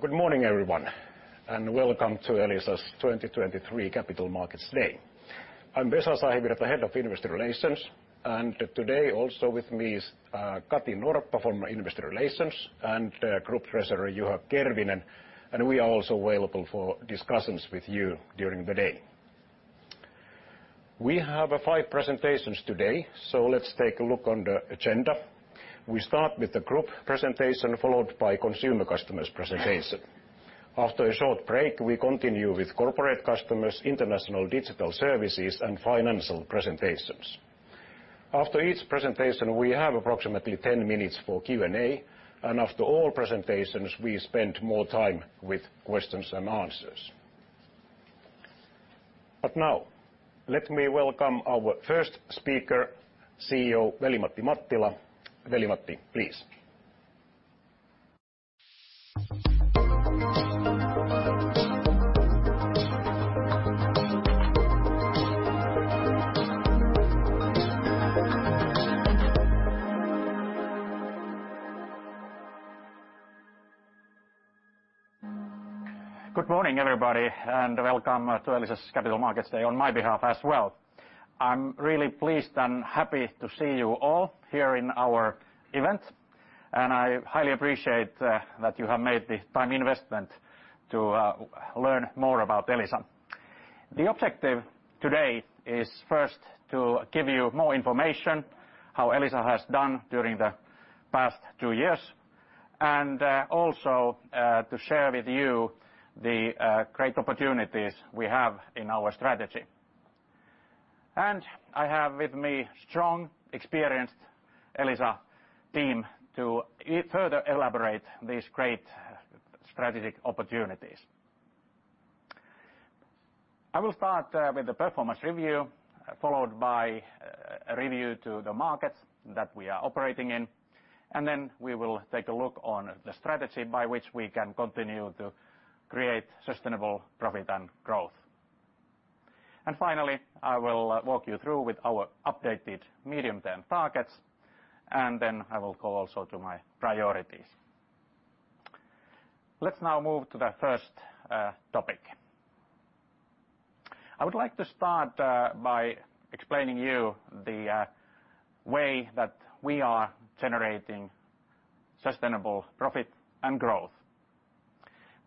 Good morning, everyone, and welcome to Elisa's 2023 Capital Markets Day. I'm Vesa Sahivirta, the Head of Investor Relations. Today also with me is Kati Norppa from Investor Relations and Group Treasurer Juha Kervinen. We are also available for discussions with you during the day. We have five presentations today, so let's take a look on the agenda. We start with the group presentation followed by Consumer Customers presentation. After a short break, we continue with Corporate Customers, International Digital Services and Financial presentations. After each presentation, we have approximately 10 minutes for Q and A, and after all presentations we spend more time with questions and answers. Now let me welcome our first speaker, CEO Veli-Matti Mattila. Veli-Matti, please. Good morning, everybody, and welcome to Elisa's Capital Markets Day on my behalf as well. I'm really pleased and happy to see you all here in our event, and I highly appreciate that you have made the time investment to learn more about Elisa. The objective today is first to give you more information, how Elisa has done during the past two years, also to share with you the great opportunities we have in our strategy. I have with me strong, experienced Elisa team to further elaborate these great strategic opportunities. I will start with the performance review, followed by a review to the markets that we are operating in, we will take a look on the strategy by which we can continue to create sustainable profit and growth. Finally, I will walk you through with our updated medium-term targets, and then I will go also to my priorities. Let's now move to the first topic. I would like to start by explaining you the way that we are generating sustainable profit and growth.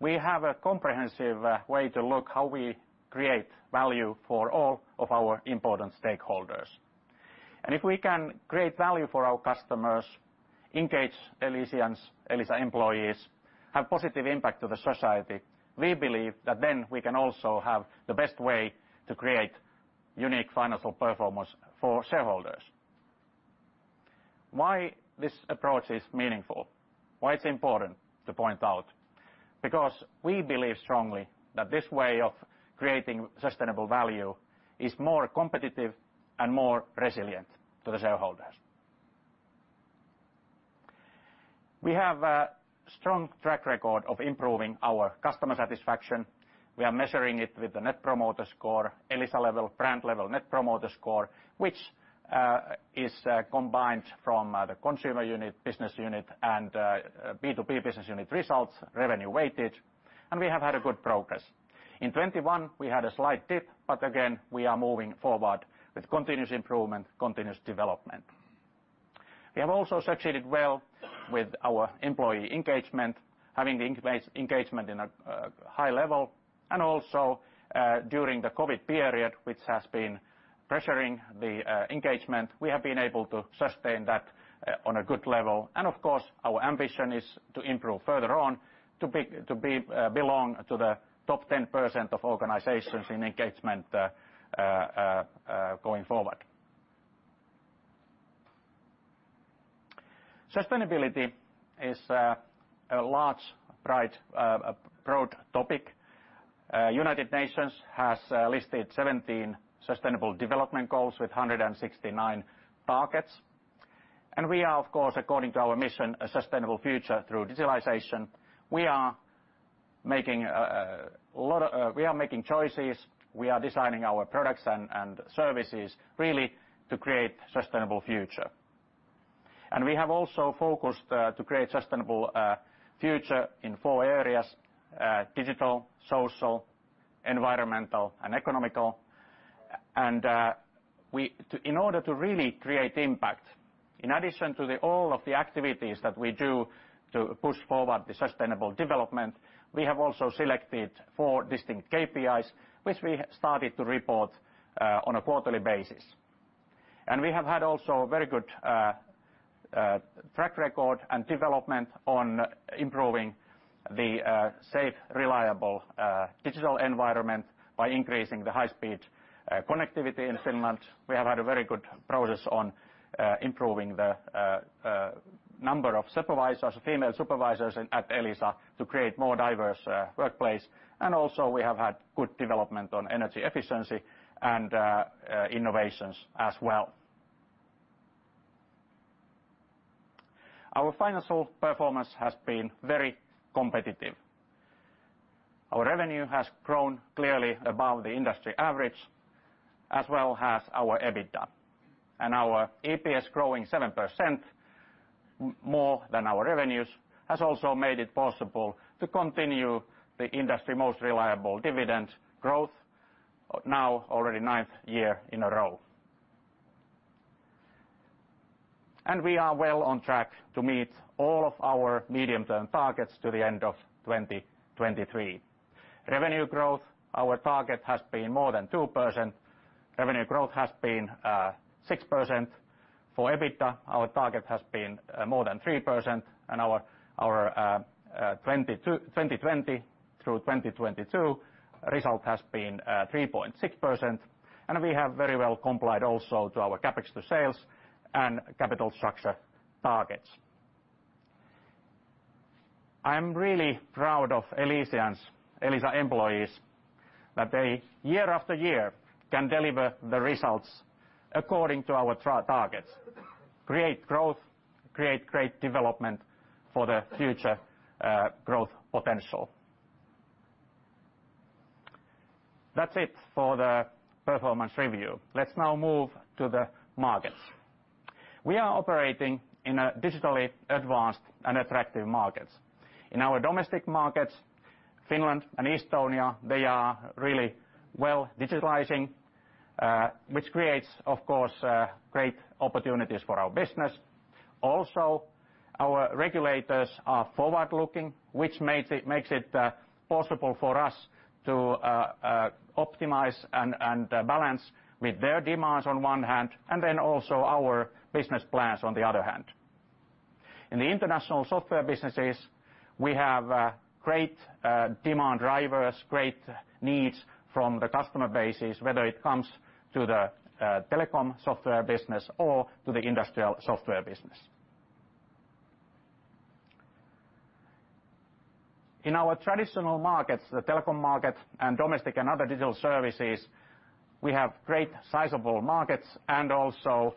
We have a comprehensive way to look how we create value for all of our important stakeholders. If we can create value for our customers, engage Elisians, Elisa employees, have positive impact to the society, we believe that then we can also have the best way to create unique financial performance for shareholders. Why this approach is meaningful, why it's important to point out? We believe strongly that this way of creating sustainable value is more competitive and more resilient to the shareholders. We have a strong track record of improving our customer satisfaction. We are measuring it with the Net Promoter Score, Elisa level, brand level Net Promoter Score, which is combined from the consumer unit, business unit and B2B business unit results, revenue weighted, and we have had a good progress. In 2021, we had a slight dip. Again, we are moving forward with continuous improvement, continuous development. We have also succeeded well with our employee engagement, having the engagement in a high level and also during the COVID period, which has been pressuring the engagement, we have been able to sustain that on a good level. Of course, our ambition is to improve further on to belong to the top 10% of organizations in engagement going forward. Sustainability is a large, bright, broad topic. United Nations has listed 17 sustainable development goals with 169 targets. We are of course, according to our mission, a sustainable future through digitalization, we are making a lot of, we are making choices, we are designing our products and services really to create sustainable future. We have also focused to create sustainable future in four areas: digital, social, environmental and economical. In order to really create impact, in addition to the all of the activities that we do to push forward the sustainable development, we have also selected four distinct KPIs, which we started to report on a quarterly basis. We have had also very good track record and development on improving the safe, reliable, digital environment by increasing the high speed connectivity in Finland. We have had a very good progress on improving the number of supervisors, female supervisors at Elisa to create more diverse workplace. Also we have had good development on energy efficiency and innovations as well. Our financial performance has been very competitive. Our revenue has grown clearly above the industry average, as well as our EBITDA. Our EPS growing 7% more than our revenues has also made it possible to continue the industry most reliable dividend growth, now already ninth year in a row. We are well on track to meet all of our medium-term targets to the end of 2023. Revenue growth, our target has been more than 2%. Revenue growth has been 6%. For EBITDA, our target has been more than 3%, and our 2020 through 2022 result has been 3.6%, and we have very well complied also to our CapEx to sales and capital structure targets. I am really proud of Elisians, Elisa employees, that they year after year can deliver the results according to our targets, create growth, create great development for the future growth potential. That's it for the performance review. Let's now move to the markets. We are operating in a digitally advanced and attractive markets. In our domestic markets, Finland and Estonia, they are really well digitalizing, which creates, of course, great opportunities for our business. Our regulators are forward-looking, which makes it possible for us to optimize and balance with their demands on one hand, also our business plans on the other hand. In the international software businesses, we have great demand drivers, great needs from the customer bases, whether it comes to the telecom software business or to the industrial software business. In our traditional markets, the telecom market and domestic and other digital services, we have great sizable markets and also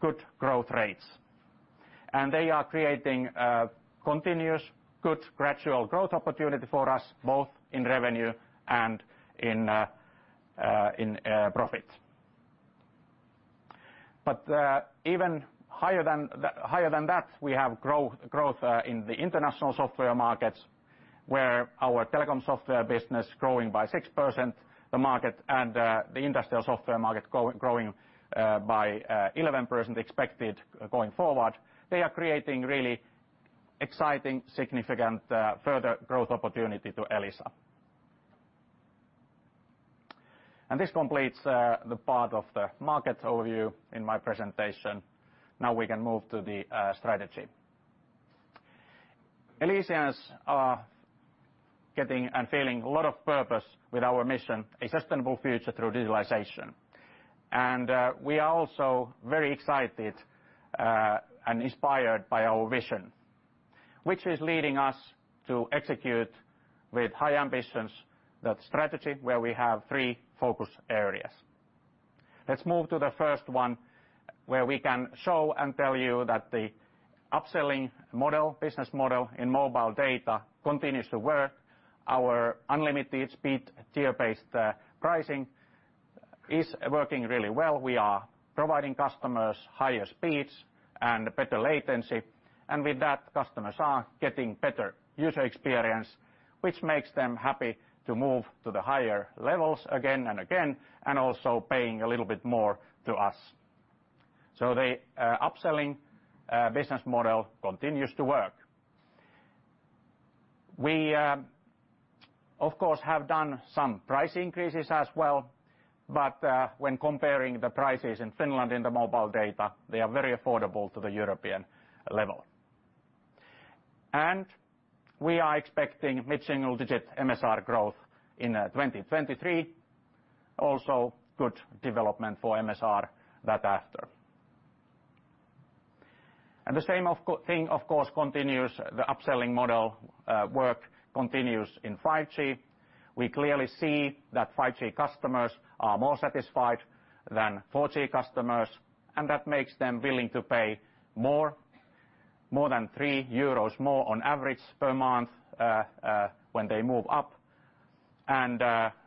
good growth rates. They are creating continuous, good, gradual growth opportunity for us both in revenue and in profit. Even higher than higher than that, we have growth in the international software markets, where our telecom software business growing by 6%, the market and the industrial software market growing by 11% expected going forward. They are creating really exciting, significant further growth opportunity to Elisa. This completes the part of the market overview in my presentation. Now we can move to the strategy. Elisians are getting and feeling a lot of purpose with our mission, a sustainable future through digitalization. We are also very excited and inspired by our vision, which is leading us to execute with high ambitions that strategy where we have three focus areas. Let's move to the first one, where we can show and tell you that the upselling model, business model in mobile data continues to work. Our unlimited speed tier-based pricing is working really well. We are providing customers higher speeds and better latency. With that, customers are getting better user experience, which makes them happy to move to the higher levels again and again, and also paying a little bit more to us. The upselling business model continues to work. We, of course, have done some price increases as well, but when comparing the prices in Finland in the mobile data, they are very affordable to the European level. We are expecting mid-single-digit MSR growth in 2023. Also good development for MSR thereafter. The same thing, of course, continues, the upselling model work continues in 5G. We clearly see that 5G customers are more satisfied than 4G customers, and that makes them willing to pay more, more than 3 euros more on average per month, when they move up.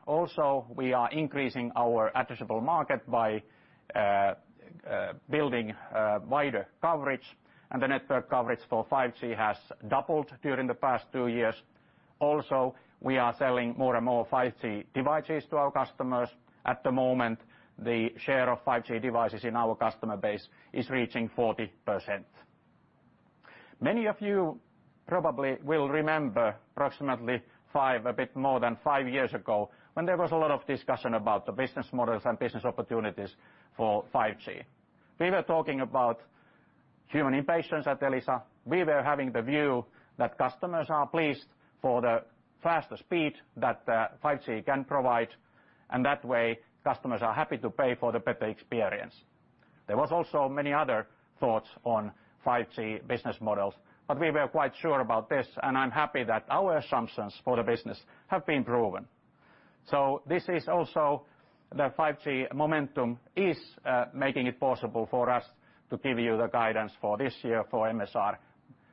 Also we are increasing our addressable market by building wider coverage, and the network coverage for 5G has doubled during the past two years. Also, we are selling more and more 5G devices to our customers. At the moment, the share of 5G devices in our customer base is reaching 40%. Many of you probably will remember approximately five, a bit more than five years ago when there was a lot of discussion about the business models and business opportunities for 5G. We were talking about human impatience at Elisa. We were having the view that customers are pleased for the faster speed that 5G can provide, and that way customers are happy to pay for the better experience. There was also many other thoughts on 5G business models, but we were quite sure about this, and I'm happy that our assumptions for the business have been proven. This is also the 5G momentum is making it possible for us to give you the guidance for this year for MSR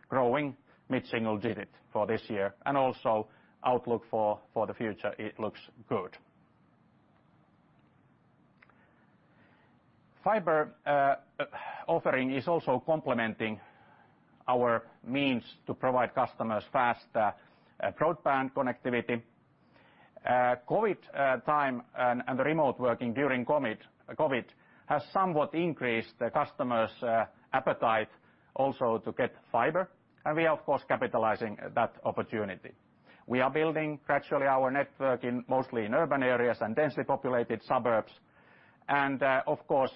growing mid-single digit for this year and also outlook for the future, it looks good. Fiber offering is also complementing our means to provide customers fast broadband connectivity. COVID time and remote working during COVID has somewhat increased the customers' appetite also to get fiber, and we are, of course, capitalizing that opportunity. We are building gradually our network in mostly in urban areas and densely populated suburbs. Of course,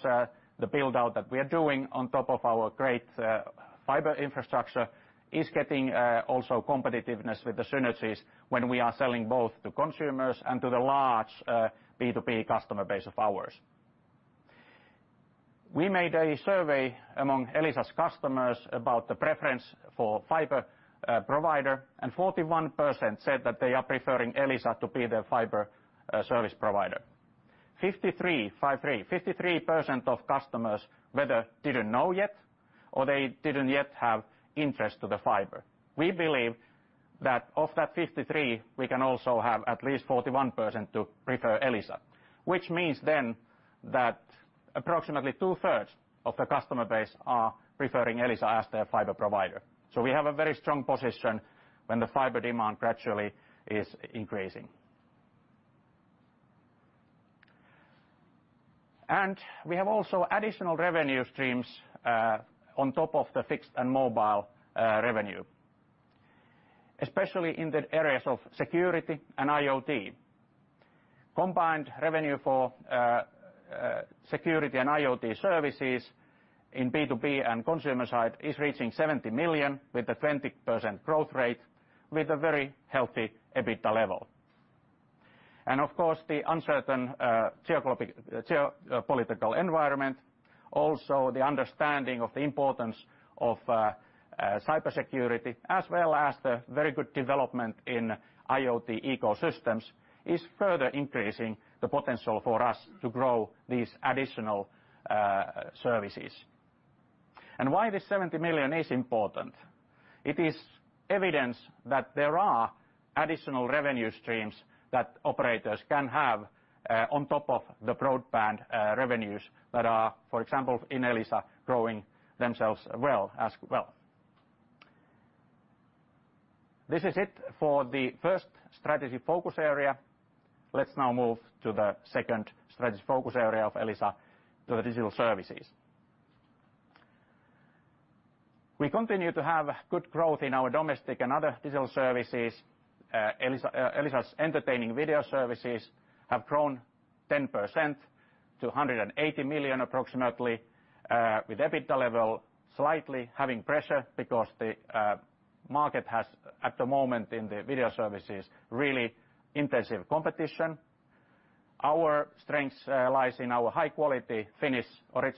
the build-out that we are doing on top of our great fiber infrastructure is getting also competitiveness with the synergies when we are selling both to consumers and to the large B2B customer base of ours. We made a survey among Elisa's customers about the preference for fiber provider, 41% said that they are preferring Elisa to be their fiber service provider. 53, 5 3, 53% of customers whether didn't know yet or they didn't yet have interest to the fiber. We believe that of that 53%, we can also have at least 41% to prefer Elisa, which means then that approximately two-thirds of the customer base are preferring Elisa as their fiber provider. We have a very strong position when the fiber demand gradually is increasing. We have also additional revenue streams on top of the fixed and mobile revenue, especially in the areas of security and IoT. Combined revenue for security and IoT services in B2B and consumer side is reaching 70 million with a 20% growth rate with a very healthy EBITDA level. Of course, the uncertain geopolitical environment, also the understanding of the importance of cybersecurity, as well as the very good development in IoT ecosystems, is further increasing the potential for us to grow these additional services. Why this 70 million is important? It is evidence that there are additional revenue streams that operators can have on top of the broadband revenues that are, for example, in Elisa, growing themselves well, as well. This is it for the first strategy focus area. Let's now move to the second strategy focus area of Elisa, to the digital services. We continue to have good growth in our domestic and other digital services. Elisa's entertaining video services have grown 10% to 180 million approximately, with EBITDA level slightly having pressure because the market has, at the moment in the video services, really intensive competition. Our strengths lies in our high quality Finnish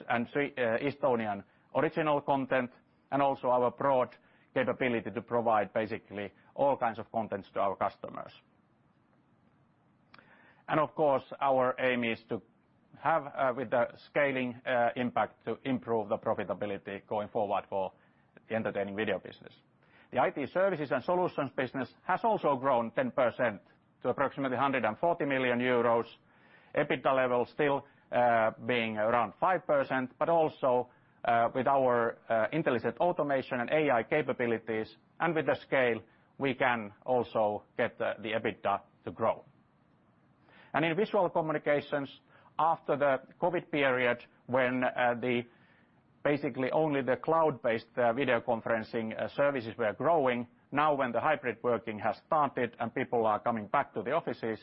and three Estonian original content, and also our broad capability to provide basically all kinds of contents to our customers. Of course, our aim is to have, with the scaling impact to improve the profitability going forward for the entertaining video business. The IT services and solutions business has also grown 10% to approximately 140 million euros. EBITDA level still being around 5%, but also with our intelligent automation and AI capabilities, and with the scale, we can also get the EBITDA to grow. In visual communications, after the COVID period, when basically only the cloud-based video conferencing services were growing, now when the hybrid working has started and people are coming back to the offices,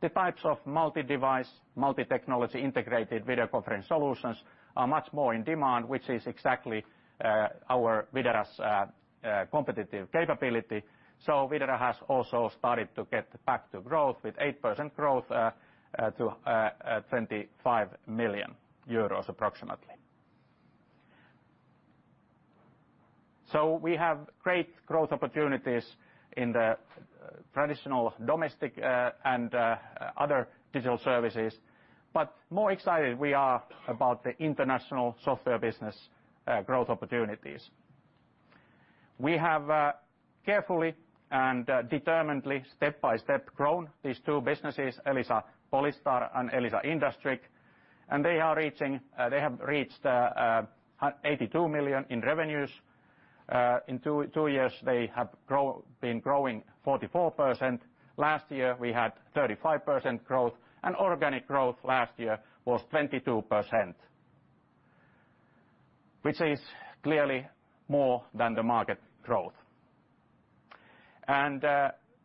the types of multi-device, multi-technology integrated video conference solutions are much more in demand, which is exactly our Videra's competitive capability. Videra has also started to get back to growth with 8% growth to EUR 25 million approximately. We have great growth opportunities in the traditional domestic and other digital services, but more excited we are about the international software business growth opportunities. We have, carefully and, determinedly, step by step, grown these two businesses, Elisa Polystar and Elisa IndustrIQ, and they are reaching, they have reached, 82 million in revenues. In two years, they have been growing 44%. Last year, we had 35% growth, organic growth last year was 22%, which is clearly more than the market growth.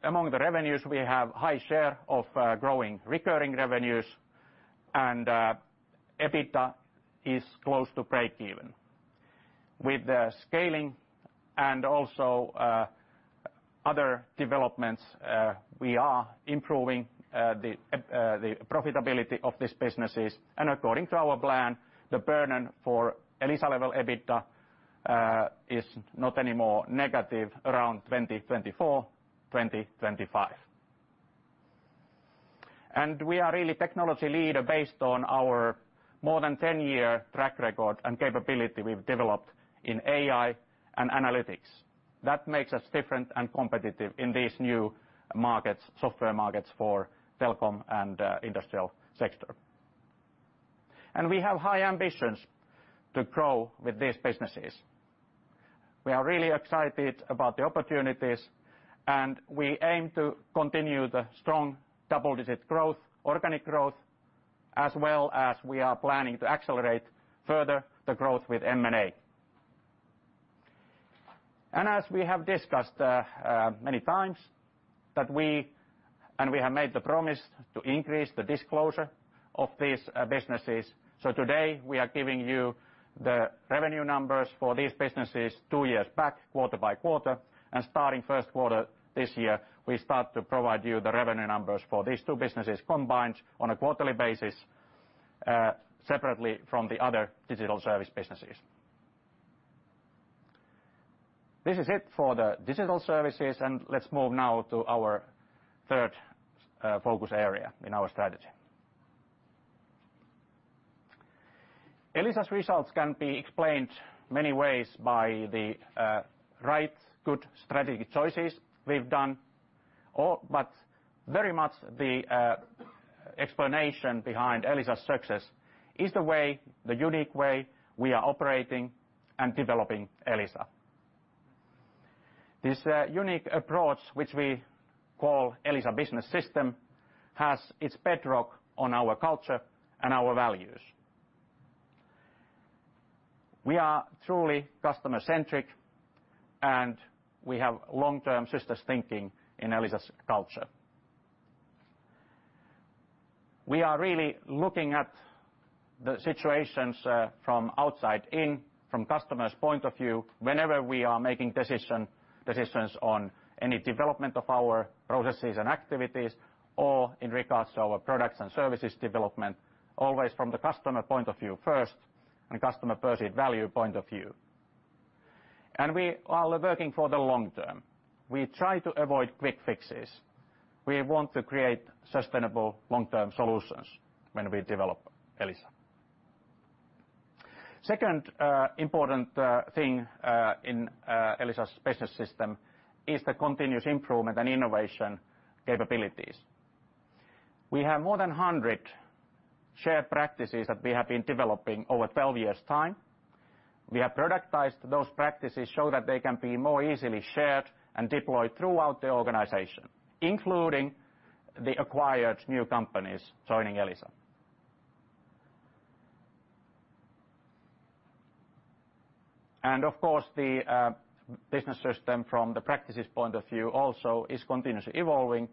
Among the revenues, we have high share of, growing recurring revenues, EBITDA is close to breakeven. With the scaling and also, other developments, we are improving, the profitability of these businesses. According to our plan, the burden for Elisa level EBITDA is not any more negative around 2024, 2025. We are really technology leader based on our more than 10-year track record and capability we've developed in AI and analytics. That makes us different and competitive in these new markets, software markets for telco and industrial sector. We have high ambitions to grow with these businesses. We are really excited about the opportunities, and we aim to continue the strong double-digit growth, organic growth, as well as we are planning to accelerate further the growth with M&A. As we have discussed many times that we, and we have made the promise to increase the disclosure of these businesses. Today, we are giving you the revenue numbers for these businesses two years back, quarter by quarter. Starting first quarter this year, we start to provide you the revenue numbers for these two businesses combined on a quarterly basis, separately from the other digital service businesses. This is it for the digital services. Let's move now to our third focus area in our strategy. Elisa's results can be explained many ways by the right, good strategy choices we've done but very much the explanation behind Elisa's success is the way, the unique way we are operating and developing Elisa. This unique approach, which we call Elisa Business System, has its bedrock on our culture and our values. We are truly customer-centric, and we have long-term systems thinking in Elisa's culture. We are really looking at the situations, from outside in, from customer's point of view, whenever we are making decisions on any development of our processes and activities, or in regards to our products and services development, always from the customer point of view first, and customer perceived value point of view. We are working for the long term. We try to avoid quick fixes. We want to create sustainable long-term solutions when we develop Elisa. Second, important thing in Elisa Business System is the continuous improvement and innovation capabilities. We have more than 100 shared practices that we have been developing over 12 years' time. We have productized those practices, show that they can be more easily shared, and deployed throughout the organization, including the acquired new companies joining Elisa. Of course, the Business System from the practice's point of view also is continuously evolving,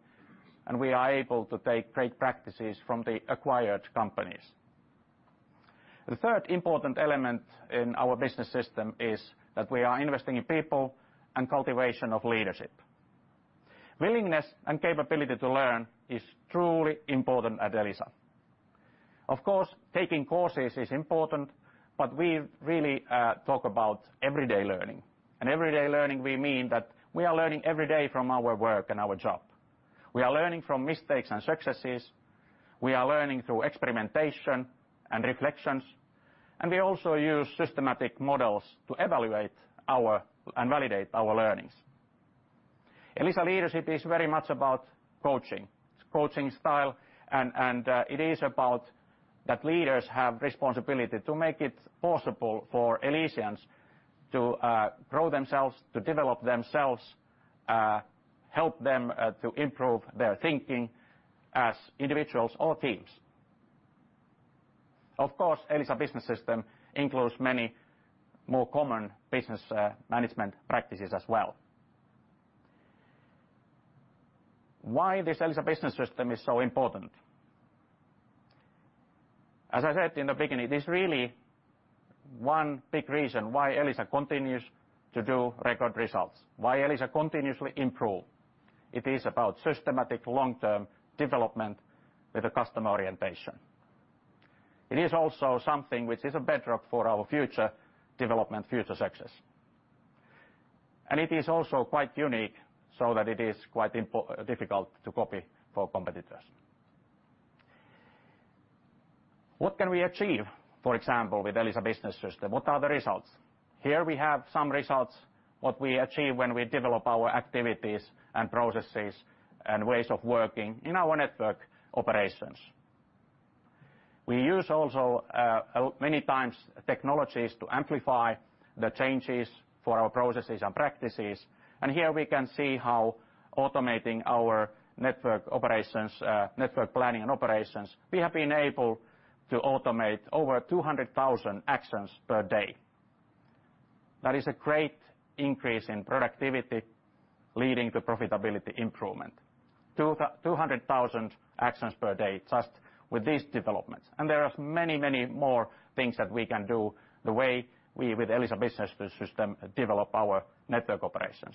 and we are able to take great practices from the acquired companies. The third important element in our Business System is that we are investing in people and cultivation of leadership. Willingness and capability to learn is truly important at Elisa. Of course, taking courses is important, but we really talk about everyday learning. Everyday learning, we mean that we are learning every day from our work and our job. We are learning from mistakes and successes, we are learning through experimentation and reflections, and we also use systematic models to evaluate our, and validate our learnings. Elisa leadership is very much about coaching style, and it is about that leaders have responsibility to make it possible for Elisians to grow themselves, to develop themselves, help them to improve their thinking as individuals or teams. Of course, Elisa Business System includes many more common business management practices as well. Why this Elisa Business System is so important? As I said in the beginning, it is really one big reason why Elisa continues to do record results, why Elisa continuously improve. It is about systematic long-term development with a customer orientation. It is also something which is a bedrock for our future development, future success. It is also quite unique, so that it is quite difficult to copy for competitors. What can we achieve, for example, with Elisa Business System? What are the results? Here we have some results, what we achieve when we develop our activities and processes and ways of working in our network operations. We use also many times technologies to amplify the changes for our processes and practices. Here we can see how automating our network operations, network planning and operations, we have been able to automate over 200,000 actions per day. That is a great increase in productivity, leading to profitability improvement. 200,000 actions per day just with these developments. There are many, many more things that we can do the way we with Elisa Business System develop our network operations.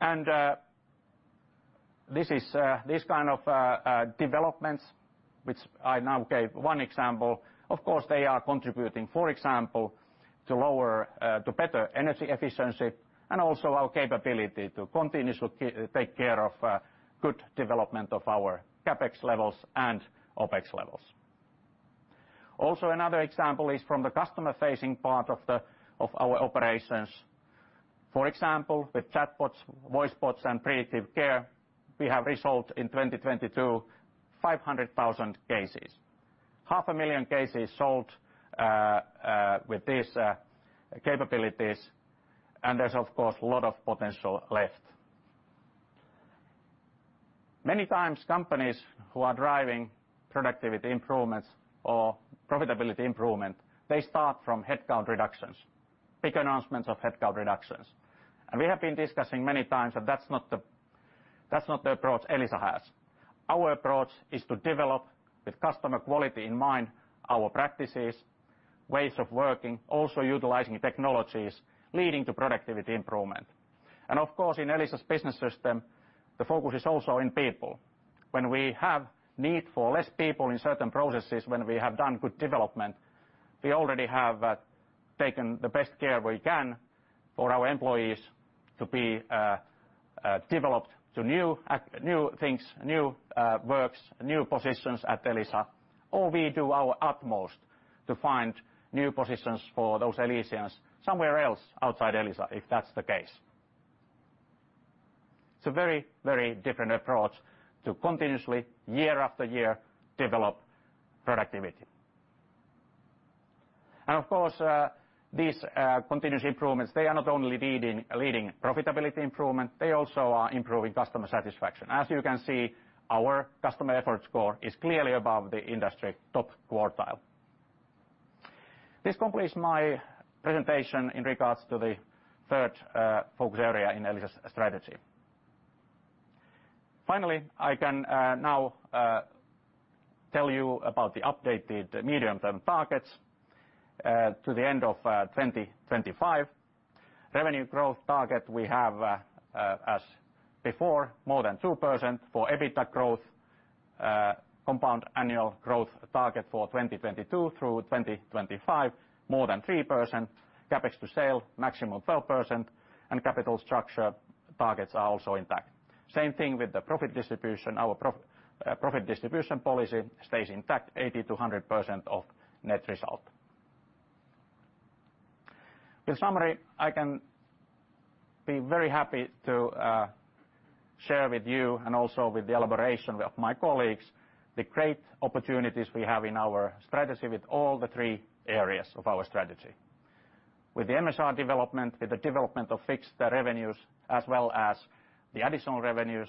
This is this kind of developments, which I now gave one example, of course, they are contributing, for example, to lower, to better energy efficiency and also our capability to continuously take care of good development of our CapEx levels and OpEx levels. Also, another example is from the customer-facing part of the, of our operations. For example, with chatbots, voice bots, and predictive care, we have resolved in 2022 500,000 cases. Half a million cases solved with these capabilities, and there's, of course, a lot of potential left. Many times companies who are driving productivity improvements or profitability improvement, they start from headcount reductions, big announcements of headcount reductions. We have been discussing many times that that's not the approach Elisa has. Our approach is to develop with customer quality in mind, our practices, ways of working, also utilizing technologies leading to productivity improvement. Of course, in Elisa's Business System, the focus is also in people. When we have need for less people in certain processes, when we have done good development, we already have taken the best care we can for our employees to be developed to new things, new works, new positions at Elisa, or we do our utmost to find new positions for those Elisians somewhere else outside Elisa, if that's the case. It's a very, very different approach to continuously, year after year, develop productivity. Of course, these continuous improvements, they are not only leading profitability improvement, they also are improving customer satisfaction. As you can see, our customer effort score is clearly above the industry top quartile. This completes my presentation in regards to the third focus area in Elisa's strategy. Finally, I can now tell you about the updated medium-term targets to the end of 2025. Revenue growth target we have as before, more than 2%. For EBITDA growth, compound annual growth target for 2022 through 2025, more than 3%. CapEx to sale, maximum 12%, and capital structure targets are also intact. Same thing with the profit distribution. Our profit distribution policy stays intact 80%-100% of net result. In summary, I can be very happy to share with you and also with the elaboration of my colleagues, the great opportunities we have in our strategy with all the three areas of our strategy. With the MSR development, with the development of fixed revenues, as well as the additional revenues,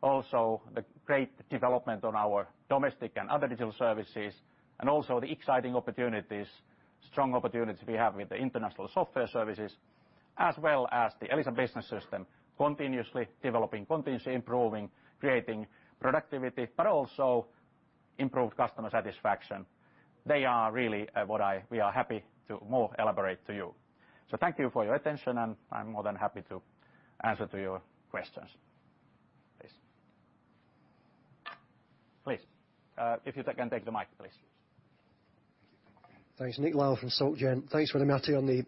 also the great development on our domestic and other digital services, and also the exciting opportunities, strong opportunities we have with the international software services, as well as the Elisa Business System, continuously developing, continuously improving, creating productivity, but also improved customer satisfaction. They are really, what we are happy to more elaborate to you. Thank you for your attention, and I'm more than happy to answer to your questions. Please. Please, if you can take the mic, please. Thanks. Nick Lyall from SocGen. Thanks Veli-Matti on the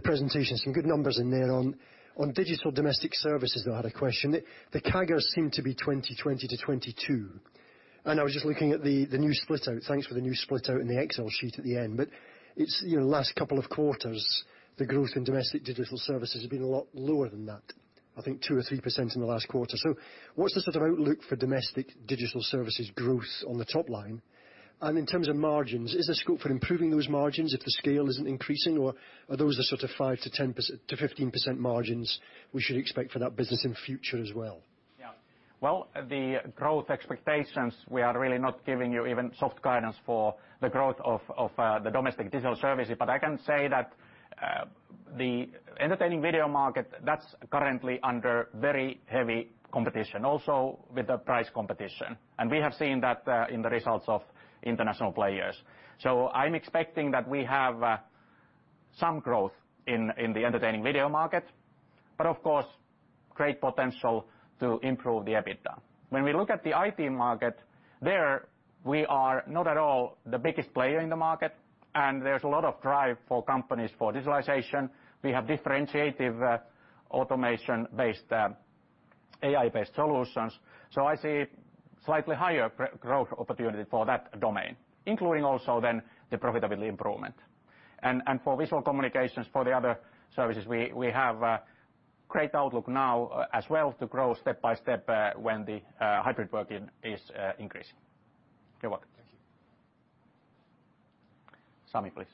presentation. Some good numbers in there. On digital domestic services, I had a question. The CAGR seemed to be 2020 to 2022. I was just looking at the new split out. Thanks for the new split out in the Excel sheet at the end. It's, you know, last couple of quarters, the growth in domestic digital services has been a lot lower than that. I think 2% or 3% in the last quarter. What's the sort of outlook for domestic digital services growth on the top line? In terms of margins, is there scope for improving those margins if the scale isn't increasing, or are those the sort of 5%-10% to 15% margins we should expect for that business in future as well? Well, the growth expectations, we are really not giving you even soft guidance for the growth of the domestic digital services. I can say that the entertaining video market, that's currently under very heavy competition, also with the price competition. We have seen that in the results of international players. I'm expecting that we have some growth in the entertaining video market, but of course, great potential to improve the EBITDA. When we look at the IT market, there we are not at all the biggest player in the market, and there's a lot of drive for companies for digitalization. We have differentiative, automation-based, AI-based solutions. I see slightly higher growth opportunity for that domain, including also then the profitability improvement. For visual communications, for the other services, we have a great outlook now as well to grow step by step when the hybrid working is increasing. You're welcome. Thank you. Sami, please.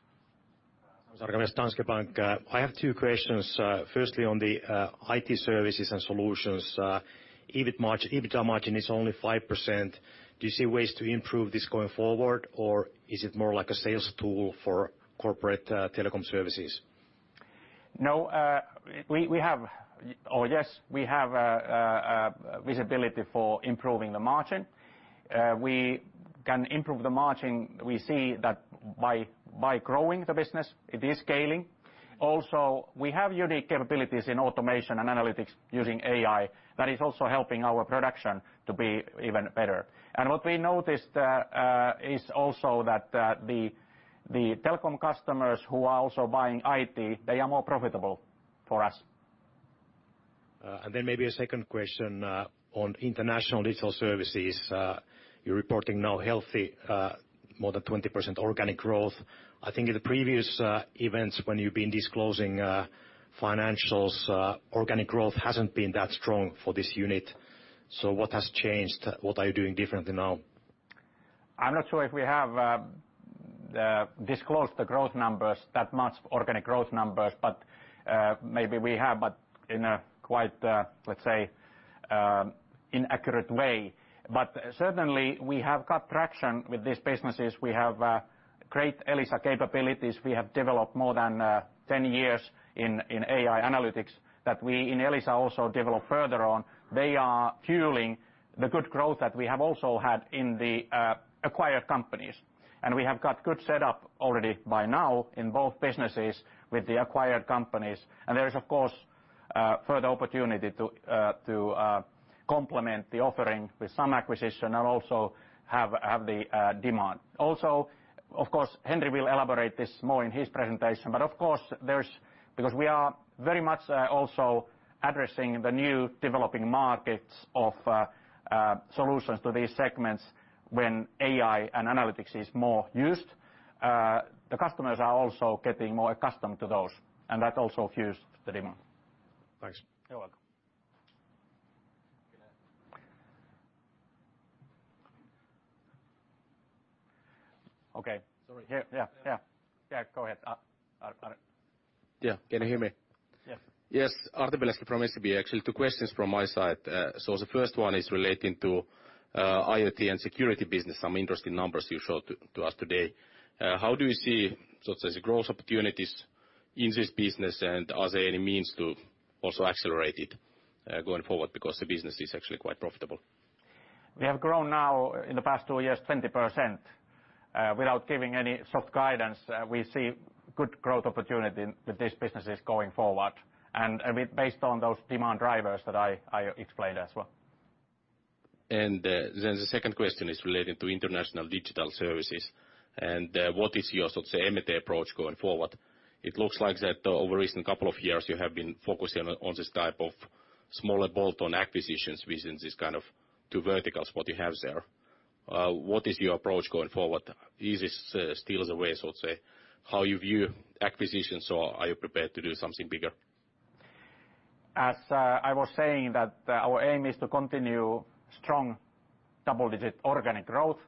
I have two questions. Firstly, on the IT services and solutions, EBITDA margin is only 5%. Do you see ways to improve this going forward, or is it more like a sales tool for corporate telecom services? No, yes, we have a visibility for improving the margin. We can improve the margin. We see that by growing the business, it is scaling. Also, we have unique capabilities in automation and analytics using AI that is also helping our production to be even better. What we noticed is also that the telecom customers who are also buying IT, they are more profitable for us. Maybe a second question on International Digital Services. You're reporting now healthy, more than 20% organic growth. I think in the previous events when you've been disclosing financials, organic growth hasn't been that strong for this unit. What has changed? What are you doing differently now? I'm not sure if we have disclosed the growth numbers that much, organic growth numbers, but maybe we have, but in a quite, let's say, inaccurate way. Certainly, we have got traction with these businesses. We have great Elisa capabilities. We have developed more than 10 years in AI analytics that we in Elisa also develop further on. They are fueling the good growth that we have also had in the acquired companies. We have got good setup already by now in both businesses with the acquired companies. There is, of course, further opportunity to complement the offering with some acquisition and also have the demand. Of course, Henri will elaborate this more in his presentation, of course, because we are very much, also addressing the new developing markets of solutions to these segments when AI and analytics is more used, the customers are also getting more accustomed to those, and that also fuels the demand. Thanks. You're welcome. Okay. Sorry. Yeah, yeah. Yeah, go ahead. Yeah. Can you hear me? Yes. Yes, Artem Beletski from SEB. Actually, two questions from my side. The first one is relating to IoT and security business, some interesting numbers you showed to us today. How do you see, so to say, growth opportunities in this business? Are there any means to also accelerate it going forward? Because the business is actually quite profitable. We have grown now in the past two years 20%. Without giving any soft guidance, we see good growth opportunity with these businesses going forward and, I mean, based on those demand drivers that I explained as well. The second question is related to International Digital Services and what is your, so to say, M&A approach going forward? It looks like that over recent couple of years, you have been focusing on this type of smaller bolt-on acquisitions within this kind of two verticals, what you have there. What is your approach going forward? Is this still the way, so to say, how you view acquisitions, or are you prepared to do something bigger? As I was saying that our aim is to continue strong double-digit organic growth,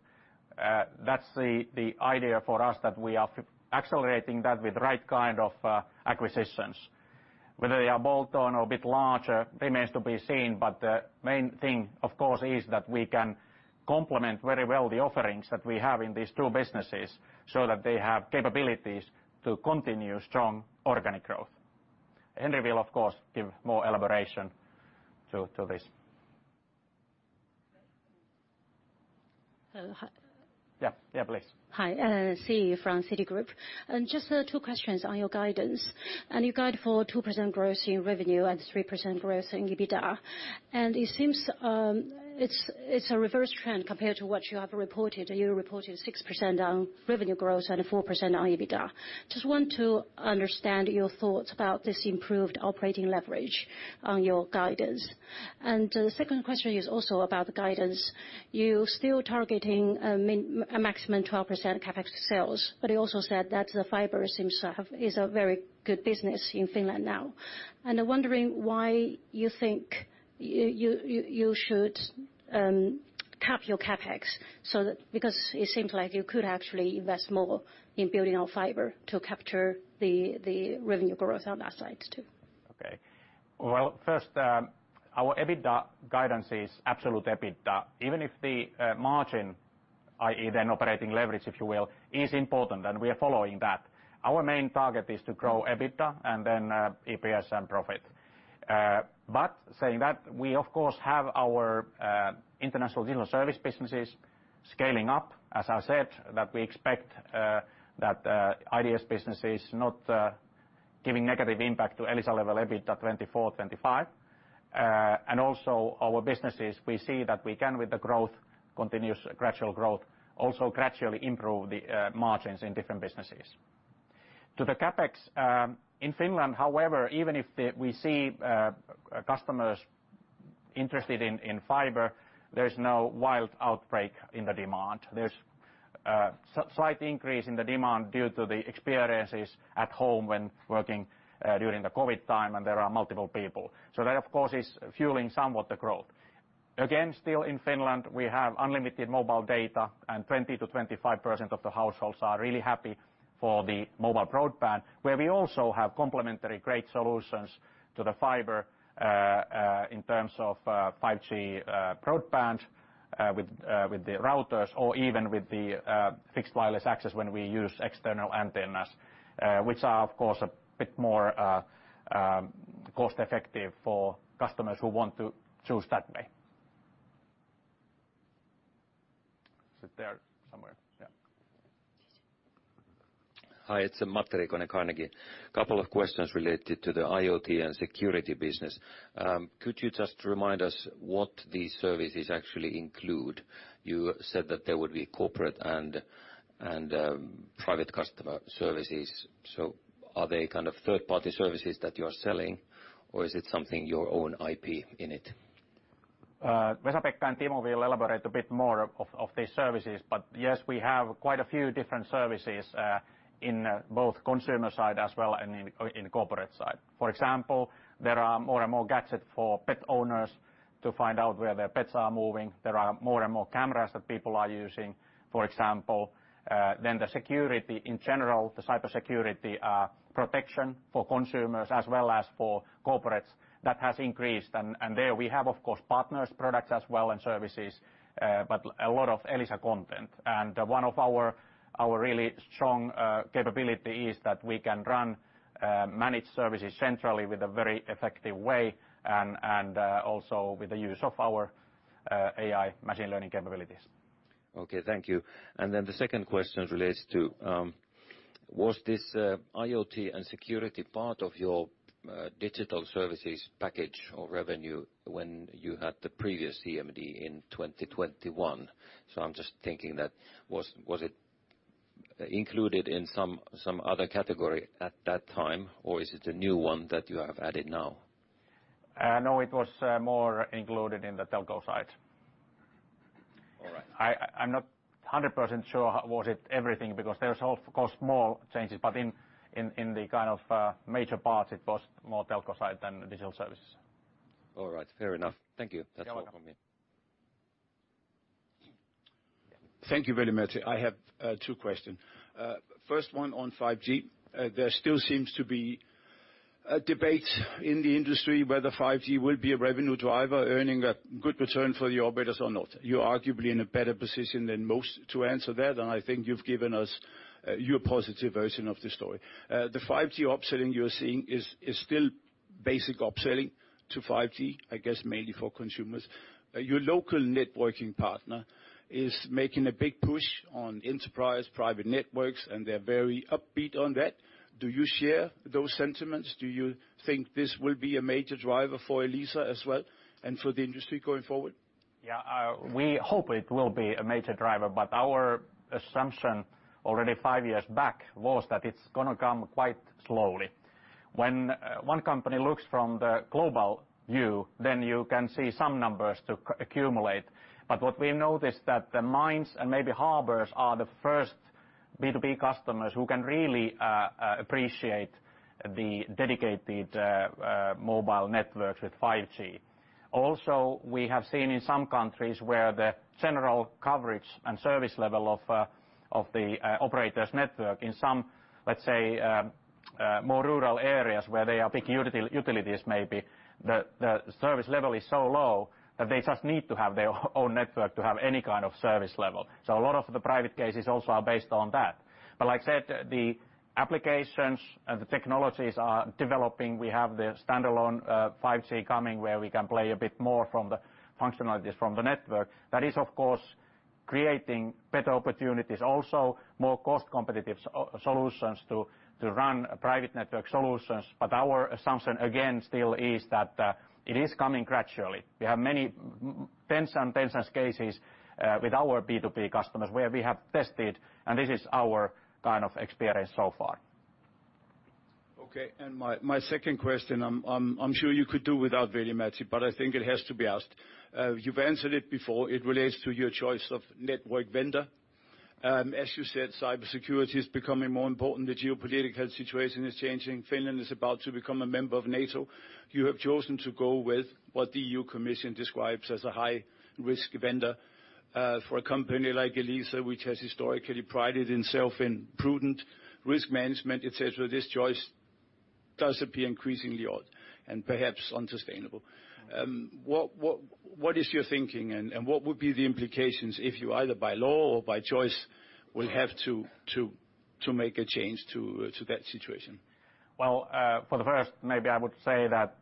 that's the idea for us that we are accelerating that with right kind of acquisitions. Whether they are bolt-on or a bit larger remains to be seen, but the main thing, of course, is that we can complement very well the offerings that we have in these two businesses so that they have capabilities to continue strong organic growth. Henri will, of course, give more elaboration to this. Hello, hi. Yeah. Yeah, please. Hi, Siyi from Citigroup. Just two questions on your guidance. On your guide for 2% growth in revenue and 3% growth in EBITDA, it seems it's a reverse trend compared to what you have reported. You reported 6% on revenue growth and 4% on EBITDA. Just want to understand your thoughts about this improved operating leverage on your guidance. The second question is also about the guidance. You're still targeting a maximum 12% CapEx to sales, you also said that the fiber is a very good business in Finland now. I'm wondering why you think you should cap your CapEx because it seems like you could actually invest more in building out fiber to capture the revenue growth on that side too. Okay. Well, first, our EBITDA guidance is absolute EBITDA. Even if the margin, i.e. then operating leverage, if you will, is important, and we are following that, our main target is to grow EBITDA and then EPS and profit. But saying that, we of course have our International Digital Service businesses scaling up. As I said, that we expect that IDS business is not giving negative impact to Elisa level EBITDA 2024, 2025. And also our businesses, we see that we can, with the growth, continuous gradual growth, also gradually improve the margins in different businesses. To the CapEx, in Finland, however, even if we see customers interested in fiber, there's no wild outbreak in the demand. There's a slight increase in the demand due to the experiences at home when working during the COVID time, and there are multiple people. That, of course, is fueling somewhat the growth. Still in Finland, we have unlimited mobile data, and 20%-25% of the households are really happy for the mobile broadband, where we also have complementary great solutions to the fiber in terms of 5G broadband. With the routers or even with the fixed wireless access when we use external antennas, which are, of course, a bit more cost effective for customers who want to choose that way. Is it there somewhere? Yeah. Hi, it's Matti Riikonen, Carnegie. Couple of questions related to the IoT and security business. Could you just remind us what these services actually include? You said that there would be corporate and, private customer services. Are they kind of third-party services that you are selling or is it something your own IP in it? Telecommunications company, offers a diverse range of services catering to both consumers and corporate clients. These services encompass various aspects of modern life, from personal safety to business efficiency. For pet owners, Elisa provides innovative gadget solutions that enable them to track their pets' movements, ensuring their safety and well-being. The increasing use of cameras by individuals is also supported by Elisa's offerings, enhancing personal security and monitoring capabilities. Security, in general, is a key focus for Elisa. The company offers robust cybersecurity protection for both consumers and corporations, addressing the growing threats in the digital landscape. While collaborating with partners for certain products and services, Elisa also develops a significant amount of its own content, leveraging its internal expertise. A core strength of Elisa lies in its ability to deliver managed services centrally with high effectiveness. This is achieved through the strategic application of its advanced AI and machine learning capabilities, which optimize service delivery and operational efficiency Okay. Thank you. The second question relates to, was this IoT and security part of your digital services package or revenue when you had the previous CMD in 2021? I'm just thinking, was it included in some other category at that time, or is it a new one that you have added now? no, it was more included in the telco side. All right. I'm not 100% sure was it everything because there's, of course, small changes. in the kind of major parts, it was more telco side than digital services. All right. Fair enough. Thank you. You are welcome. That's all from me. Thank you very much. I have two question. First one on 5G. There still seems to be a debate in the industry whether 5G will be a revenue driver, earning a good return for the operators or not. You're arguably in a better position than most to answer that, and I think you've given us your positive version of the story. The 5G upselling you're seeing is still basic upselling to 5G, I guess, mainly for consumers. Your local networking partner is making a big push on enterprise private networks, and they're very upbeat on that. Do you share those sentiments? Do you think this will be a major driver for Elisa as well and for the industry going forward? Yeah, we hope it will be a major driver. Our assumption already five years back was that it's gonna come quite slowly. When one company looks from the global view, then you can see some numbers to accumulate. What we noticed that the mines and maybe harbors are the first B2B customers who can really appreciate the dedicated mobile networks with 5G. We have seen in some countries where the general coverage and service level of the operators network in some, let's say, more rural areas where they are big utilities, maybe the service level is so low that they just need to have their own network to have any kind of service level. A lot of the private cases also are based on that. Like I said, the applications and the technologies are developing. We have the standalone 5G coming where we can play a bit more from the functionalities from the network. That is, of course, creating better opportunities, also more cost competitive solutions to run private network solutions. Our assumption again still is that it is coming gradually. We have many tens and tens cases with our B2B customers where we have tested, and this is our kind of experience so far. Okay. My second question, I'm sure you could do without very much, but I think it has to be asked. You've answered it before. It relates to your choice of network vendor. As you said, cybersecurity is becoming more important. The geopolitical situation is changing. Finland is about to become a member of NATO. You have chosen to go with what the EU Commission describes as a high-risk vendor. For a company like Elisa, which has historically prided itself in prudent risk management, et cetera, this choice does appear increasingly odd and perhaps unsustainable. What is your thinking, and what would be the implications if you either by law or by choice, will have to make a change to that situation? For the first, maybe I would say that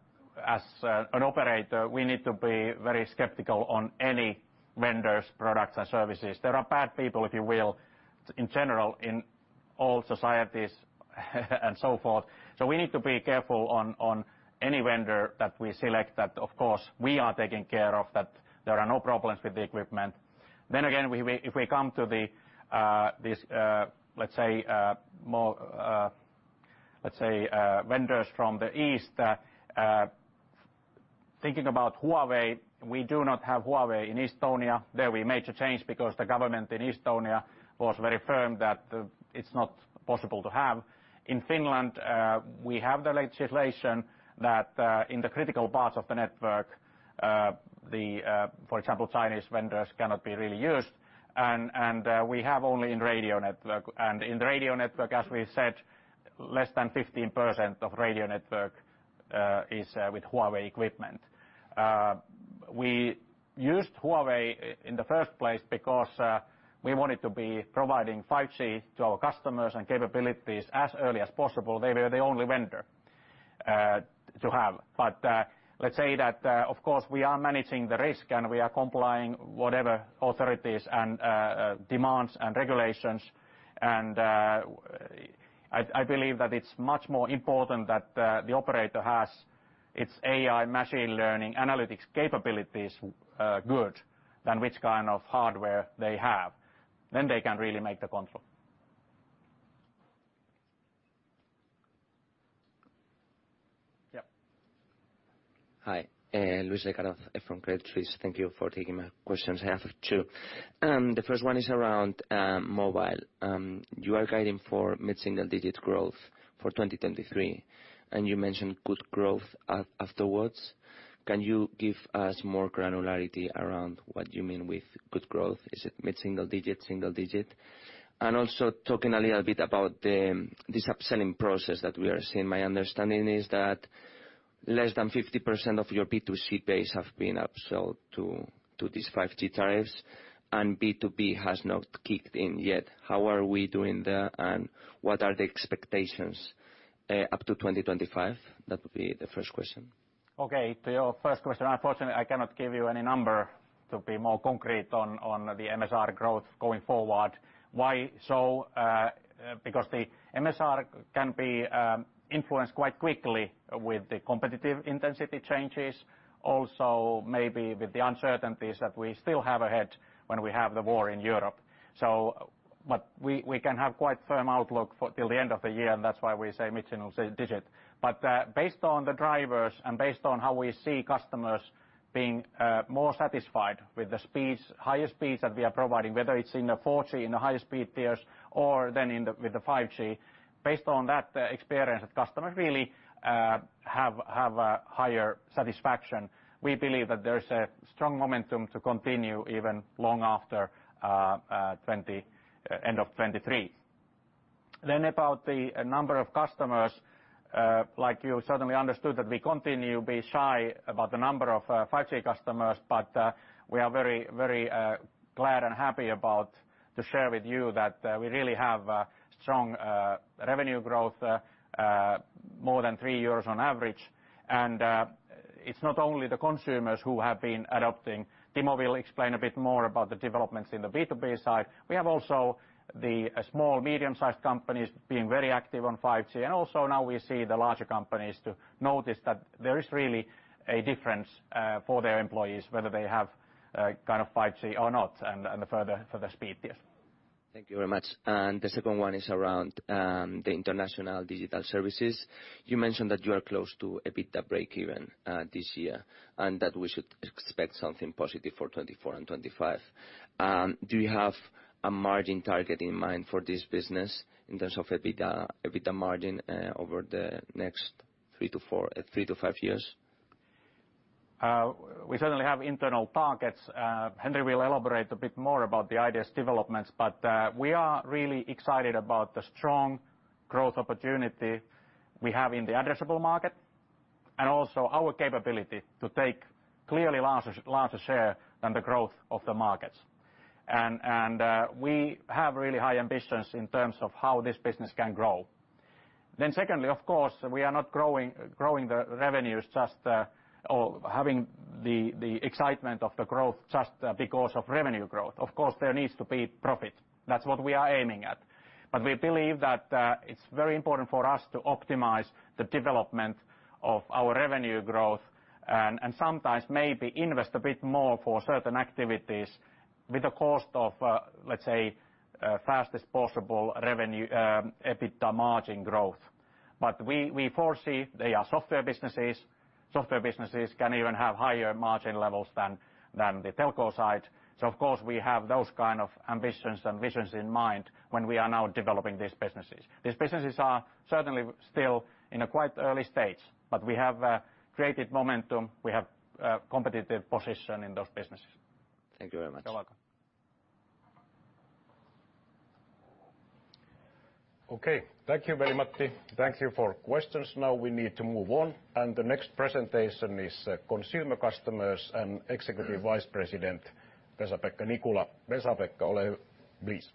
as an operator, we need to be very skeptical on any vendors, products and services. There are bad people, if you will, in general, in all societies and so forth. We need to be careful on any vendor that we select that of course we are taking care of that there are no problems with the equipment. Again, if we come to this, let's say, more, let's say, vendors from the East, thinking about Huawei, we do not have Huawei in Estonia. There we made a change because the government in Estonia was very firm that it's not possible to have. In Finland, we have the legislation that in the critical parts of the network, the, for example, Chinese vendors cannot be really used. We have only in radio network. In the radio network, as we said, less than 15% of radio network is with Huawei equipment. We used Huawei in the first place because we wanted to be providing 5G to our customers and capabilities as early as possible. They were the only vendor to have. Let's say that, of course we are managing the risk and we are complying whatever authorities and demands and regulations. I believe that it's much more important that the operator has its AI machine learning analytics capabilities good than which kind of hardware they have. Then they can really make the control. Ye ah. Hi. Luis from Credit Suisse. Thank you for taking my questions. I have two. The first one is around mobile. You are guiding for mid-single-digit growth for 2023, and you mentioned good growth afterwards. Can you give us more granularity around what you mean with good growth? Is it mid-single digit, single digit? Also talking a little bit about this upselling process that we are seeing. My understanding is that less than 50% of your B2C base have been upsell to these 5G tariffs, and B2B has not kicked in yet. How are we doing there, and what are the expectations up to 2025? That would be the first question. Okay. To your first question, unfortunately, I cannot give you any number to be more concrete on the MSR growth going forward. Why so? Because the MSR can be influenced quite quickly with the competitive intensity changes, also maybe with the uncertainties that we still have ahead when we have the war in Europe. We can have quite firm outlook for till the end of the year, and that's why we say mid-single digit. Based on the drivers and based on how we see customers being more satisfied with the speeds, higher speeds that we are providing, whether it's in the 4G, in the higher speed tiers or with the 5G, based on that experience that customers really have a higher satisfaction, we believe that there's a strong momentum to continue even long after end of 2023. About the number of customers, like you certainly understood that we continue be shy about the number of 5G customers, we are very glad and happy about to share with you that we really have a strong revenue growth more than three years on average. It's not only the consumers who have been adopting. Timo will explain a bit more about the developments in the B2B side. We have also the small, medium-sized companies being very active on 5G. Also now we see the larger companies to notice that there is really a difference for their employees, whether they have kind of 5G or not, and further for the speed. Yes. Thank you very much. The second one is around the International Digital Services. You mentioned that you are close to a bit of breakeven this year, and that we should expect something positive for 2024 and 2025. Do you have a margin target in mind for this business in terms of a bit of margin over the next three-five years? We certainly have internal targets. Henri will elaborate a bit more about the IDS developments, but we are really excited about the strong growth opportunity we have in the addressable market and also our capability to take clearly larger share than the growth of the markets. We have really high ambitions in terms of how this business can grow. Secondly, of course, we are not growing the revenues just or having the excitement of the growth just because of revenue growth. Of course, there needs to be profit. That's what we are aiming at. We believe that it's very important for us to optimize the development of our revenue growth and sometimes maybe invest a bit more for certain activities with the cost of, let's say, fastest possible revenue EBITDA margin growth. We foresee they are software businesses. Software businesses can even have higher margin levels than the telco side. Of course, we have those kind of ambitions and visions in mind when we are now developing these businesses. These businesses are certainly still in a quite early stage, but we have created momentum. We have a competitive position in those businesses. Thank you very much. You're welcome. Okay. Thank you very much, Matti. Thank you for questions. Now we need to move on, and the next presentation is Consumer Customers and Executive Vice President, Vesa-Pekka Nikula. Vesa-Pekka, please.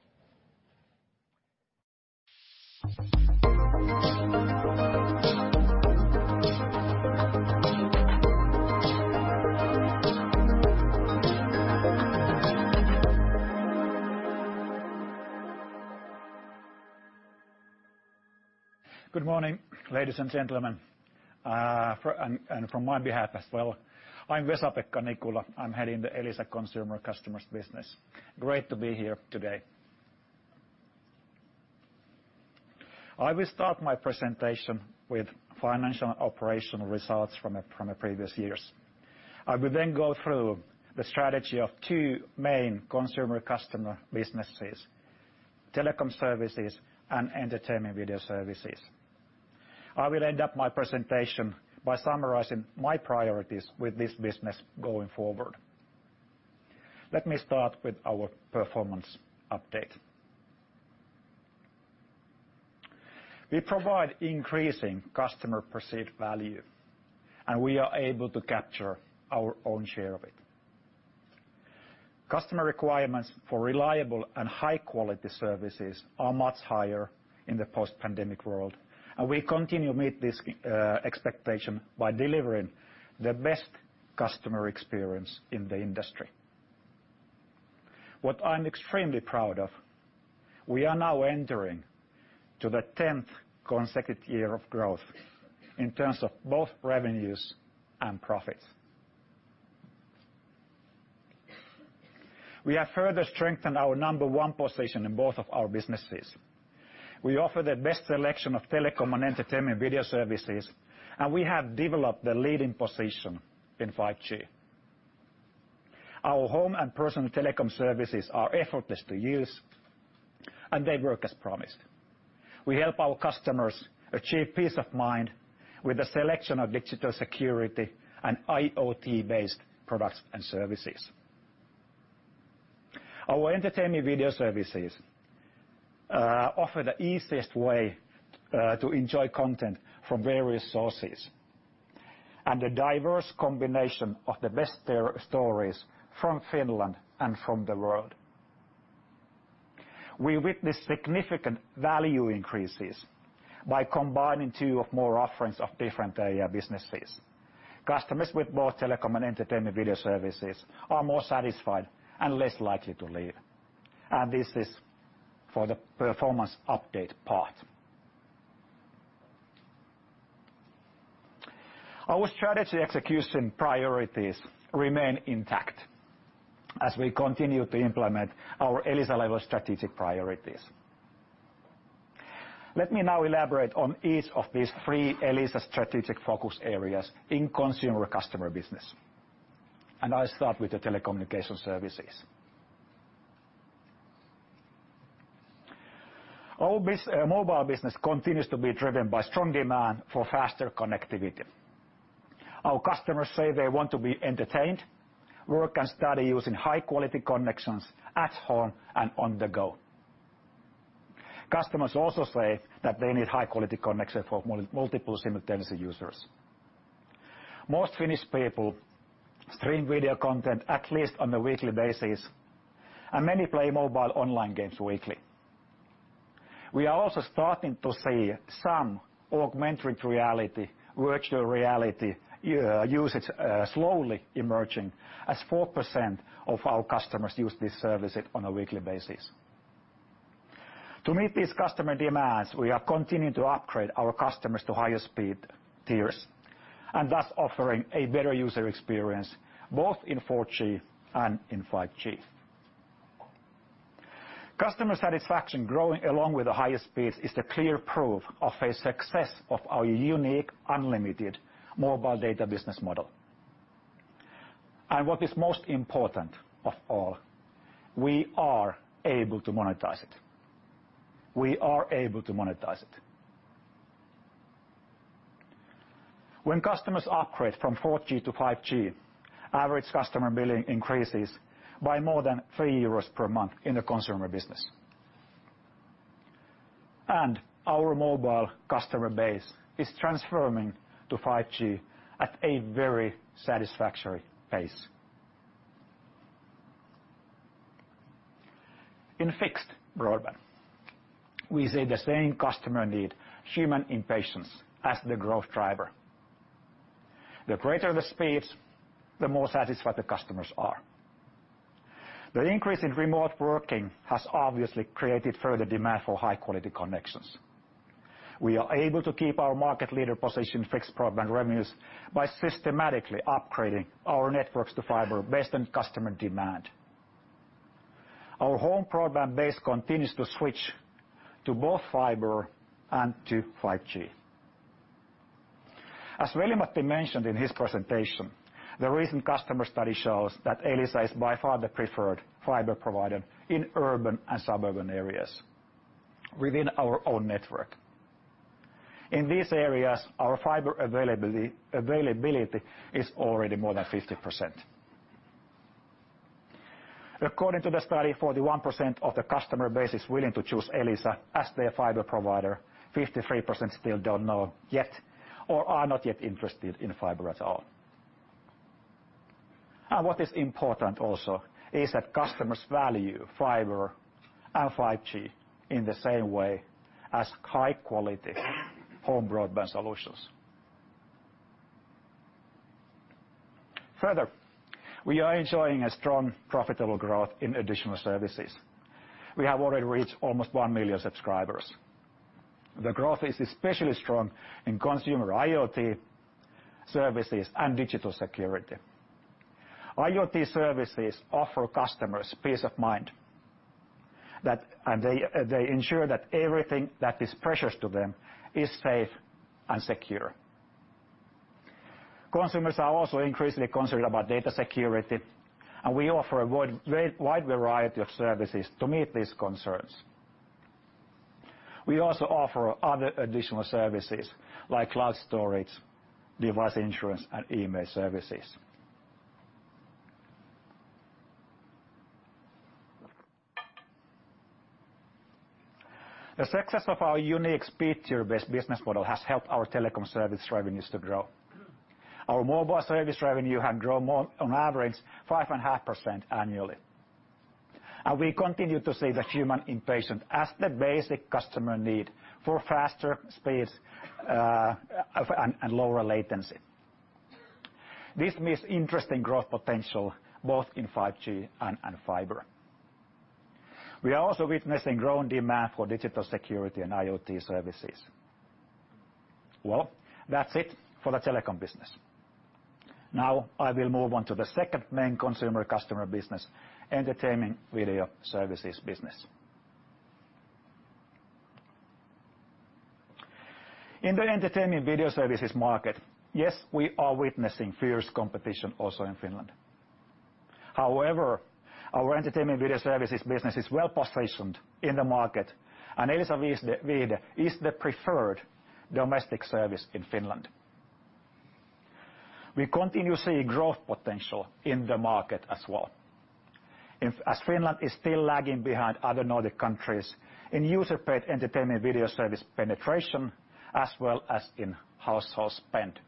Good morning, ladies and gentlemen, and from my behalf as well. I'm Vesa-Pekka Nikula. I'm heading the Elisa Consumer Customers business. Great to be here today. I will start my presentation with financial operational results from the previous years. I will then go through the strategy of two main Consumer Customer businesses, telecom services and entertainment video services. I will end up my presentation by summarizing my priorities with this business going forward. Let me start with our performance update. We provide increasing customer perceived value, and we are able to capture our own share of it. Customer requirements for reliable and high quality services are much higher in the post-pandemic world, and we continue meet this expectation by delivering the best customer experience in the industry. What I'm extremely proud of, we are now entering to the 10th consecutive year of growth in terms of both revenues and profits. We have further strengthened our number one position in both of our businesses. We offer the best selection of telecom and entertainment video services, and we have developed the leading position in 5G. Our home and personal telecom services are effortless to use, and they work as promised. We help our customers achieve peace of mind with a selection of digital security and IoT-based products and services. Our entertainment video services offer the easiest way to enjoy content from various sources and a diverse combination of the best fair stories from Finland and from the world. We witness significant value increases by combining two or more offerings of different area businesses. Customers with both telecom and entertainment video services are more satisfied and less likely to leave, and this is for the performance update part. Our strategy execution priorities remain intact as we continue to implement our Elisa-level strategic priorities. Let me now elaborate on each of these three Elisa strategic focus areas in Consumer Customer business, and I start with the telecommunication services. Our mobile business continues to be driven by strong demand for faster connectivity. Our customers say they want to be entertained, work and study using high quality connections at home and on the go. Customers also say that they need high quality connection for multiple simultaneous users. Most Finnish people stream video content at least on a weekly basis, and many play mobile online games weekly. We are also starting to see some augmented reality, virtual reality usage slowly emerging, as 4% of our customers use this service on a weekly basis. To meet these customer demands, we are continuing to upgrade our customers to higher speed tiers and thus offering a better user experience both in 4G and in 5G. Customer satisfaction growing along with the highest speeds is the clear proof of a success of our unique unlimited mobile data business model. What is most important of all, we are able to monetize it. When customers upgrade from 4G to 5G, average customer billing increases by more than 3 euros per month in the consumer business. Our mobile customer base is transforming to 5G at a very satisfactory pace. In fixed broadband, we see the same customer need human impatience as the growth driver. The greater the speeds, the more satisfied the customers are. The increase in remote working has obviously created further demand for high quality connections. We are able to keep our market leader position fixed broadband revenues by systematically upgrading our networks to fiber-based on customer demand. Our home program base continues to switch to both fiber and to 5G. As Veli-Matti mentioned in his presentation, the recent customer study shows that Elisa is by far the preferred fiber provider in urban and suburban areas within our own network. In these areas, our fiber availability is already more than 50%. According to the study, 41% of the customer base is willing to choose Elisa as their fiber provider, 53% still don't know yet or are not yet interested in fiber at all. What is important also is that customers value fiber and 5G in the same way as high quality home broadband solutions. Further, we are enjoying a strong profitable growth in additional services. We have already reached almost 1 million subscribers. The growth is especially strong in consumer IoT services and digital security. IoT services offer customers peace of mind and they ensure that everything that is precious to them is safe and secure. Consumers are also increasingly concerned about data security, and we offer a wide variety of services to meet these concerns. We also offer other additional services like cloud storage, device insurance, and email services. The success of our unique speed tier-based business model has helped our telecom service revenues to grow. Our mobile service revenue have grown more, on average, 5.5% annually, and we continue to see the human impatience as the basic customer need for faster speeds, and lower latency. This means interesting growth potential both in 5G and fiber. We are also witnessing growing demand for digital security and IoT services. Well, that's it for the telecom business. Now I will move on to the second main consumer customer business, entertainment video services business. In the entertainment video services market, yes, we are witnessing fierce competition also in Finland. However, our entertainment video services business is well positioned in the market, and Elisa Viihde is the preferred domestic service in Finland. We continue to see growth potential in the market as well, as Finland is still lagging behind other Nordic countries in user-paid entertainment video service penetration, as well as in household spend.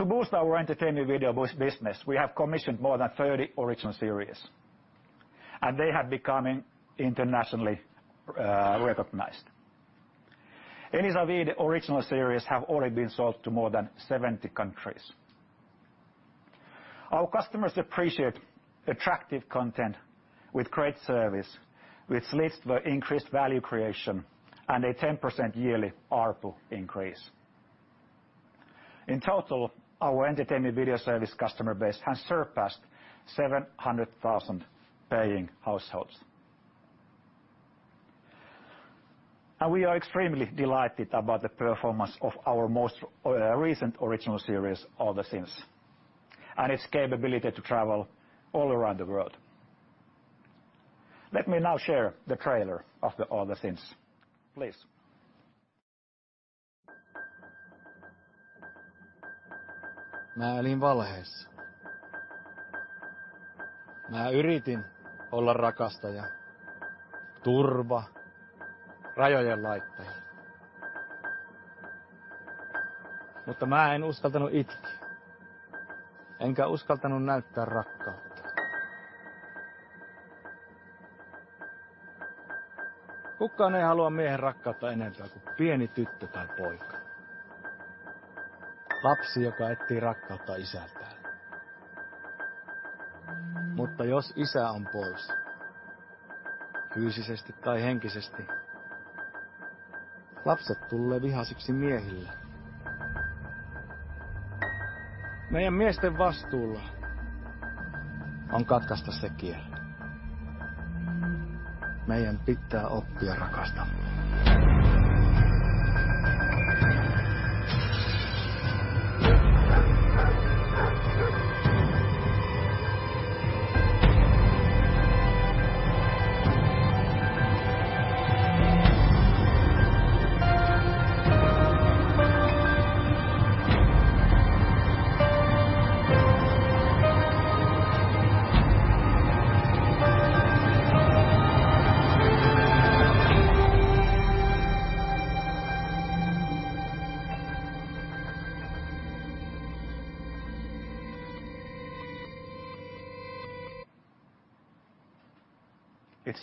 To boost our entertainment video business, we have commissioned more than 30 original series, and they have becoming internationally recognized. Elisa Viihde original series have already been sold to more than 70 countries. Our customers appreciate attractive content with great service, which leads to increased value creation, and a 10% yearly ARPU increase. In total, our entertainment video service customer base has surpassed 700,000 paying households. We are extremely delighted about the performance of our most recent original series, All the Sins, and its capability to travel all around the world. Let me now share the trailer of the All the Sins. Please. It's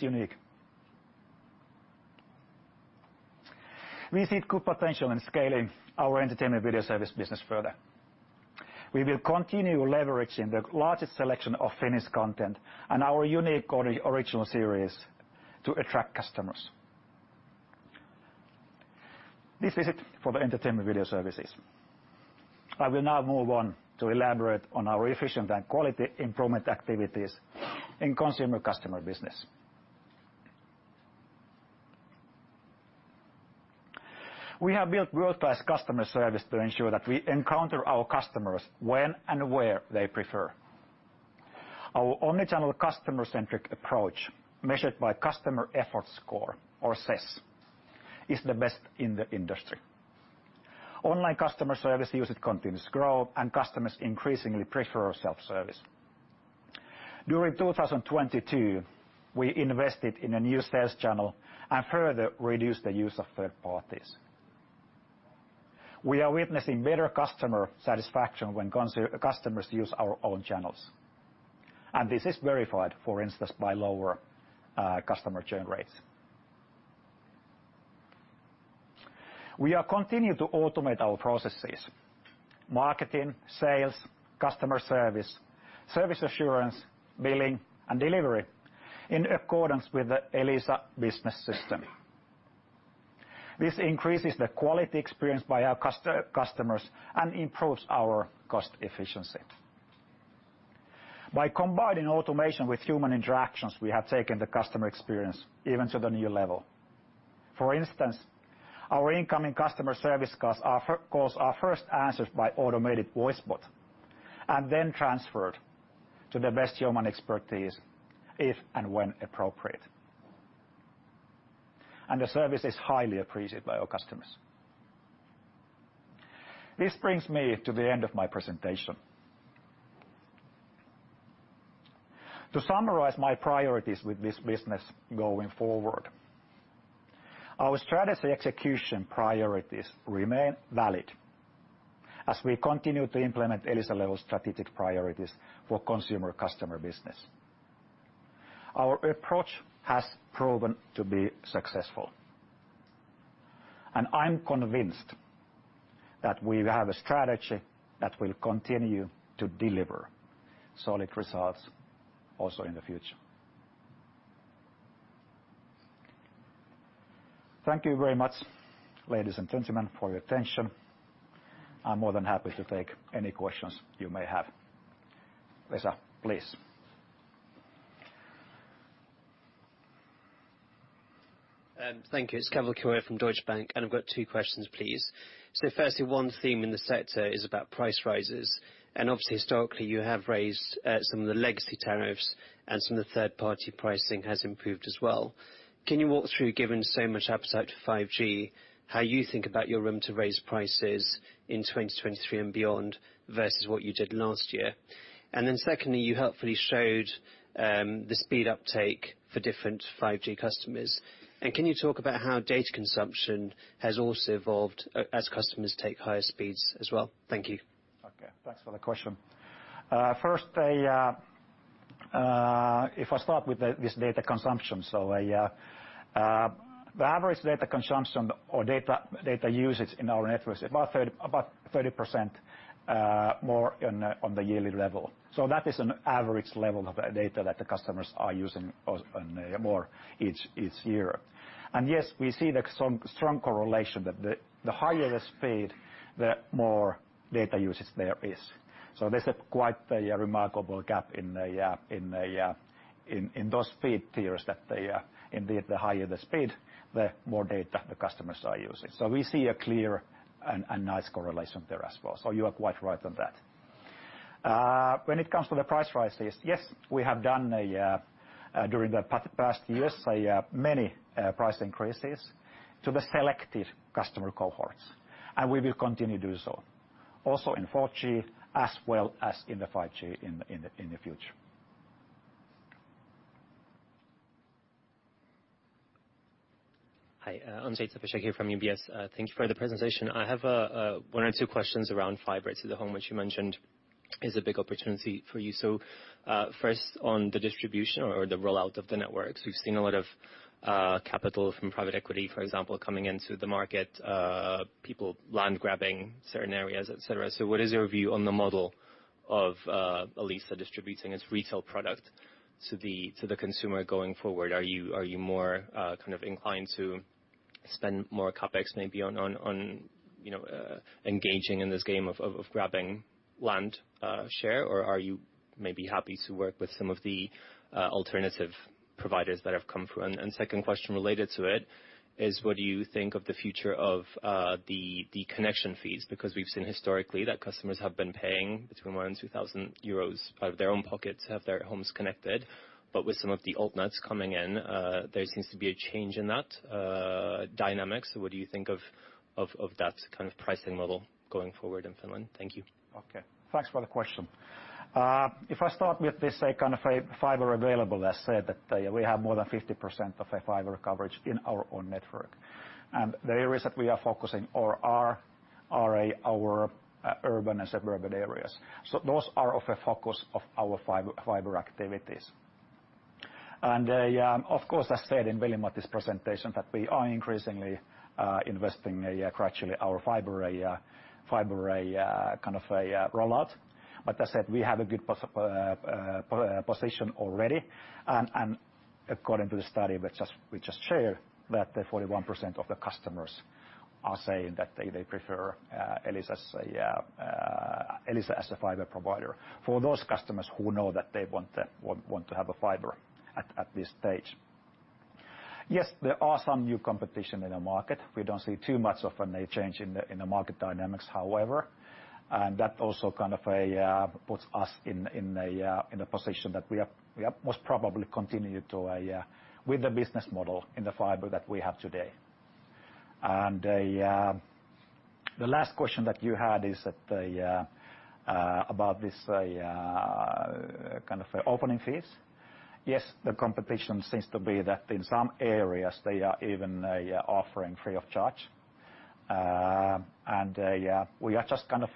unique. We see good potential in scaling our entertainment video service business further. We will continue leveraging the largest selection of Finnish content and our unique original series to attract customers. This is it for the entertainment video services. I will now move on to elaborate on our efficient and quality improvement activities in Consumer Customer business. We have built world-class customer service to ensure that we encounter our customers when and where they prefer. Our omni-channel customer-centric approach, measured by customer effort score, or CES, is the best in the industry. Online customer service usage continues to grow, and customers increasingly prefer self-service. During 2022, we invested in a new sales channel and further reduced the use of third parties. We are witnessing better customer satisfaction when customers use our own channels, and this is verified, for instance, by lower customer churn rates. We are continue to automate our processes, marketing, sales, customer service assurance, billing, and delivery in accordance with the Elisa Business System. This increases the quality experience by our customers and improves our cost efficiency. By combining automation with human interactions, we have taken the customer experience even to the new level. For instance, our incoming customer service calls are first answered by automated voice bot and then transferred to the best human expertise if and when appropriate. The service is highly appreciated by our customers. This brings me to the end of my presentation. To summarize my priorities with this business going forward, our strategy execution priorities remain valid as we continue to implement Elisa level strategic priorities for Consumer-Customer business. Our approach has proven to be successful, and I'm convinced that we have a strategy that will continue to deliver solid results also in the future. Thank you very much, ladies and gentlemen, for your attention. I'm more than happy to take any questions you may have. Vesa, please. Thank you. It's Keval Khiroya from Deutsche Bank and I've got two questions please. So first, one theme in the sector is about price rises and obviously, historically you have raised some of the legacy tariffs and some of the third party pricing has improved as well. Can you walk through a given so much appetite for 5G. How you think about your room to raise prices in 2023 and beyond versus what you did last year. And secondly, you have helpfully showed the speed uptake for different 5G customers. And can you talk about how data consumptions has evolved as customers take up higher speeds? Thank you. Okay. Thanks for the question. First, if I start with this data consumption, the average data consumption or data usage in our network is about 30%, about 30% more on the yearly level. That is an average level of data that the customers are using on a more each year. Yes, we see the strong correlation that the higher the speed, the more data usage there is. There's a quite a remarkable gap in the in those speed tiers that the indeed the higher the speed, the more data the customers are using. We see a clear and nice correlation there as well. You are quite right on that. When it comes to the price rises, yes, we have done a during the past years a many price increases to the selected customer cohorts, and we will continue to do so also in 4G as well as in the 5G in the future. Ondrej Cabejsek from UBS. Thank you for the presentation. I have one or two questions around fiber to the home, which you mentioned is a big opportunity for you. First on the distribution or the rollout of the networks, we've seen a lot of capital from private equity, for example, coming into the market, people land grabbing certain areas, et cetera. What is your view on the model of Elisa distributing its retail product to the consumer going forward? Are you, are you more kind of inclined to spend more CapEx maybe on, you know, engaging in this game of grabbing land share? Are you maybe happy to work with some of the alternative providers that have come through? Second question related to it is what do you think of the future of the connection fees? We've seen historically that customers have been paying between 1,000 and 2,000 euros out of their own pockets to have their homes connected, but with some of the alt nets coming in, there seems to be a change in that dynamic. What do you think of that kind of pricing model going forward in Finland? Thank you. Okay. Thanks for the question. If I start with this, like, kind of a fiber available, as said, that we have more than 50% of a fiber coverage in our own network. The areas that we are focusing or are our urban and suburban areas. Those are of a focus of our fiber activities. Of course, as said in Veli-Matti's presentation, that we are increasingly investing gradually our fiber, kind of a rollout. As said, we have a good position already. According to the study that we just shared, that 41% of the customers are saying that they prefer Elisa's Elisa as a fiber provider for those customers who know that they want to have a fiber at this stage. Yes, there are some new competition in the market. We don't see too much of a change in the market dynamics, however. That also kind of puts us in a position that we are most probably continue with the business model in the fiber that we have today. The last question that you had is that about this kind of opening fees. Yes, the competition seems to be that in some areas they are even offering free of charge. We are just kind of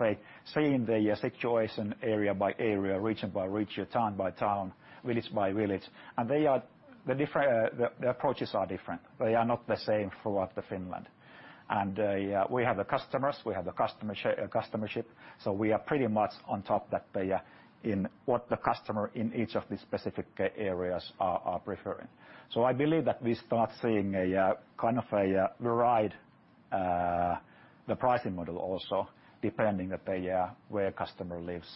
seeing the situation area by area, region by region, town by town, village by village. They are the approaches are different. They are not the same throughout Finland. We have the customers, we have the customership, so we are pretty much on top that in what the customer in each of these specific areas are preferring. I believe that we start seeing a kind of a varied the pricing model also depending that they where customer lives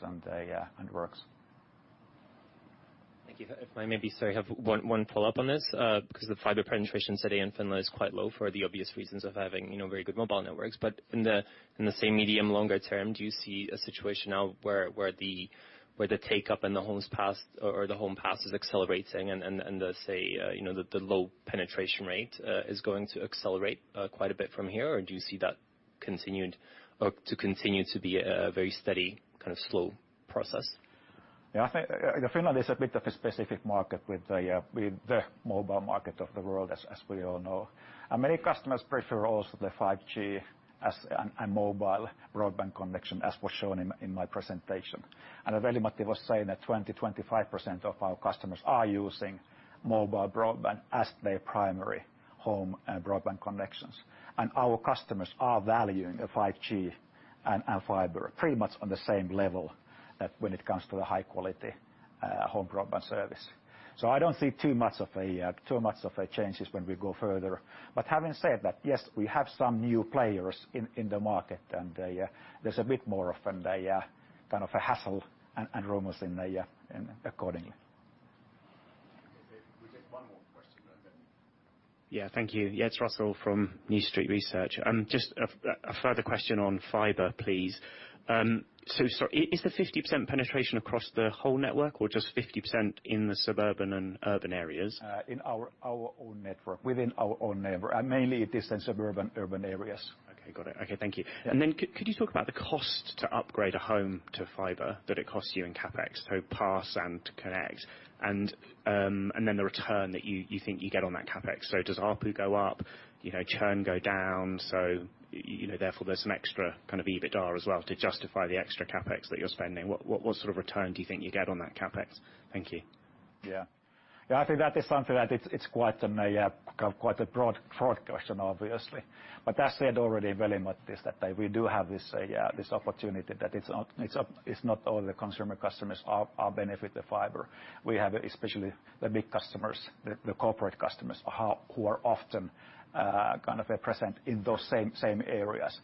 and works. Thank you. If I may have one follow-up on this, 'cause the fiber penetration today in Finland is quite low for the obvious reasons of having, you know, very good mobile networks. In the, in the same medium, longer term, do you see a situation now where the take-up in the homes passed or the Home Pass is accelerating and the say, you know, the low penetration rate is going to accelerate quite a bit from here, or do you see that continued or to continue to be a very steady kind of slow process? Yeah. I think Finland is a bit of a specific market with the mobile market of the world as we all know. Many customers prefer also the 5G and mobile broadband connection as was shown in my presentation. Veli-Matti was saying that 20%-25% of our customers are using mobile broadband as their primary home broadband connections. Our customers are valuing a 5G and fiber pretty much on the same level that when it comes to the high quality home broadband service. I don't see too much of a too much of a changes when we go further. Having said that, yes, we have some new players in the market, and, yeah, there's a bit more of an, kind of a hassle and rumors in the accordingly. Okay. We take one more question and then... Yeah. Thank you. Yeah, it's Russell from New Street Research. Just a further question on fiber, please. Sorry, is the 50% penetration across the whole network or just 50% in the suburban and urban areas? In our own network, within our own neighbor. Mainly it is in suburban urban areas. Okay. Got it. Okay. Thank you. Yeah. Could you talk about the cost to upgrade a home to fiber that it costs you in CapEx, so pass and to connect, and then the return that you think you get on that CapEx? Does ARPU go up, you know, churn go down, so, you know, therefore there's some extra kind of EBITDA as well to justify the extra CapEx that you're spending? What sort of return do you think you get on that CapEx? Thank you. Yeah. Yeah, I think that is something that it's quite a broad question, obviously. As said already Veli-Matti is that we do have this opportunity that it's not all the consumer customers are benefit the fiber. We have, especially the big customers, the corporate customers, who are often kind of present in those same areas.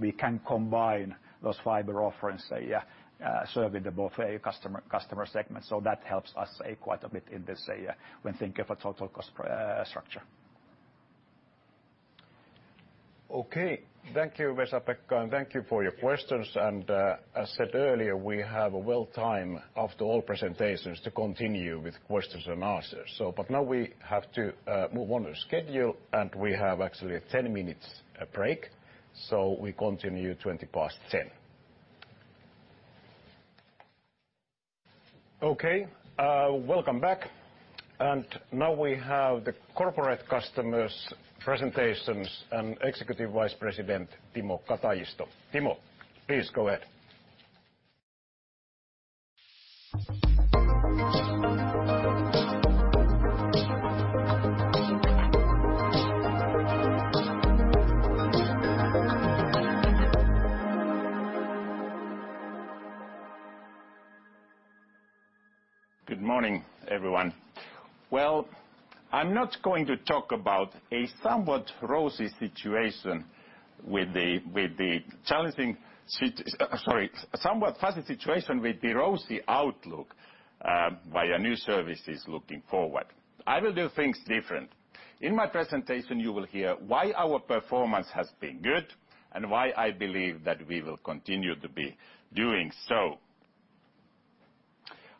We can combine those fiber offerings, serving the both customer segment. That helps us quite a bit in this when thinking of a total cost structure. Okay. Thank you, Vesa-Pekka, and thank you for your questions. As said earlier, we have a well time after all presentations to continue with questions and answers. Now we have to move on to schedule, and we have actually a 10 minutes break. We continue 10:20 A.M. Okay, welcome back. Now we have the Corporate Customers presentations and Executive Vice President, Timo Katajisto. Timo, please go ahead. Good morning, everyone. Well, I'm not going to talk about a somewhat rosy situation with the, with the challenging sorry, somewhat fuzzy situation with the rosy outlook, by our new services looking forward. I will do things different. In my presentation, you will hear why our performance has been good, and why I believe that we will continue to be doing so.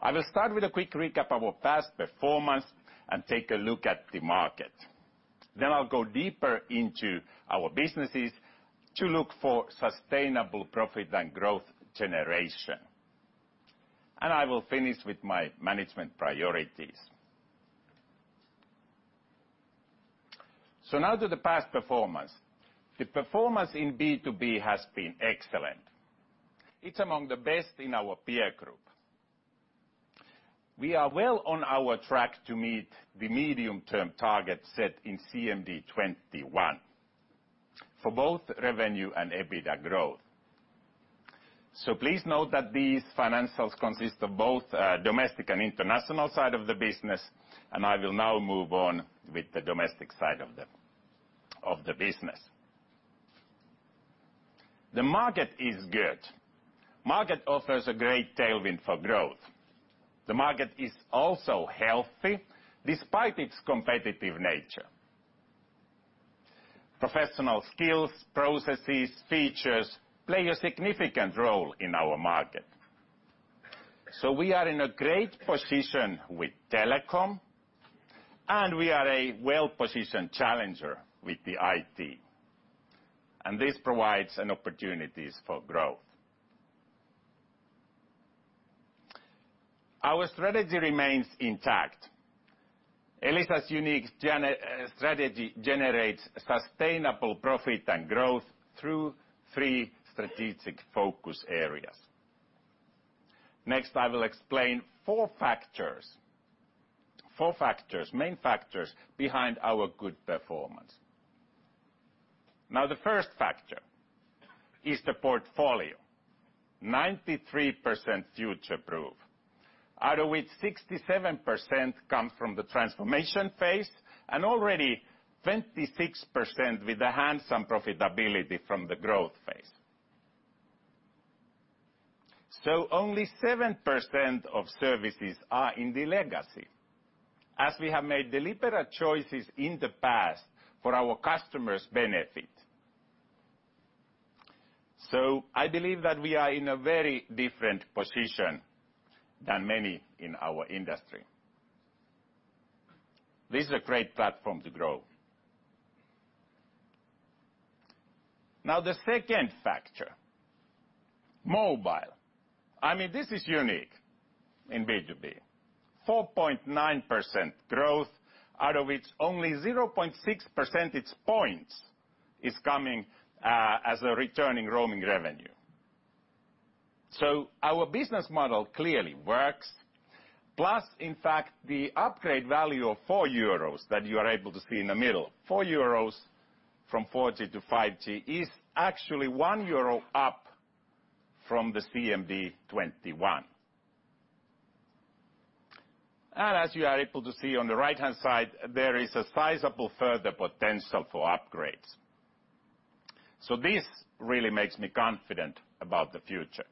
I will start with a quick recap of our past performance and take a look at the market. I'll go deeper into our businesses to look for sustainable profit and growth generation. I will finish with my management priorities. Now to the past performance. The performance in B2B has been excellent. It's among the best in our peer group. We are well on our track to meet the medium term target set in CMD 2021 for both revenue and EBITDA growth. Please note that these financials consist of both, domestic and international side of the business. I will now move on with the domestic side of the business. The market is good. Market offers a great tailwind for growth. The market is also healthy despite its competitive nature. Professional skills, processes, features play a significant role in our market. We are in a great position with telecom. We are a well-positioned challenger with the IT. This provides an opportunities for growth. Our strategy remains intact. Elisa's unique strategy generates sustainable profit and growth through three strategic focus areas. Next, I will explain four factors, main factors behind our good performance. The first factor is the portfolio, 93% future-proof, out of which 67% come from the transformation phase and already 26% with the handsome profitability from the growth phase. So only 7% of services are in the legacy, as we have made deliberate choices in the past for our customers' benefit. I believe that we are in a very different position than many in our industry. This is a great platform to grow. The second factor, mobile. I mean, this is unique in B2B. 4.9% growth, out of which only 0.6 percentage points is coming as a returning roaming revenue. Our business model clearly works. Plus, in fact, the upgrade value of 4 euros that you are able to see in the middle, 4 euros from 4G to 5G is actually 1 euro up from the CMD 2021. As you are able to see on the right-hand side, there is a sizable further potential for upgrades. This really makes me confident about the future.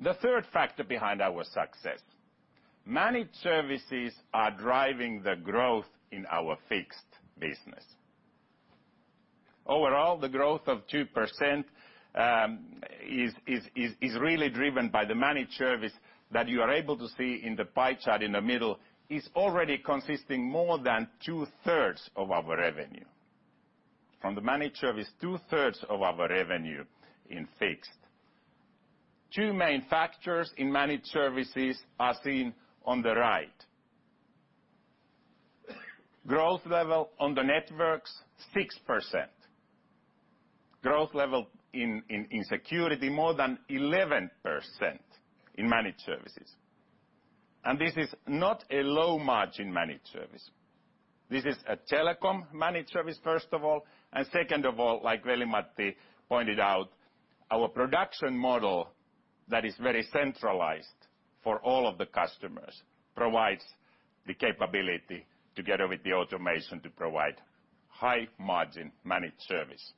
The third factor behind our success, managed services are driving the growth in our fixed business. Overall, the growth of 2%, is really driven by the managed service that you are able to see in the pie chart in the middle, is already consisting more than 2/3 of our revenue. From the managed service, 2/3 of our revenue in fixed. Two main factors in managed services are seen on the right. Growth level on the networks, 6%. Growth level in security, more than 11% in managed services. This is not a low-margin managed service. This is a telecom managed service, first of all. Second of all, like Veli-Matti pointed out, our production model that is very centralized for all of the customers provides the capability, together with the automation, to provide high-margin managed service.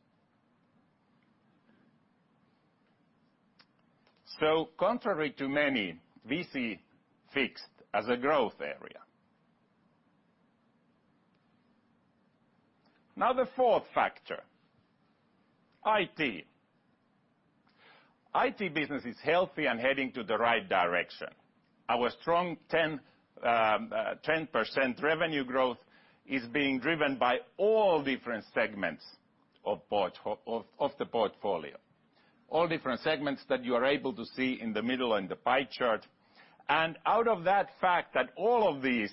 Contrary to many, we see fixed as a growth area. Now the fourth factor, IT. IT business is healthy and heading to the right direction. Our strong 10% revenue growth is being driven by all different segments of the portfolio. All different segments that you are able to see in the middle in the pie chart. Out of that fact that all of these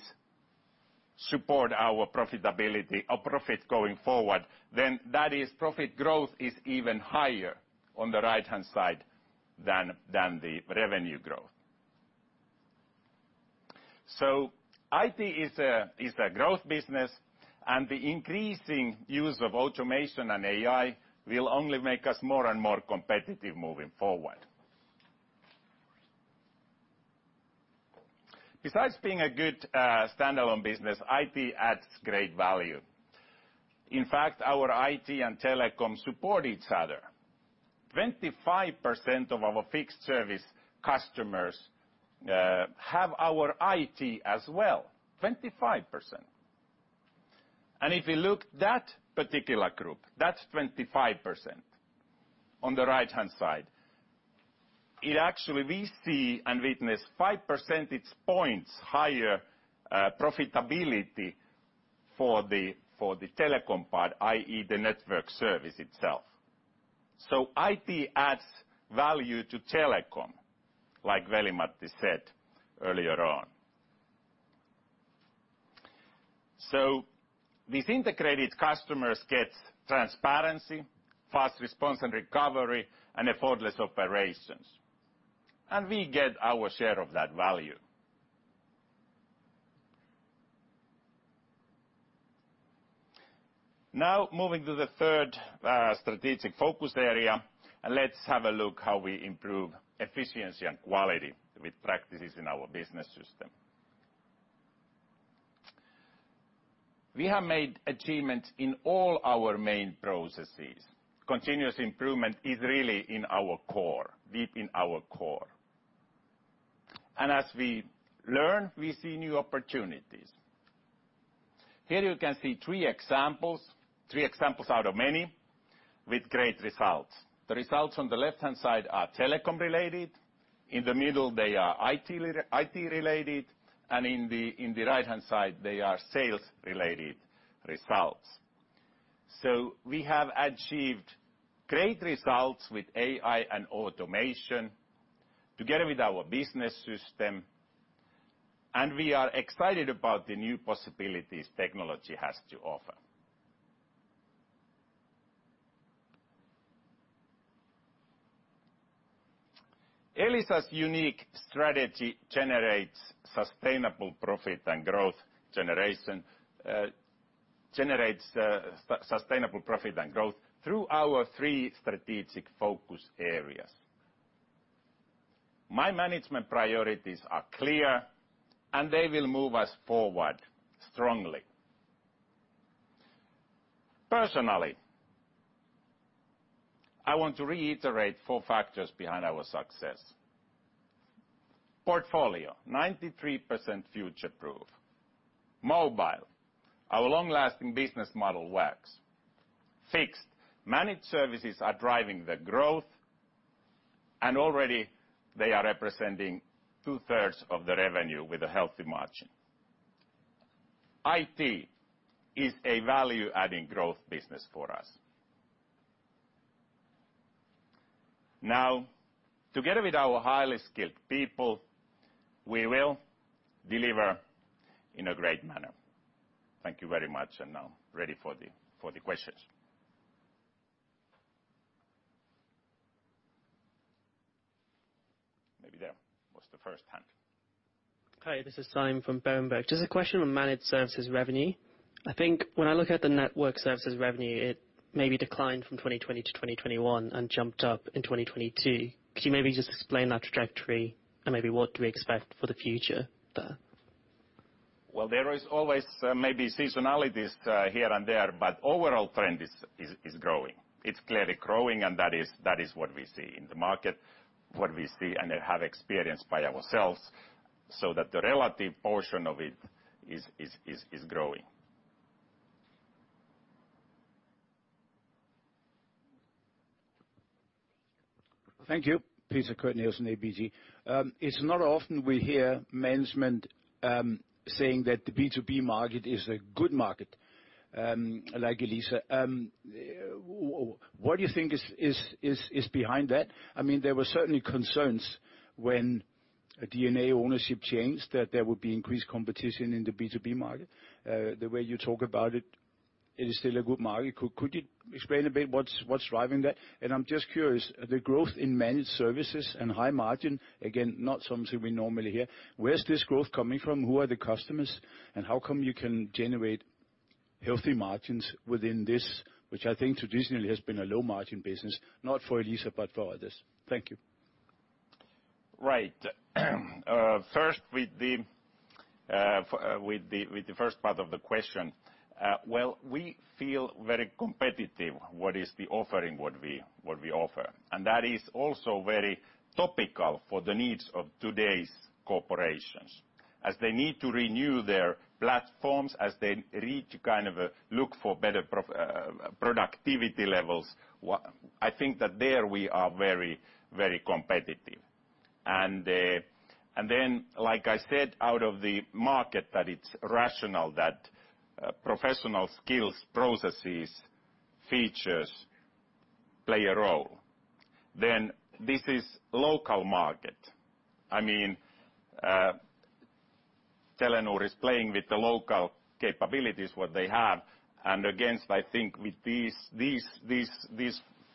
support our profitability, our profits going forward, that is profit growth is even higher on the right-hand side than the revenue growth. IT is a growth business, and the increasing use of automation and AI will only make us more and more competitive moving forward. Besides being a good standalone business, IT adds great value. In fact, our IT and telecom support each other. 25% of our fixed service customers have our IT as well. 25%. If you look that particular group, that's 25% on the right-hand side. It actually, we see and witness 5 percentage points higher profitability for the telecom part, i.e., the network service itself. IT adds value to telecom, like Veli-Matti said earlier on. These integrated customers get transparency, fast response and recovery, and effortless operations, and we get our share of that value. Now moving to the third strategic focus area, let's have a look how we improve efficiency and quality with practices in our Elisa Business System. We have made achievements in all our main processes. Continuous improvement is really in our core, deep in our core. As we learn, we see new opportunities. Here you can see three examples, three examples out of many, with great results. The results on the left-hand side are telecom related, in the middle they are IT related, and in the right-hand side they are sales related results. We have achieved great results with AI and automation together with our Elisa Business System, and we are excited about the new possibilities technology has to offer. Elisa's unique strategy generates sustainable profit and growth through our three strategic focus areas. My management priorities are clear, and they will move us forward strongly. Personally, I want to reiterate four factors behind our success. Portfolio, 93% future proof. Mobile, our long-lasting business model works. Fixed, managed services are driving the growth, and already they are representing two-thirds of the revenue with a healthy margin. IT is a value-adding growth business for us. Now, together with our highly skilled people, we will deliver in a great manner. Thank you very much, and now ready for the questions. Maybe there was the first hand. Hi, this is Simon from Berenberg. A question on managed services revenue. I think when I look at the network services revenue, it maybe declined from 2020 to 2021 and jumped up in 2022. Could you maybe just explain that trajectory and maybe what do we expect for the future there? Well, there is always maybe seasonalities here and there, but overall trend is growing. It's clearly growing, and that is what we see in the market, what we see and have experienced by ourselves, so that the relative portion of it is growing. Thank you. Peter Kurt Nielsen, ABG. It's not often we hear management saying that the B2B market is a good market like Elisa. What do you think is behind that? I mean, there were certainly concerns when a DNA ownership changed that there would be increased competition in the B2B market. The way you talk about it is still a good market. Could you explain a bit what's driving that? I'm just curious, the growth in managed services and high margin, again, not something we normally hear. Where's this growth coming from? Who are the customers, and how come you can generate healthy margins within this, which I think traditionally has been a low margin business, not for Elisa, but for others? Thank you. Right. First with the first part of the question. We feel very competitive, what is the offering, what we offer. That is also very topical for the needs of today's corporations. As they need to renew their platforms, as they need to kind of look for better productivity levels, I think that there we are very competitive. Like I said, out of the market that it's rational that professional skills, processes, features play a role. This is local market. I mean, Telenor is playing with the local capabilities, what they have. Again, I think with these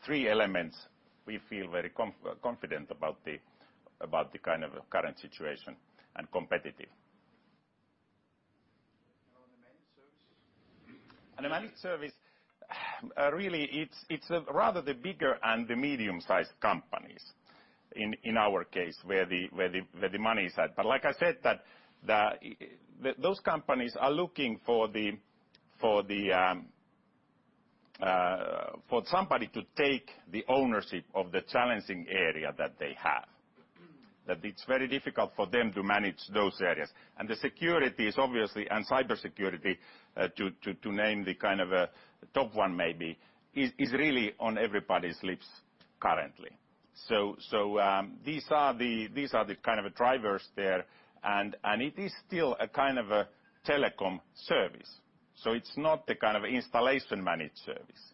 three elements, we feel very confident about the kind of current situation and competitive. On the managed services? The managed service, really it's rather the bigger and the medium-sized companies in our case where the money is at. Like I said, that the those companies are looking for the, for somebody to take the ownership of the challenging area that they have. It's very difficult for them to manage those areas. The security is obviously, and cybersecurity, to name the kind of, top one maybe, is really on everybody's lips currently. So, these are the kind of drivers there. And it is still a kind of a telecom service. It's not the kind of installation managed service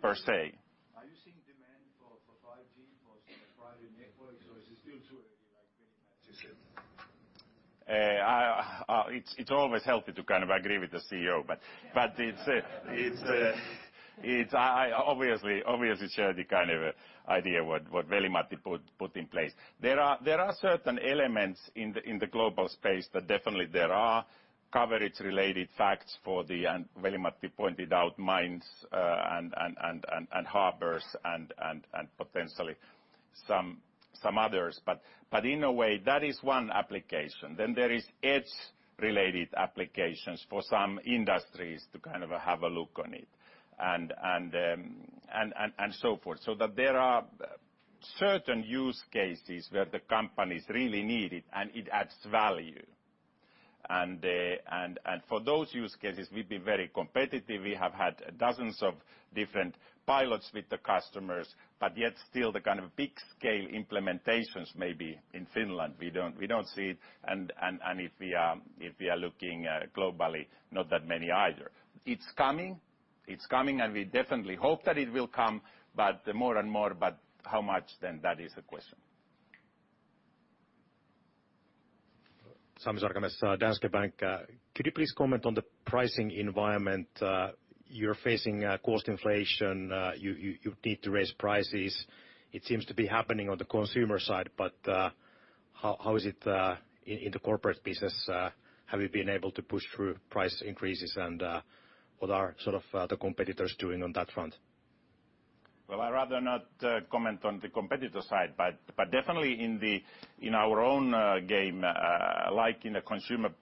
per se. Are you seeing demand for 5G, for private networks, or is it still too early, like Veli-Matti said? It's always healthy to kind of agree with the CEO. It's I obviously share the kind of idea what Veli-Matti put in place. There are certain elements in the global space that definitely there are coverage related facts for the, and Veli-Matti pointed out mines, and harbors and potentially some others. In a way, that is one application. There is edge related applications for some industries to kind of have a look on it and so forth. That there are certain use cases where the companies really need it and it adds value. For those use cases, we've been very competitive. We have had dozens of different pilots with the customers, but yet still the kind of big scale implementations maybe in Finland, we don't see it. If we are looking globally, not that many either. It's coming, and we definitely hope that it will come. More and more, how much then, that is the question. Sami Sarkamies from Danske Bank. Could you please comment on the pricing environment? You're facing cost inflation. You need to raise prices. It seems to be happening on the consumer side. How is it in the corporate business, have you been able to push through price increases and what are sort of the competitors doing on that front? Well, I'd rather not comment on the competitor side, but definitely in our own game, like in the consumer's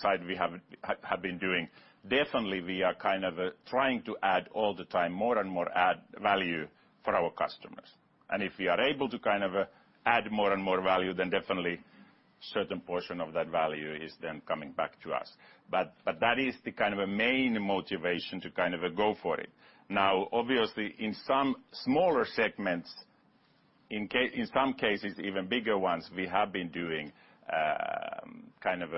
side, we have been doing. Definitely we are kind of trying to add all the time, more and more add value for our customers. If we are able to kind of add more and more value, then definitely certain portion of that value is then coming back to us. That is the kind of a main motivation to kind of go for it. Obviously, in some smaller segments, in some cases, even bigger ones, we have been doing kind of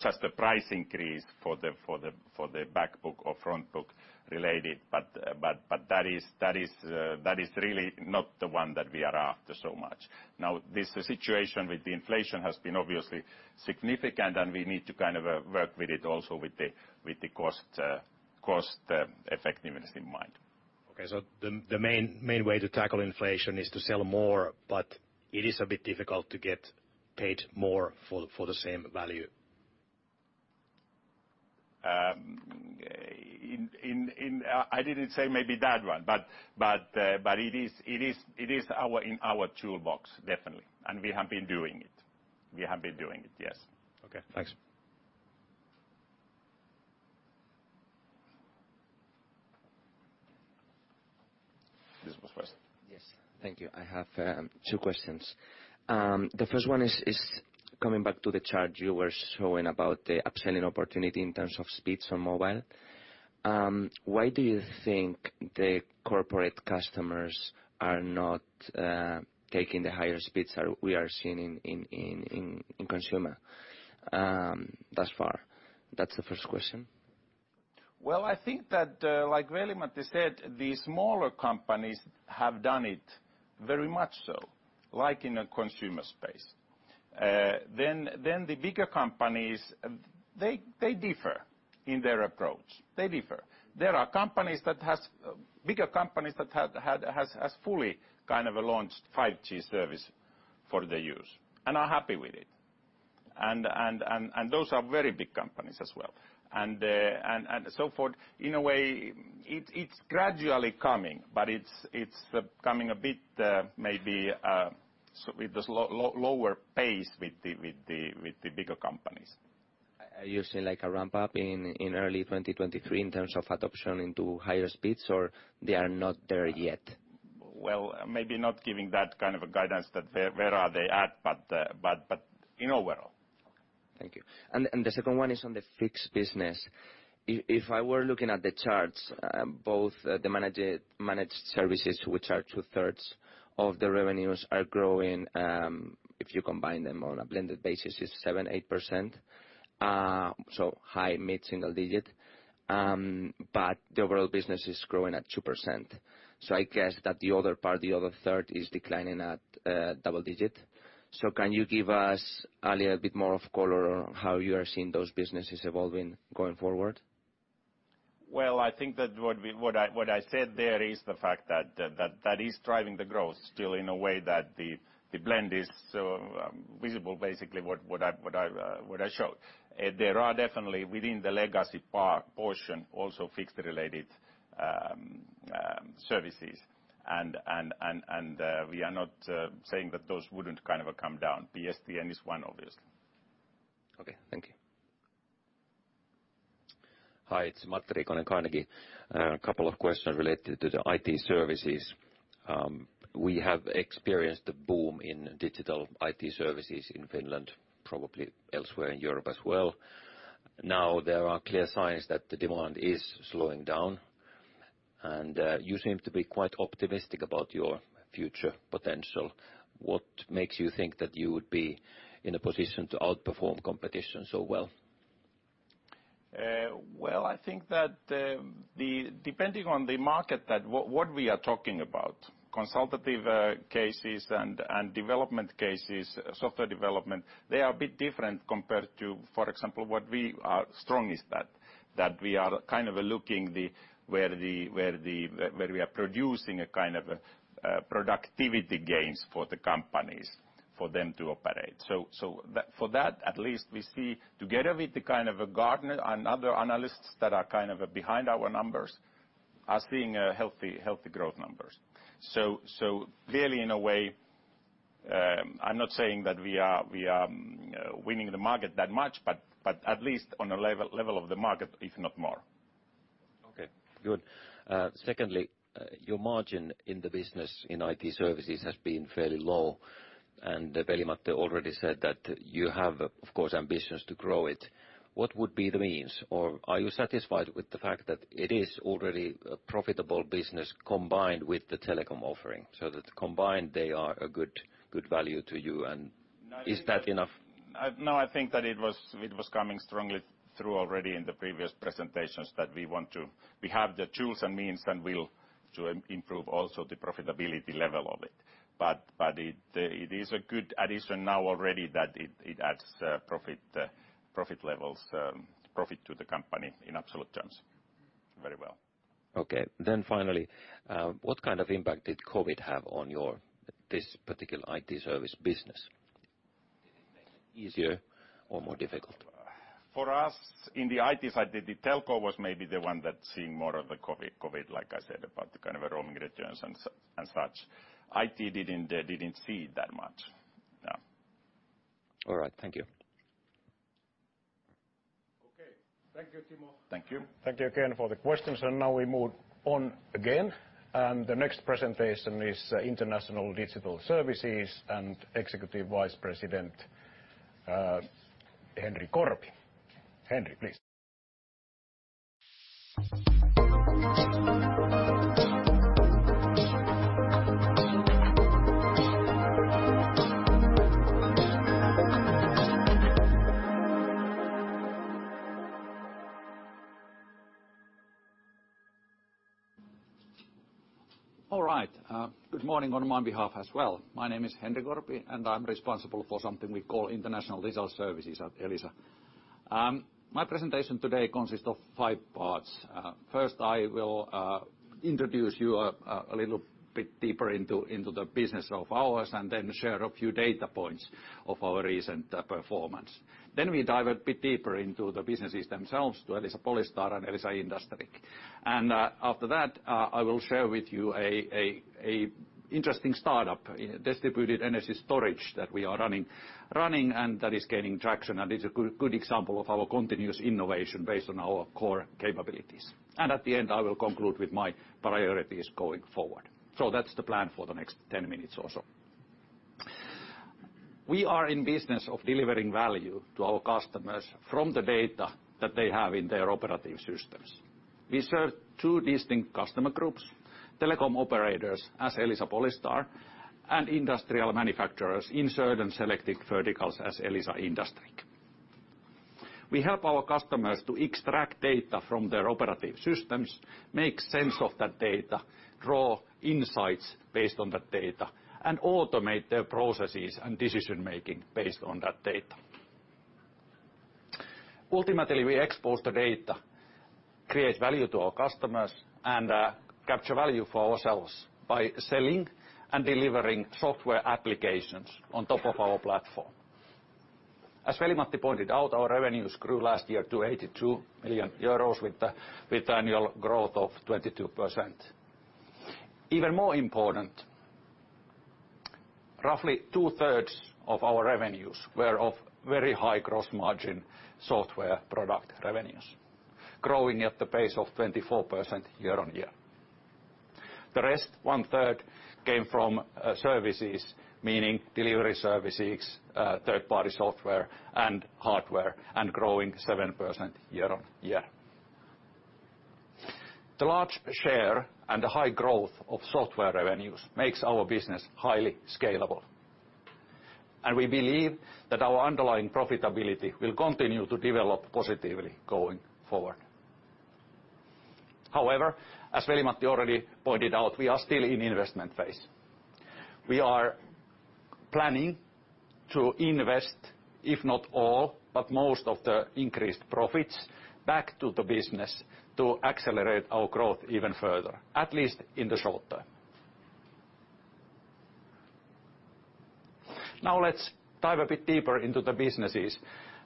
just a price increase for the back book or front book related. That is really not the one that we are after so much. Now, this situation with the inflation has been obviously significant and we need to kind of work with it also with the cost effectiveness in mind. Okay. The main way to tackle inflation is to sell more, but it is a bit difficult to get paid more for the same value. I didn't say maybe that one, but it is in our toolbox, definitely. We have been doing it. We have been doing it, yes. Okay, thanks. Yes, please. Yes. Thank you. I have two questions. The first one is coming back to the chart you were showing about the upselling opportunity in terms of speeds on mobile. Why do you think the corporate customers are not taking the higher speeds we are seeing in consumer thus far? That's the first question. Well, I think that, like Veli-Matti said, the smaller companies have done it very much so, like in a consumer space. The bigger companies, they differ in their approach. They differ. There are bigger companies that has fully kind of launched 5G service for the use and are happy with it. Those are very big companies as well, and so forth. In a way, it's gradually coming, but it's coming a bit maybe with this lower pace with the bigger companies. Are you seeing like a ramp-up in early 2023 in terms of adoption into higher speeds, or they are not there yet? Well, maybe not giving that kind of a guidance that where are they at, but you know well. Okay. Thank you. The second one is on the fixed business. If I were looking at the charts, both the managed services, which are 2/3 of the revenues, are growing. If you combine them on a blended basis, it's 7%-8%. High mid-single digit. The overall business is growing at 2%. I guess that the other 1/3, is declining at double digit. Can you give us a little bit more of color on how you are seeing those businesses evolving going forward? Well, I think that what we, what I said there is the fact that that is driving the growth still in a way that the blend is visible, basically what I've, what I showed. There are definitely within the legacy part portion, also fixed related services. We are not saying that those wouldn't kind of come down. PSTN is one, obviously. Okay. Thank you. Hi, it's Matti Riikonen, Carnegie. A couple of questions related to the IT services. We have experienced the boom in digital IT services in Finland, probably elsewhere in Europe as well. Now, there are clear signs that the demand is slowing down, and you seem to be quite optimistic about your future potential. What makes you think that you would be in a position to outperform competition so well? Well, I think that, depending on the market that what we are talking about, consultative cases and development cases, software development, they are a bit different compared to, for example, what we are strong is that we are kind of looking the, where we are producing a kind of productivity gains for the companies for them to operate. That, for that, at least we see together with the kind of a Gartner and other analysts that are kind of behind our numbers are seeing healthy growth numbers. Clearly, in a way, I'm not saying that we are winning the market that much, but at least on a level of the market, if not more. Okay, good. Secondly, your margin in the business in IT services has been fairly low, and Veli-Matti already said that you have, of course, ambitions to grow it. What would be the means? Are you satisfied with the fact that it is already a profitable business combined with the telecom offering, so that combined they are a good value to you, and is that enough? I think that it was coming strongly through already in the previous presentations that we want to We have the tools and means and will to improve also the profitability level of it. It is a good addition now already that it adds profit levels, profit to the company in absolute terms. Very well. Okay. finally, what kind of impact did COVID have on your, this particular IT service business? Easier or more difficult? For us, in the IT side, the telco was maybe the one that's seeing more of the COVID, like I said, about the kind of roaming returns and such. IT didn't see that much, no. All right. Thank you. Okay. Thank you, Timo. Thank you. Thank you again for the questions, and now we move on again. The next presentation is International Digital Services and Executive Vice President Henri Korpi. Henri, please. All right. Good morning on my behalf as well. My name is Henri Korpi, and I'm responsible for something we call International Digital Services at Elisa. My presentation today consists of five parts. First, I will introduce you a little bit deeper into the business of ours and then share a few data points of our recent performance. We dive a bit deeper into the businesses themselves, to Elisa Polystar and Elisa IndustrIQ. After that, I will share with you a interesting startup in Distributed Energy Storage that we are running and that is gaining traction and is a good example of our continuous innovation based on our core capabilities. At the end, I will conclude with my priorities going forward. That's the plan for the n`ext 10 minutes or so. We are in business of delivering value to our customers from the data that they have in their operative systems. We serve two distinct customer groups: telecom operators as Elisa Polystar and industrial manufacturers in certain selected verticals as Elisa IndustrIQ. We help our customers to extract data from their operative systems, make sense of that data, draw insights based on that data, and automate their processes and decision-making based on that data. Ultimately, we expose the data, create value to our customers, and capture value for ourselves by selling and delivering software applications on top of our platform. As Veli-Matti pointed out, our revenues grew last year to 82 million euros with annual growth of 22%. Even more important, roughly 2/3 of our revenues were of very high gross margin software product revenues, growing at the pace of 24% year-on-year. The rest,1/3, came from services, meaning delivery services, third-party software and hardware, and growing 7% year on year. The large share and the high growth of software revenues makes our business highly scalable, and we believe that our underlying profitability will continue to develop positively going forward. However, as Veli-Matti already pointed out, we are still in investment phase. We are planning to invest, if not all, but most of the increased profits back to the business to accelerate our growth even further, at least in the short term. Now let's dive a bit deeper into the businesses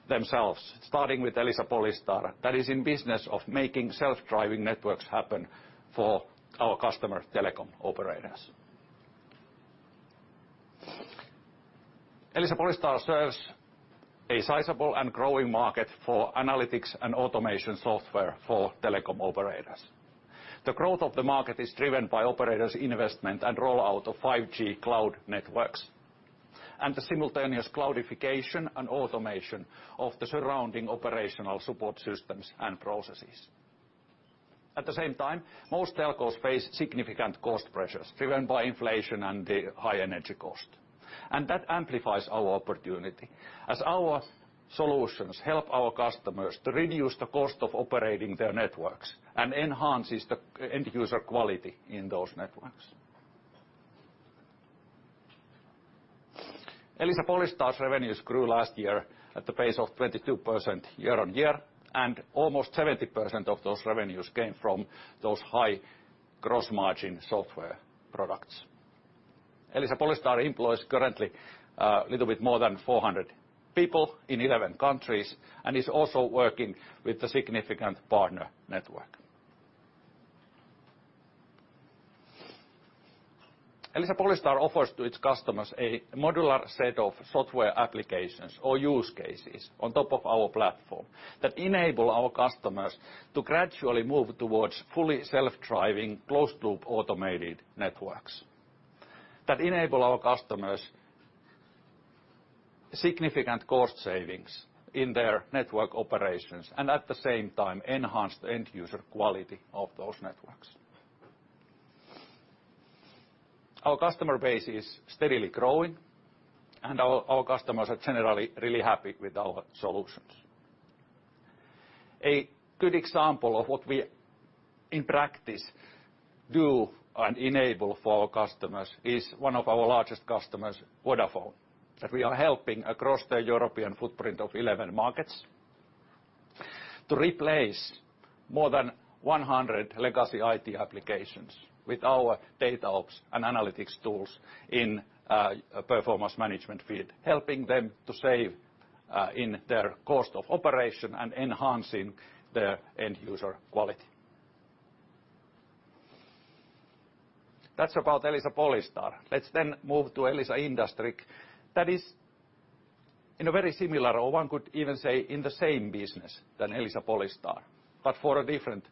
themselves, starting with Elisa Polystar, that is in business of making self-driving networks happen for our customer telecom operators. Elisa Polystar serves a sizable and growing market for analytics and automation software for telecom operators. The growth of the market is driven by operators' investment and rollout of 5G cloud networks and the simultaneous cloudification and automation of the surrounding operational support systems and processes. At the same time, most telcos face significant cost pressures driven by inflation and the high energy cost. That amplifies our opportunity as our solutions help our customers to reduce the cost of operating their networks and enhances the end-user quality in those networks. Elisa Polystar's revenues grew last year at the pace of 22% year-on-year, and almost 70% of those revenues came from those high gross margin software products. Elisa Polystar employs currently a little bit more than 400 people in 11 countries and is also working with a significant partner network. Elisa Polystar offers to its customers a modular set of software applications or use cases on top of our platform that enable our customers to gradually move towards fully self-driving, closed-loop automated networks that enable our customers significant cost savings in their network operations and at the same time enhance the end-user quality of those networks. Our customer base is steadily growing, and our customers are generally really happy with our solutions. A good example of what we, in practice do and enable for our customers is one of our largest customers, Vodafone, that we are helping across the European footprint of 11 markets to replace more than 100 legacy IT applications with our DataOps and analytics tools in performance management field, helping them to save in their cost of operation and enhancing their end-user quality. That's about Elisa Polystar. Let's move to Elisa IndustrIQ. That is in a very similar, or one could even say, in the same business than Elisa Polystar, but for a different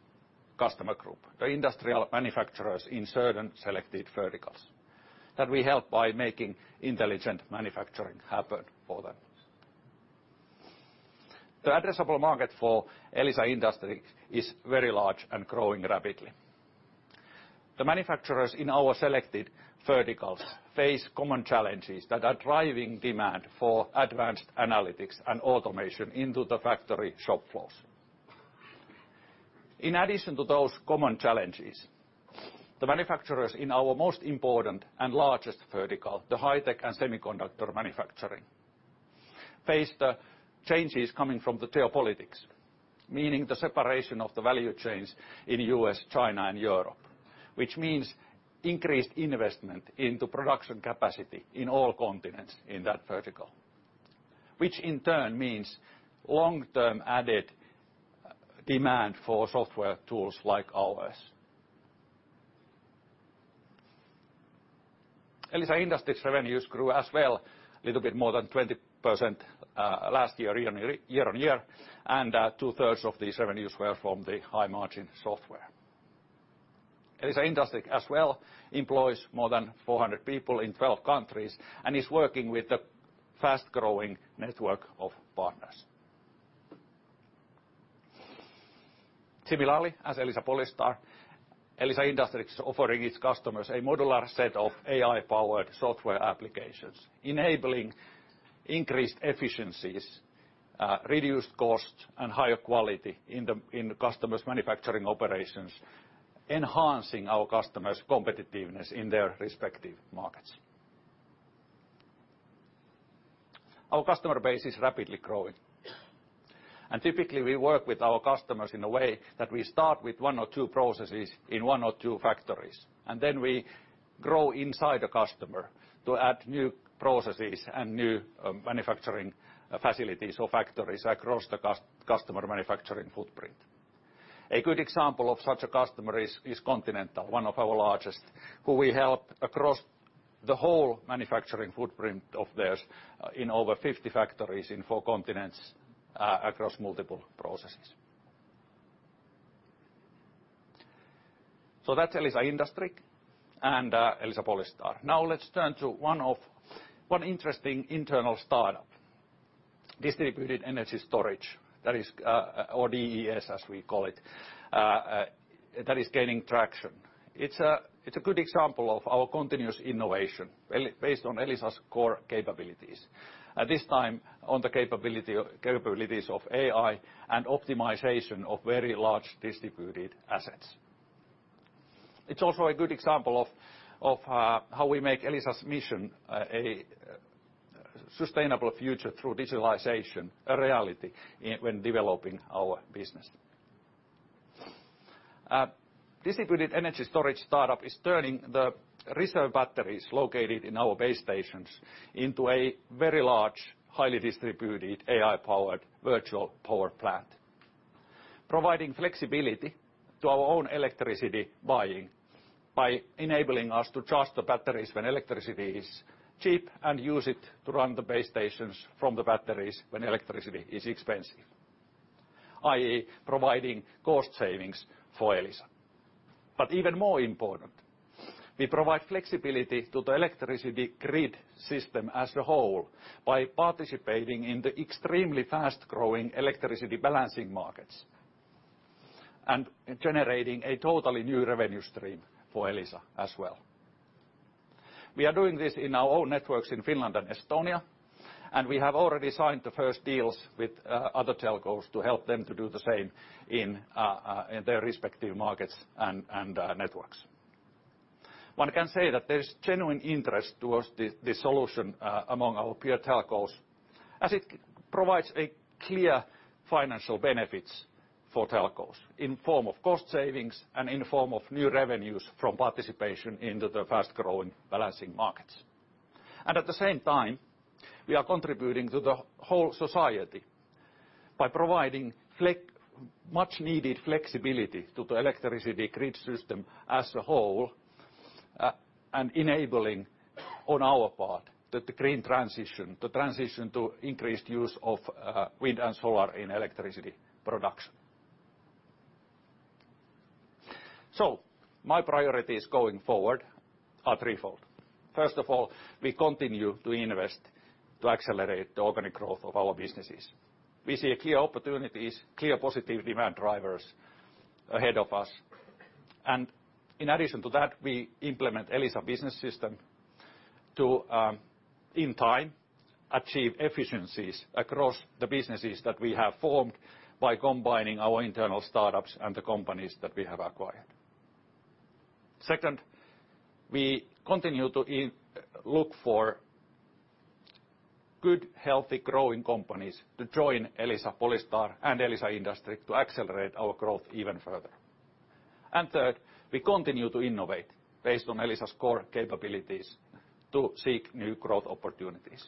customer group, the industrial manufacturers in certain selected verticals that we help by making intelligent manufacturing happen for them. The addressable market for Elisa IndustrIQ is very large and growing rapidly. The manufacturers in our selected verticals face common challenges that are driving demand for advanced analytics and automation into the factory shop floors. In addition to those common challenges, the manufacturers in our most important and largest vertical, the high tech and semiconductor manufacturing, face the changes coming from the geopolitics, meaning the separation of the value chains in U.S., China and Europe, which means increased investment into production capacity in all continents in that vertical, which in turn means long-term added demand for software tools like ours. Elisa IndustrIQ's revenues grew as well, a little bit more than 20%, last year on year, and 2/3 of these revenues were from the high margin software. Elisa IndustrIQ as well employs more than 400 people in 12 countries and is working with a fast-growing network of partners. Similarly, as Elisa Polystar, Elisa IndustrIQ is offering its customers a modular set of AI-powered software applications, enabling increased efficiencies, reduced costs, and higher quality in the, in the customer's manufacturing operations, enhancing our customers' competitiveness in their respective markets. Our customer base is rapidly growing. Typically, we work with our customers in a way that we start with one or two processes in one or two factories, and then we grow inside the customer to add new processes and new manufacturing facilities or factories across the customer manufacturing footprint. A good example of such a customer is Continental, one of our largest, who we help across the whole manufacturing footprint of theirs in over 50 factories in four continents, across multiple processes. That's Elisa IndustrIQ and Elisa Polystar. Let's turn to one interesting internal startup, Distributed Energy Storage, that is, or DES, as we call it, that is gaining traction. It's a good example of our continuous innovation based on Elisa's core capabilities, at this time on the capabilities of AI and optimization of very large distributed assets. It's also a good example of how we make Elisa's mission, a sustainable future through digitalization a reality in, when developing our business. Distributed Energy Storage startup is turning the reserve batteries located in our base stations into a very large, highly distributed AI-powered virtual power plant, providing flexibility to our own electricity buying by enabling us to charge the batteries when electricity is cheap and use it to run the base stations from the batteries when electricity is expensive, i.e., providing cost savings for Elisa. Even more important, we provide flexibility to the electricity grid system as a whole by participating in the extremely fast-growing electricity balancing markets and generating a totally new revenue stream for Elisa as well. We are doing this in our own networks in Finland and Estonia, and we have already signed the first deals with other telcos to help them to do the same in their respective markets and networks. One can say that there's genuine interest towards the solution among our peer telcos, as it provides a clear financial benefits for telcos in form of cost savings and in form of new revenues from participation into the fast-growing balancing markets. At the same time, we are contributing to the whole society by providing much needed flexibility to the electricity grid system as a whole, and enabling on our part the green transition, the transition to increased use of wind and solar in electricity production. My priorities going forward are threefold. First of all, we continue to invest to accelerate the organic growth of our businesses. We see a clear opportunities, clear positive demand drivers ahead of us. In addition to that, we implement Elisa Business System to, in time, achieve efficiencies across the businesses that we have formed by combining our internal startups and the companies that we have acquired. Second, we continue to look for good, healthy, growing companies to join Elisa Polystar and Elisa IndustrIQ to accelerate our growth even further. Third, we continue to innovate based on Elisa's core capabilities to seek new growth opportunities.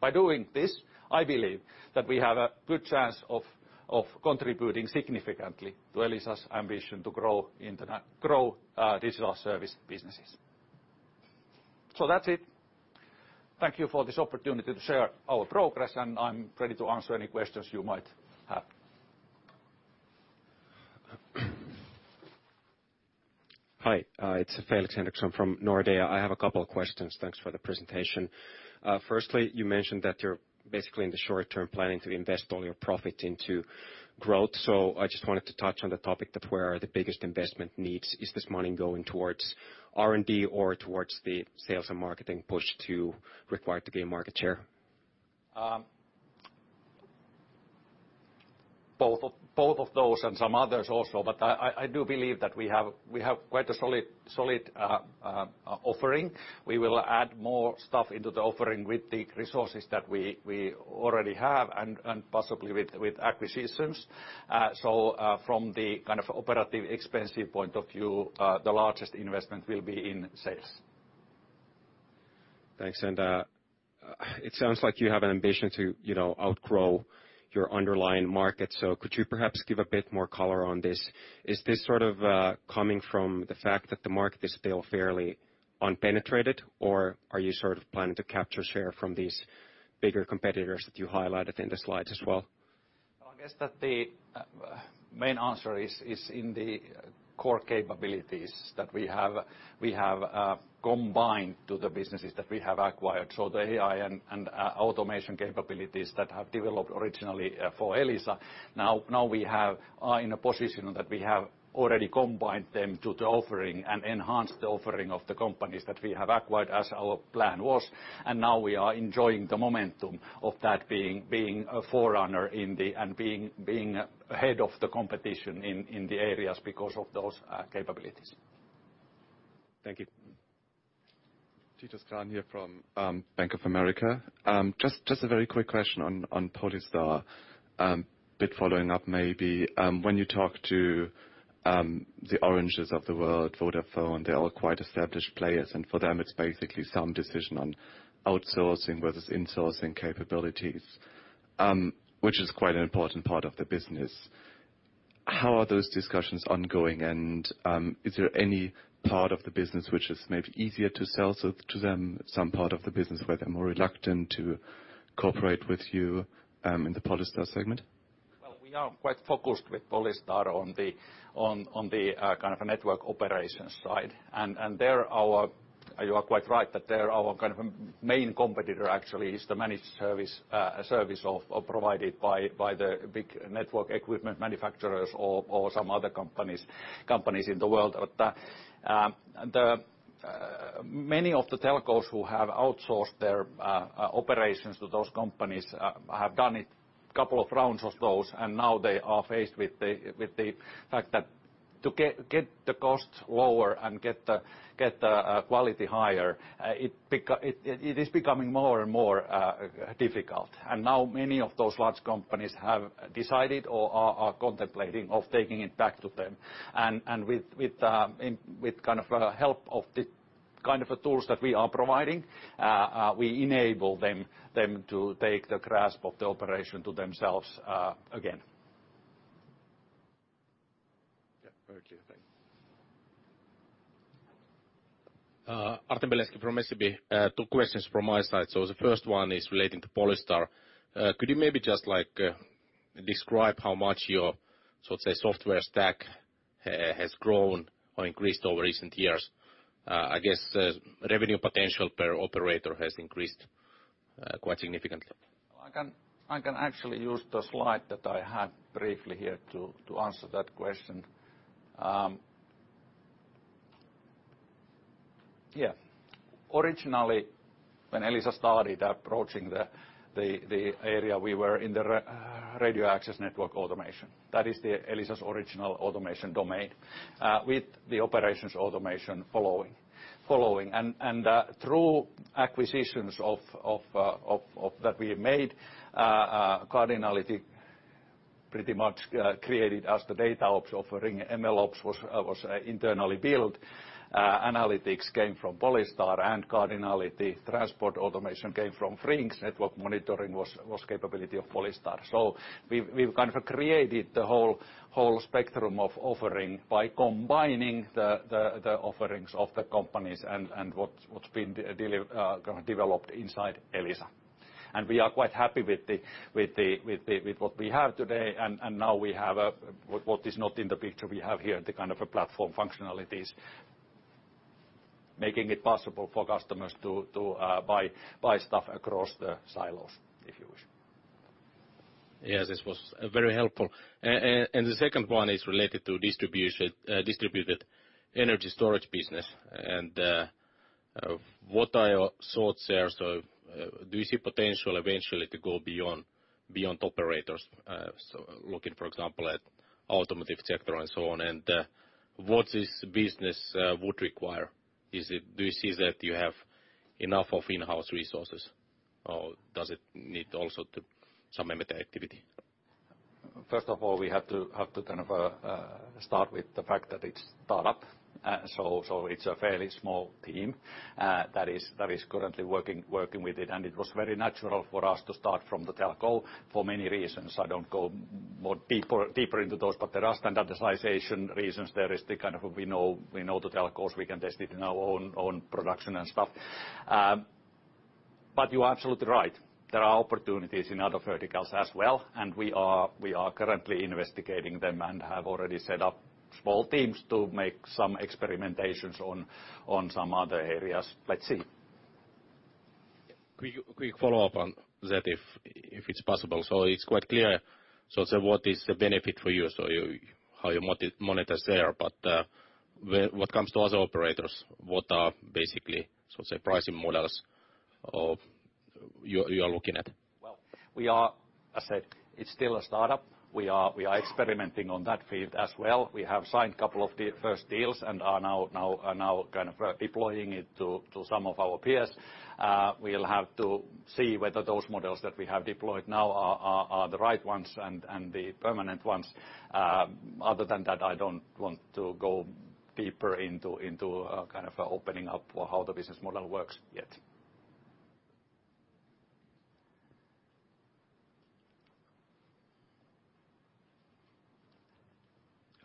By doing this, I believe that we have a good chance of contributing significantly to Elisa's ambition to grow digital service businesses. That's it. Thank you for this opportunity to share our progress, and I'm ready to answer any questions you might have. Hi, it's Felix Henriksson from Nordea. I have a couple of questions. Thanks for the presentation. Firstly, you mentioned that you're basically in the short term planning to invest all your profit into growth. I just wanted to touch on the topic of where are the biggest investment needs. Is this money going towards R&D or towards the sales and marketing push to require to gain market share? Both of those and some others also. I do believe that we have quite a solid offering. We will add more stuff into the offering with the resources that we already have and possibly with acquisitions. From the kind of OpEx view point of view, the largest investment will be in sales. Thanks. It sounds like you have an ambition to, you know, outgrow your underlying market. Could you perhaps give a bit more color on this? Is this sort of coming from the fact that the market is still fairly unpenetrated, or are you sort of planning to capture share from these bigger competitors that you highlighted in the slides as well? I guess that the main answer is in the core capabilities that we have combined to the businesses that we have acquired. So the AI and automation capabilities that have developed originally for Elisa. Now we are in a position that we have already combined them to the offering and enhanced the offering of the companies that we have acquired as our plan was, and now we are enjoying the momentum of that being a forerunner in the and being ahead of the competition in the areas because of those capabilities. Thank you. Titus Tan here from Bank of America. Just a very quick question on Polystar. Following up maybe, when you talk to the oranges of the world, Vodafone, they're all quite established players, for them, it's basically some decision on outsourcing versus insourcing capabilities, which is quite an important part of the business. How are those discussions ongoing? Is there any part of the business which is maybe easier to sell to them, some part of the business where they're more reluctant to cooperate with you in the Polystar segment? Well, we are quite focused with Polystar on the kind of network operations side. You are quite right that there are kind of main competitor actually is the managed service of provided by the big network equipment manufacturers or some other companies in the world. The many of the telcos who have outsourced their operations to those companies have done it couple of rounds of those, and now they are faced with the fact that to get the cost lower and get the quality higher, it is becoming more and more difficult. Now many of those large companies have decided or are contemplating of taking it back to them. With in, with kind of help of the kind of tools that we are providing, we enable them to take the grasp of the operation to themselves, again. Yeah. Very clear. Thank you. Artem Beletski from SEB. Two questions from my side. The first one is relating to Polystar. Could you maybe describe how much your, so to say, software stack has grown or increased over recent years? I guess revenue potential per operator has increased quite significantly. I can actually use the slide that I had briefly here to answer that question. Yeah. Originally, when Elisa started approaching the area we were in the radio access network automation. That is the Elisa's original automation domain with the operations automation following. Through acquisitions of that we made, Cardinality pretty much created as the DataOps offering. MLOps was internally built. Analytics came from Polystar and Cardinality. Transport automation came from FRINX. Network monitoring was capability of Polystar. We've kind of created the whole spectrum of offering by combining the offerings of the companies and what's been kind of developed inside Elisa. We are quite happy with what we have today. Now we have, what is not in the picture we have here, the kind of a platform functionalities making it possible for customers to buy stuff across the silos, if you wish. Yes, this was very helpful. And the second one is related to Distributed Energy Storage business and what are your thoughts there? Do you see potential eventually to go beyond operators? Looking, for example, at automotive sector and so on, and what this business would require? Do you see that you have enough of in-house resources or does it need also to some M&A activity? First of all, we have to kind of a start with the fact that it's start-up. It's a fairly small team that is currently working with it. It was very natural for us to start from the telco for many reasons. I don't go more deeper into those, but there are standardization reasons. There is the kind of we know the telcos, we can test it in our own production and stuff. You are absolutely right. There are opportunities in other verticals as well, and we are currently investigating them and have already set up small teams to make some experimentations on some other areas. Let's see. Quick follow-up on that if it's possible. It's quite clear. What is the benefit for you? how you monetize there. What comes to other operators, what are basically pricing models you're looking at? Well, we are, I said, it's still a startup. We are experimenting on that field as well. We have signed a couple of the first deals and are now kind of deploying it to some of our peers. We'll have to see whether those models that we have deployed now are the right ones and the permanent ones. Other than that, I don't want to go deeper into kind of opening up or how the business model works yet.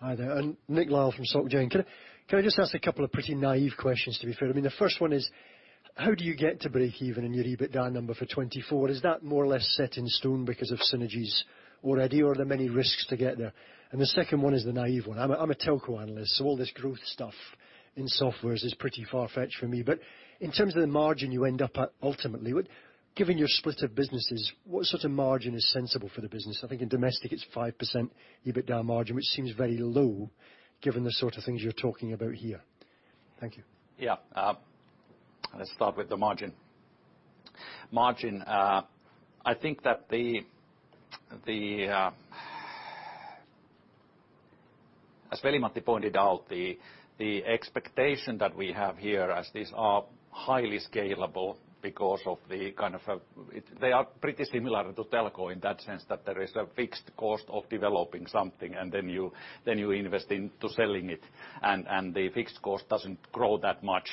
Hi there, I'm Nick Lyall from SocGen. Can I just ask a couple of pretty naive questions to be fair? I mean, the first one is how do you get to break even in your EBITDA number for 2024? Is that more or less set in stone because of synergies already or are there many risks to get there? The second one is the naive one. I'm a telco analyst, so all this growth stuff in softwares is pretty far-fetched for me. In terms of the margin you end up at ultimately, what given your split of businesses, what sort of margin is sensible for the business? I think in domestic it's 5% EBITDA margin, which seems very low given the sort of things you're talking about here. Thank you. Let's start with the margin. Margin, I think that the, as Veli-Matti pointed out, the expectation that we have here as these are highly scalable because of the kind of, they are pretty similar to telco in that sense that there is a fixed cost of developing something and then you invest into selling it. The fixed cost doesn't grow that much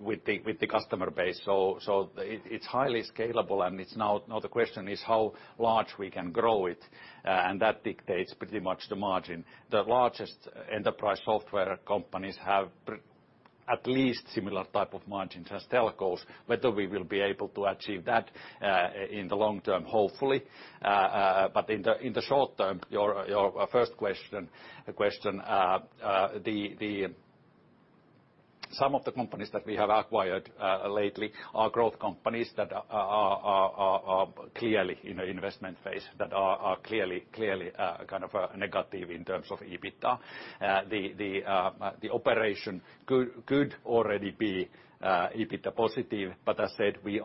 with the customer base. It's highly scalable, and it's now the question is how large we can grow it, and that dictates pretty much the margin. The largest enterprise software companies have at least similar type of margins as telcos. Whether we will be able to achieve that in the long term, hopefully. In the short term, your first question. Some of the companies that we have acquired lately are growth companies that are clearly in an investment phase, that are clearly kind of negative in terms of EBITDA. The operation could already be EBITDA positive. As said, we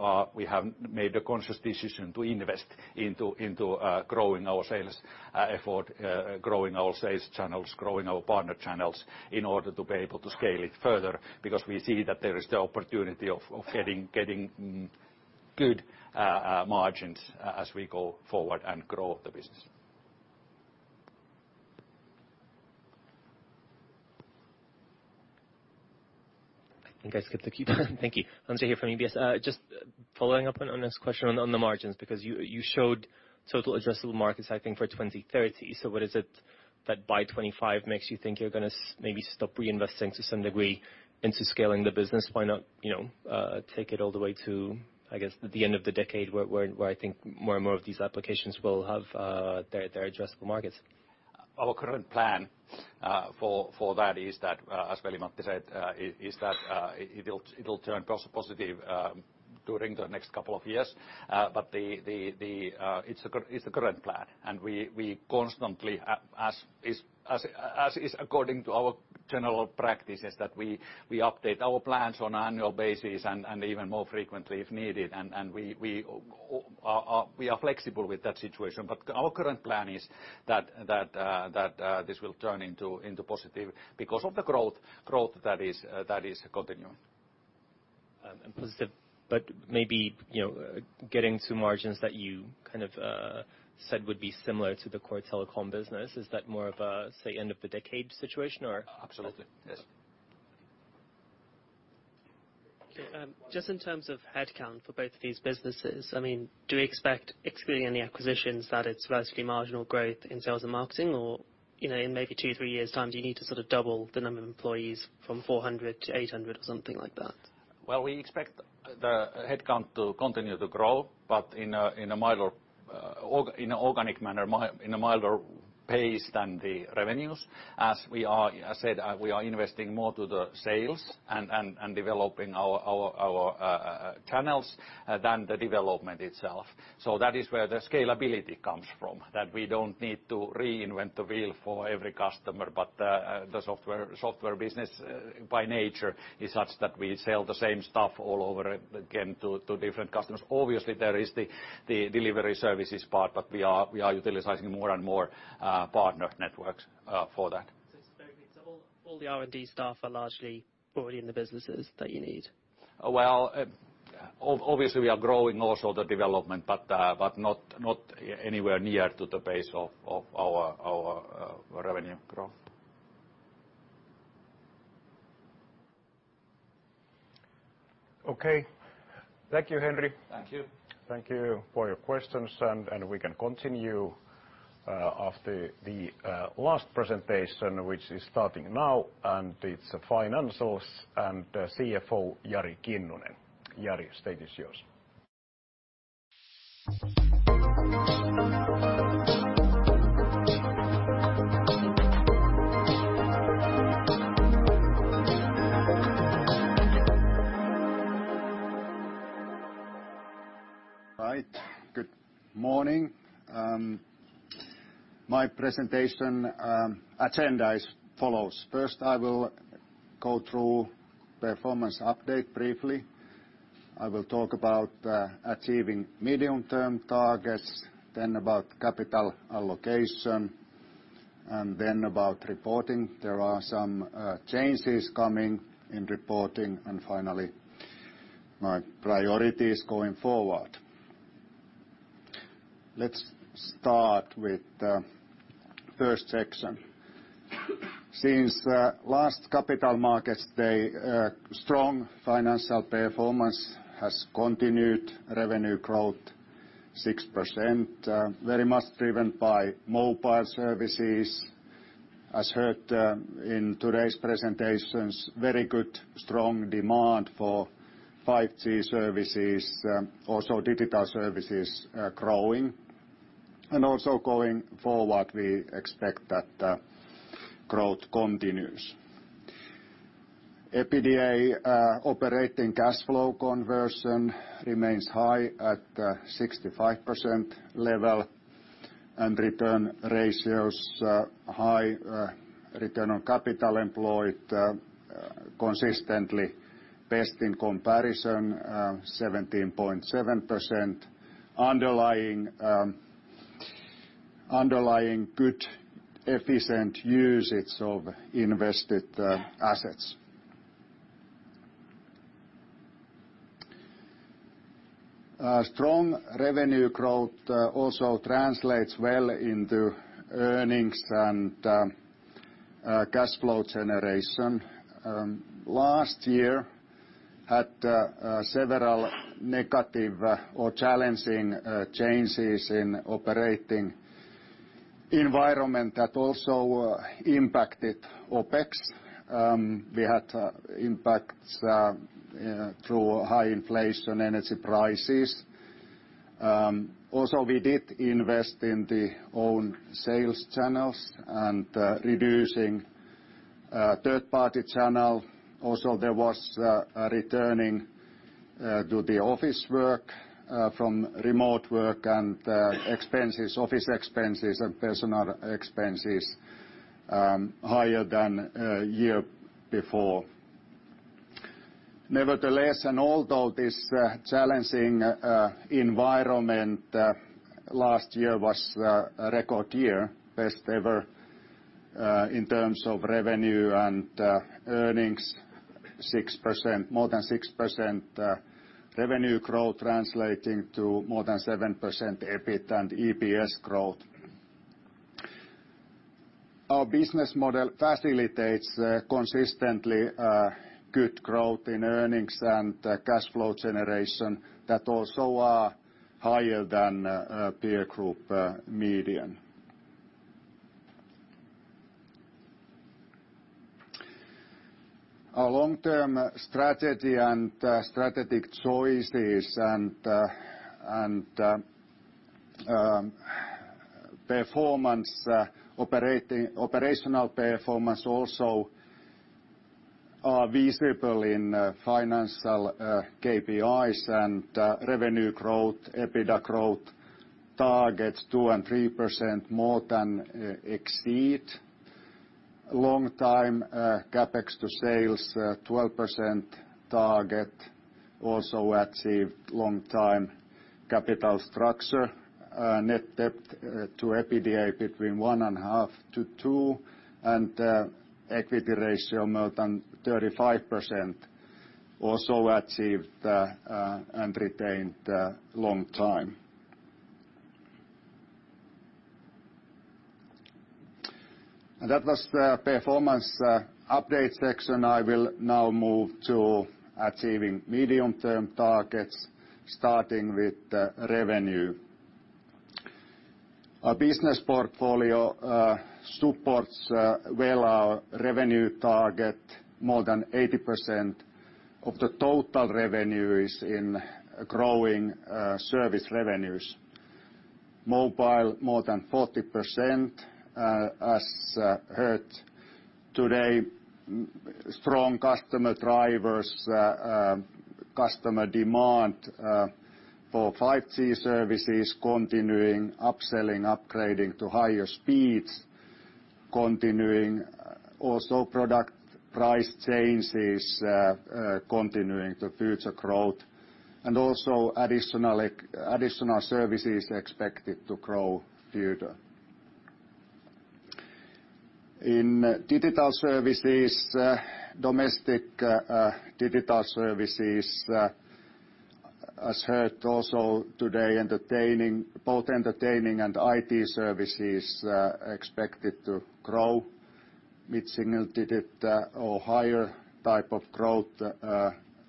have made a conscious decision to invest into growing our sales effort, growing our sales channels, growing our partner channels in order to be able to scale it further because we see that there is the opportunity of getting good margins as we go forward and grow the business. I think I skipped the queue. Thank you. Ondrej here from UBS. Just following up on question on the margins because you showed total addressable markets, I think, for 2030. What is it that by 2025 makes you think you're gonna maybe stop reinvesting to some degree into scaling the business? Why not, you know, take it all the way to, I guess, the end of the decade where I think more and more of these applications will have their addressable markets? Our current plan for that is that as Veli-Matti said, is that it'll turn cost positive during the next couple of years. It's the current plan, and we constantly as is according to our general practices, that we update our plans on annual basis and even more frequently if needed. We are flexible with that situation. Our current plan is that this will turn into positive because of the growth that is continuing. Positive, but maybe, you know, getting to margins that you kind of, said would be similar to the core telecom business, is that more of a, say, end of the decade situation or? Absolutely. Yes. Just in terms of headcount for both of these businesses, I mean, do we expect excluding any acquisitions that it's largely marginal growth in sales and marketing or, you know, in maybe two, three years' time do you need to sort of double the number of employees from 400 to 800 or something like that? We expect the headcount to continue to grow, but in an organic manner, in a milder pace than the revenues. As we are, as said, we are investing more to the sales and developing our channels than the development itself. That is where the scalability comes from, that we don't need to reinvent the wheel for every customer. The software business by nature is such that we sell the same stuff all over again to different customers. Obviously, there is the delivery services part, but we are utilizing more and more partner networks for that. All the R&D staff are largely already in the businesses that you need? Well, obviously, we are growing also the development, but not anywhere near to the pace of our revenue growth. Okay. Thank you, Henri. Thank you. Thank you for your questions, and we can continue after the last presentation, which is starting now, and it's financials and CFO Jari Kinnunen. Jari, stage is yours. All right. Good morning. My presentation agenda is follows. First, I will go through performance update briefly. I will talk about achieving medium-term targets, then about capital allocation, and then about reporting. There are some changes coming in reporting, and finally, my priorities going forward. Let's start with the first section. Since the last Capital Markets Day, strong financial performance has continued, revenue growth 6%, very much driven by mobile services. As heard in today's presentations, very good strong demand for 5G services, also digital services growing. Also going forward, we expect that growth continues. EBITDA operating cash flow conversion remains high at 65% level, and return ratios high, return on capital employed consistently best in comparison, 17.7%. Underlying good efficient usage of invested assets. A strong revenue growth, also translates well into earnings and cash flow generation. Last year had several negative or challenging changes in operating environment that also impacted OpEx. We had impacts through high inflation energy prices. Also, we did invest in the own sales channels and reducing third-party channel. Also, there was a returning to the office work from remote work and expenses, office expenses and personal expenses, higher than year before. Nevertheless, although this challenging environment, last year was a record year, best ever, in terms of revenue and earnings, 6%, more than 6%, revenue growth translating to more than 7% EBIT and EPS growth. Our business model facilitates consistently good growth in earnings and cash flow generation that also are higher than peer group median. Our long-term strategy and strategic choices and operational performance also are visible in financial KPIs and revenue growth, EBITDA growth targets 2% and 3% more than exceed. Long time CapEx to sales 12% target also achieved long time. Capital structure net debt to EBITDA between 1.5x-2x, and equity ratio more than 35% also achieved and retained long time. That was the performance update section. I will now move to achieving medium-term targets, starting with the revenue. Our business portfolio supports well our revenue target. More than 80% of the total revenue is in growing service revenues. Mobile more than 40%, as heard today. Strong customer drivers, customer demand for 5G services continuing, upselling, upgrading to higher speeds continuing. Also product price changes continuing to future growth, and also additional services expected to grow further. In digital services, domestic digital services, as heard also today, entertaining, both entertaining and IT services expected to grow, mid-single digit or higher type of growth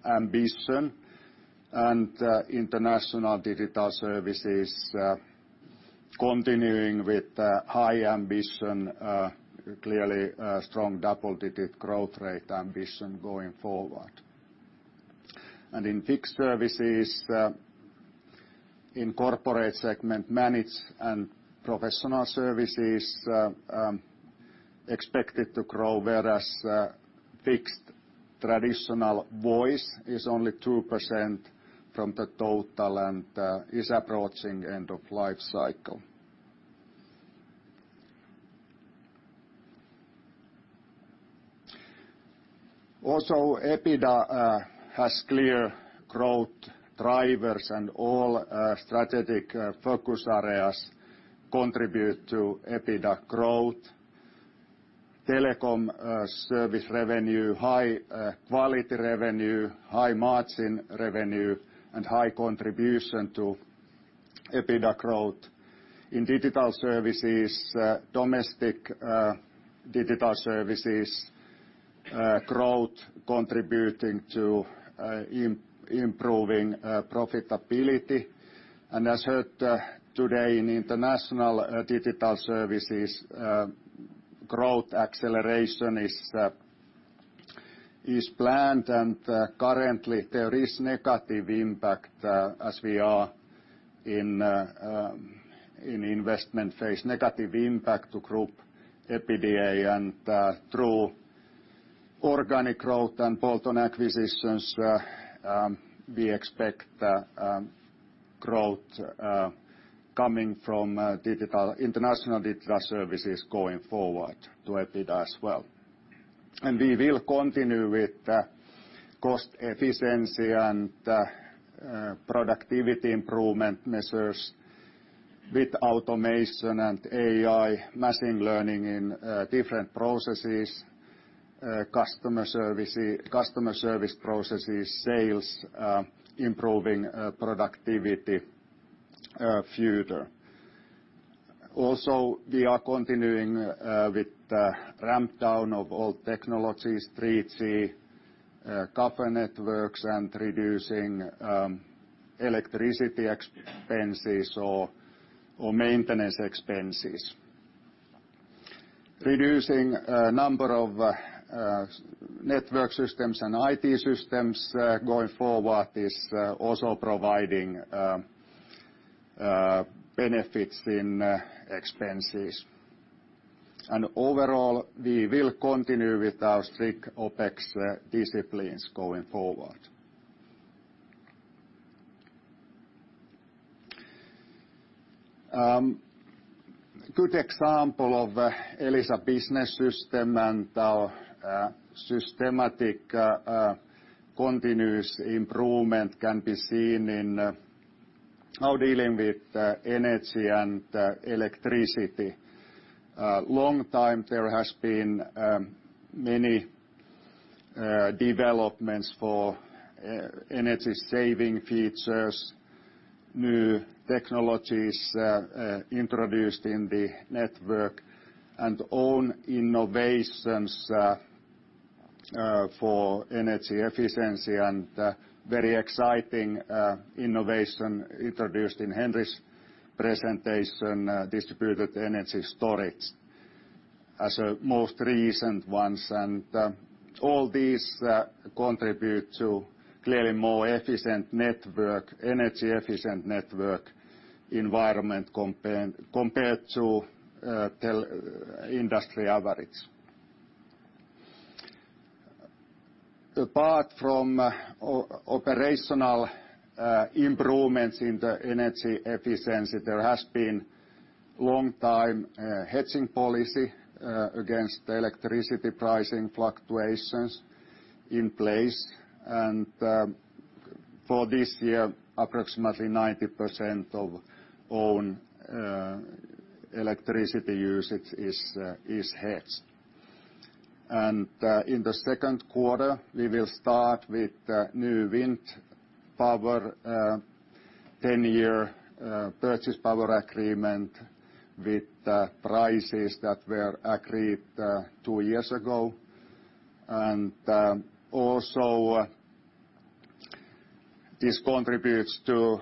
ambition. International digital services continuing with high ambition, clearly a strong double-digit growth rate ambition going forward. In fixed services, in corporate segment, managed and professional services expected to grow, whereas fixed traditional voice is only 2% from the total and is approaching end of life cycle. Also, EBITDA has clear growth drivers, and all strategic focus areas contribute to EBITDA growth. Telecom service revenue, high quality revenue, high-margin revenue, and high contribution to EBITDA growth. In digital services, domestic digital services growth contributing to improving profitability. As heard today in international digital services, growth acceleration is planned and currently there is negative impact as we are in investment phase, negative impact to group EBITDA. Through organic growth and bolt-on acquisitions, we expect growth coming from digital, international digital services going forward to EBITDA as well. We will continue with cost efficiency and productivity improvement measures with automation and AI, machine learning in different processes, customer service, customer service processes, sales, improving productivity further. Also, we are continuing with the ramp-down of old technologies, 3G, copper networks, and reducing electricity expenses or maintenance expenses. Reducing a number of network systems and IT systems going forward is also providing benefits in expenses. Overall, we will continue with our strict OpEx disciplines going forward. Good example of Elisa Business System and our systematic continuous improvement can be seen in how dealing with energy and electricity. Long time there has been many developments for energy-saving features, new technologies introduced in the network, and own innovations for energy efficiency, and very exciting innovation introduced in Henri's presentation, Distributed Energy Storage as a most recent ones. All these contribute to clearly more efficient network, energy-efficient network environment compared to industry average. Apart from operational improvements in the energy efficiency, there has been long time hedging policy against electricity pricing fluctuations in place. For this year, approximately 90% of own electricity usage is hedged. In the second quarter, we will start with new wind power 10-year purchase power agreement with prices that were agreed two years ago. Also this contributes to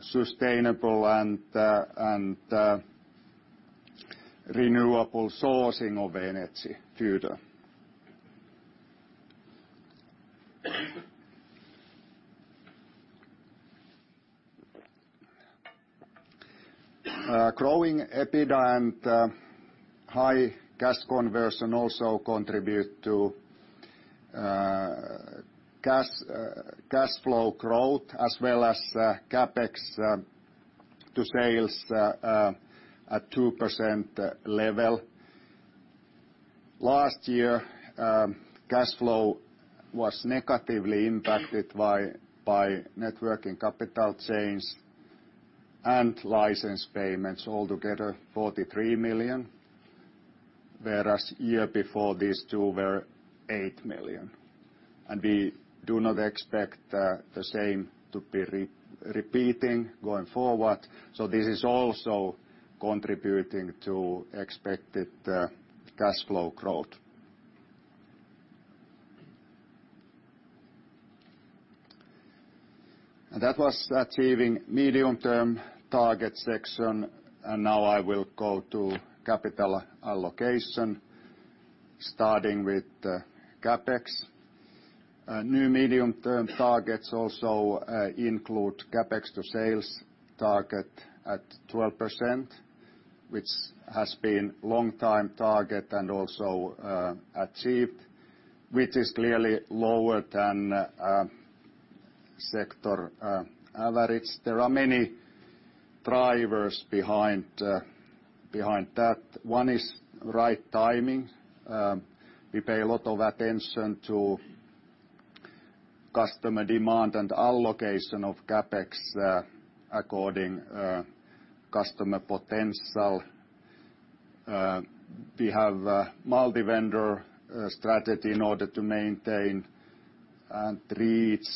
sustainable and renewable sourcing of energy future. Growing EBITDA and high cash conversion also contribute to cash flow growth as well as CapEx to sales at 2% level. Last year, cash flow was negatively impacted by net working capital change and license payments altogether 43 million, whereas year before these two were 8 million. We do not expect the same to be repeating going forward. This is also contributing to expected cash flow growth. That was achieving medium-term target section. Now I will go to capital allocation starting with CapEx. New medium-term targets also include CapEx to sales target at 12%, which has been long-time target and also achieved, which is clearly lower than sector average. There are many drivers behind that. One is right timing. We pay a lot of attention to customer demand and allocation of CapEx according customer potential. We have a multi-vendor strategy in order to maintain and reach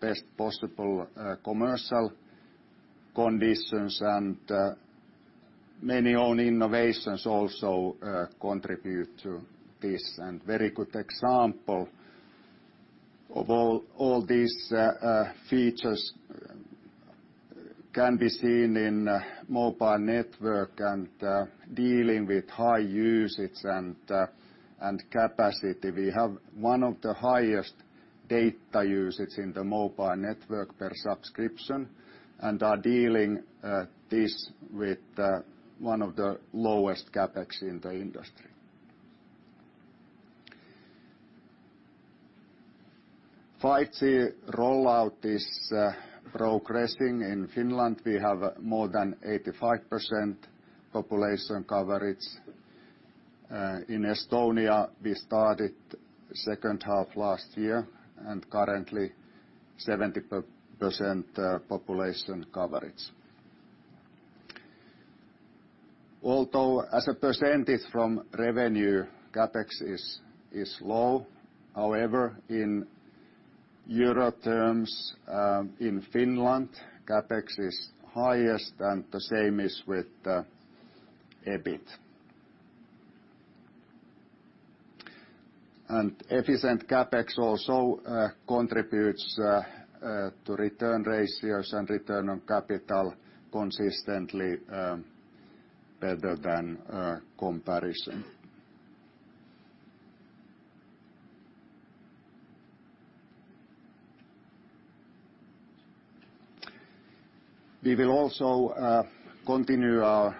best possible commercial conditions, and many own innovations also contribute to this. Very good example of all these features can be seen in mobile network and dealing with high usage and capacity. We have one of the highest data usage in the mobile network per subscription and are dealing this with one of the lowest CapEx in the industry. 5G rollout is progressing in Finland. We have more than 85% population coverage. In Estonia, we started second half last year and currently 70% population coverage. Although as a percentage from revenue, CapEx is low. However, in euro terms, in Finland, CapEx is highest, and the same is with EBIT. Efficient CapEx also contributes to return ratios and return on capital consistently better than comparison. We will also continue our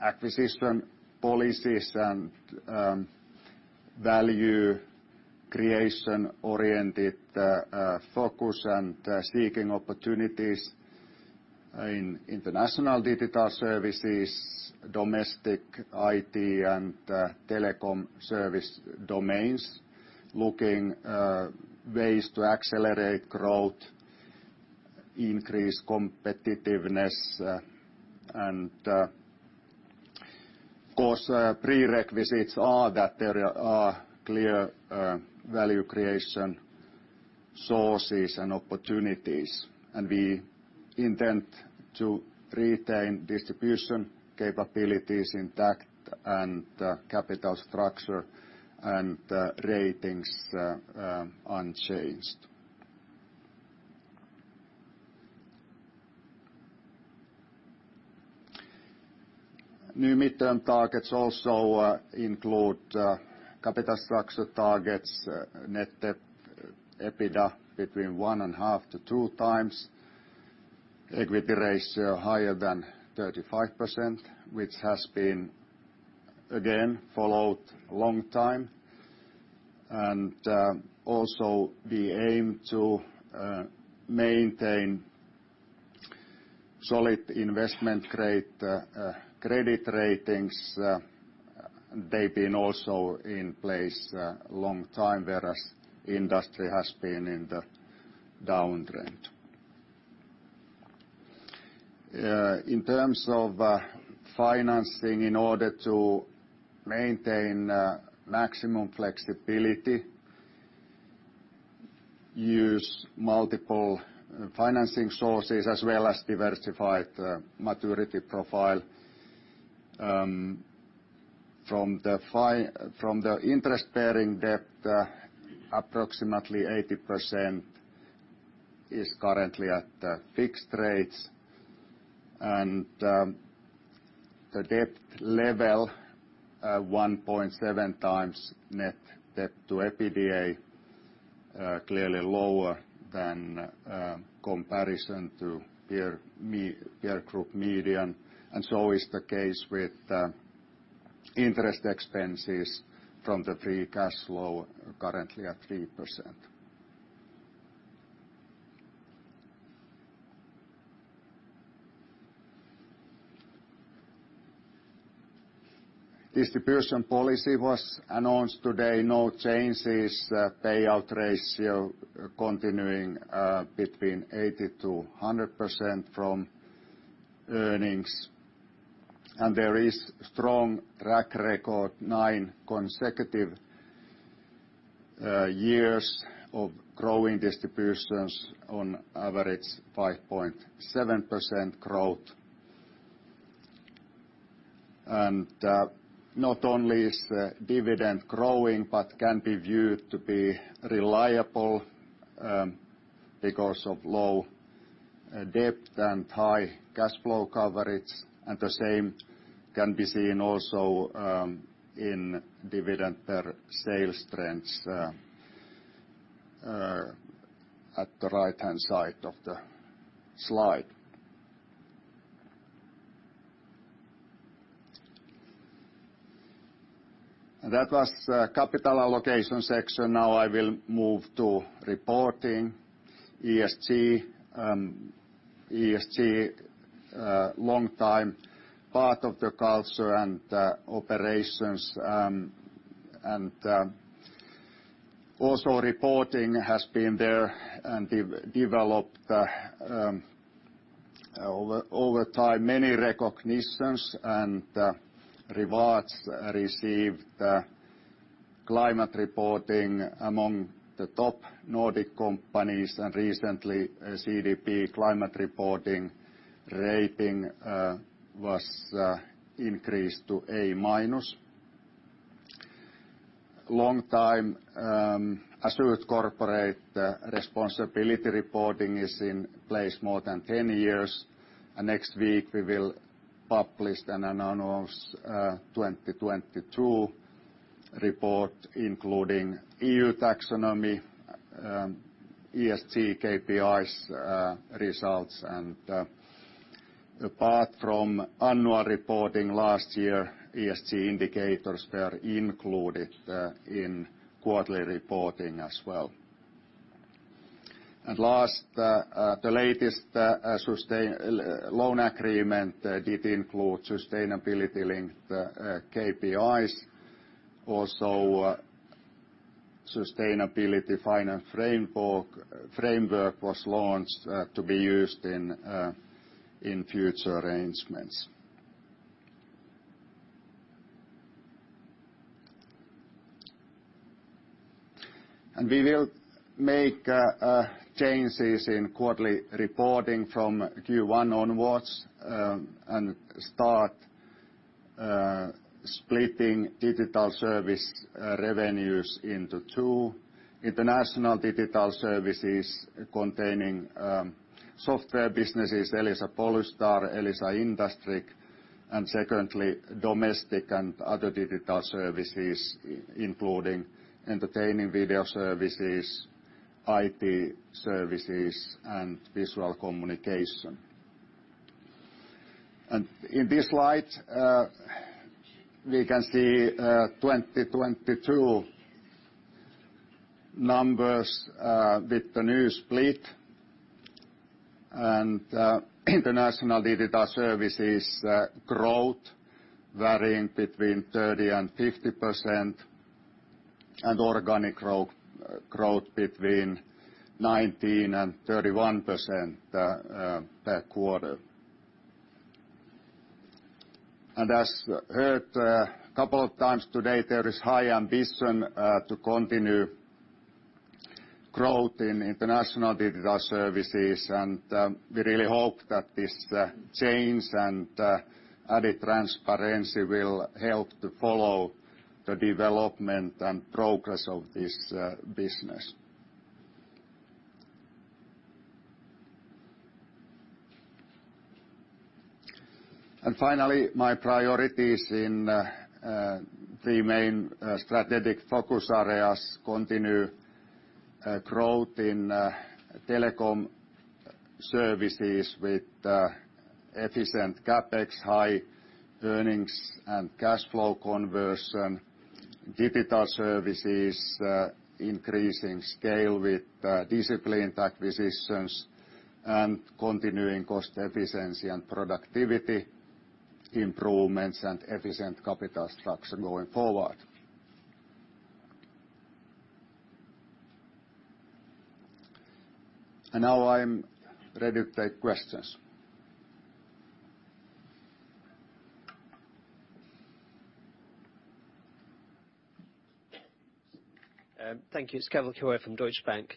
acquisition policies and value creation-oriented focus and seeking opportunities in international digital services, domestic IT and telecom service domains. Looking ways to accelerate growth, increase competitiveness, and of course, prerequisites are that there are clear value creation sources and opportunities. We intend to retain distribution capabilities intact and capital structure and ratings unchanged. New midterm targets also include capital structure targets, net debt, EBITDA between 1.5x-2x, equity ratio higher than 35%, which has been, again, followed long time. Also we aim to maintain solid investment-grade credit ratings. They've been also in place, long time, whereas industry has been in the downtrend. In terms of financing, in order to maintain maximum flexibility, use multiple financing sources as well as diversified maturity profile. From the interest-bearing debt, approximately 80% is currently at the fixed rates. The debt level, 1.7x net debt to EBITDA, clearly lower than comparison to peer group median, and so is the case with interest expenses from the free cash flow currently at 3%. Distribution policy was announced today. No changes. Payout ratio continuing between 80%-100% from earnings. There is strong track record, nine consecutive years of growing distributions, on average 5.7% growth. Not only is the dividend growing, but can be viewed to be reliable because of low debt and high cash flow coverage. The same can be seen also in dividend per sales trends at the right-hand side of the slide. That was the capital allocation section. Now I will move to reporting. ESG, long time part of the culture and operations, and also reporting has been there and developed over time many recognitions and rewards received. Climate reporting among the top Nordic companies and recently a CDP climate reporting rating was increased to A-. Long time assured corporate responsibility reporting is in place more than 10 years. Next week we will publish and announce 2022 report including EU taxonomy ESG KPIs results. Apart from annual reporting, last year ESG indicators were included in quarterly reporting as well. Last, at the latest, loan agreement did include sustainability-linked KPIs. Also, sustainability finance framework was launched to be used in future arrangements. We will make changes in quarterly reporting from Q1 onwards and start splitting digital service revenues into two, international digital services containing software businesses, Elisa Polystar, Elisa IndustrIQ, and secondly, domestic and other digital services, including entertaining video services, IT services, and visual communication. In this slide, we can see 2022 numbers with the new split. International digital services growth varying between 30% and 50%, and organic growth between 19% and 31% per quarter. As heard a couple of times today, there is high ambition to continue growth in International Digital Services, and we really hope that this change and added transparency will help to follow the development and progress of this business. Finally, my priorities in three main strategic focus areas continue growth in telecom services with efficient CapEx, high earnings, and cash flow conversion, digital services, increasing scale with disciplined acquisitions, and continuing cost efficiency and productivity improvements and efficient capital structure going forward. Now I'm ready to take questions. Thank you. It's Keval Khiroya from Deutsche Bank.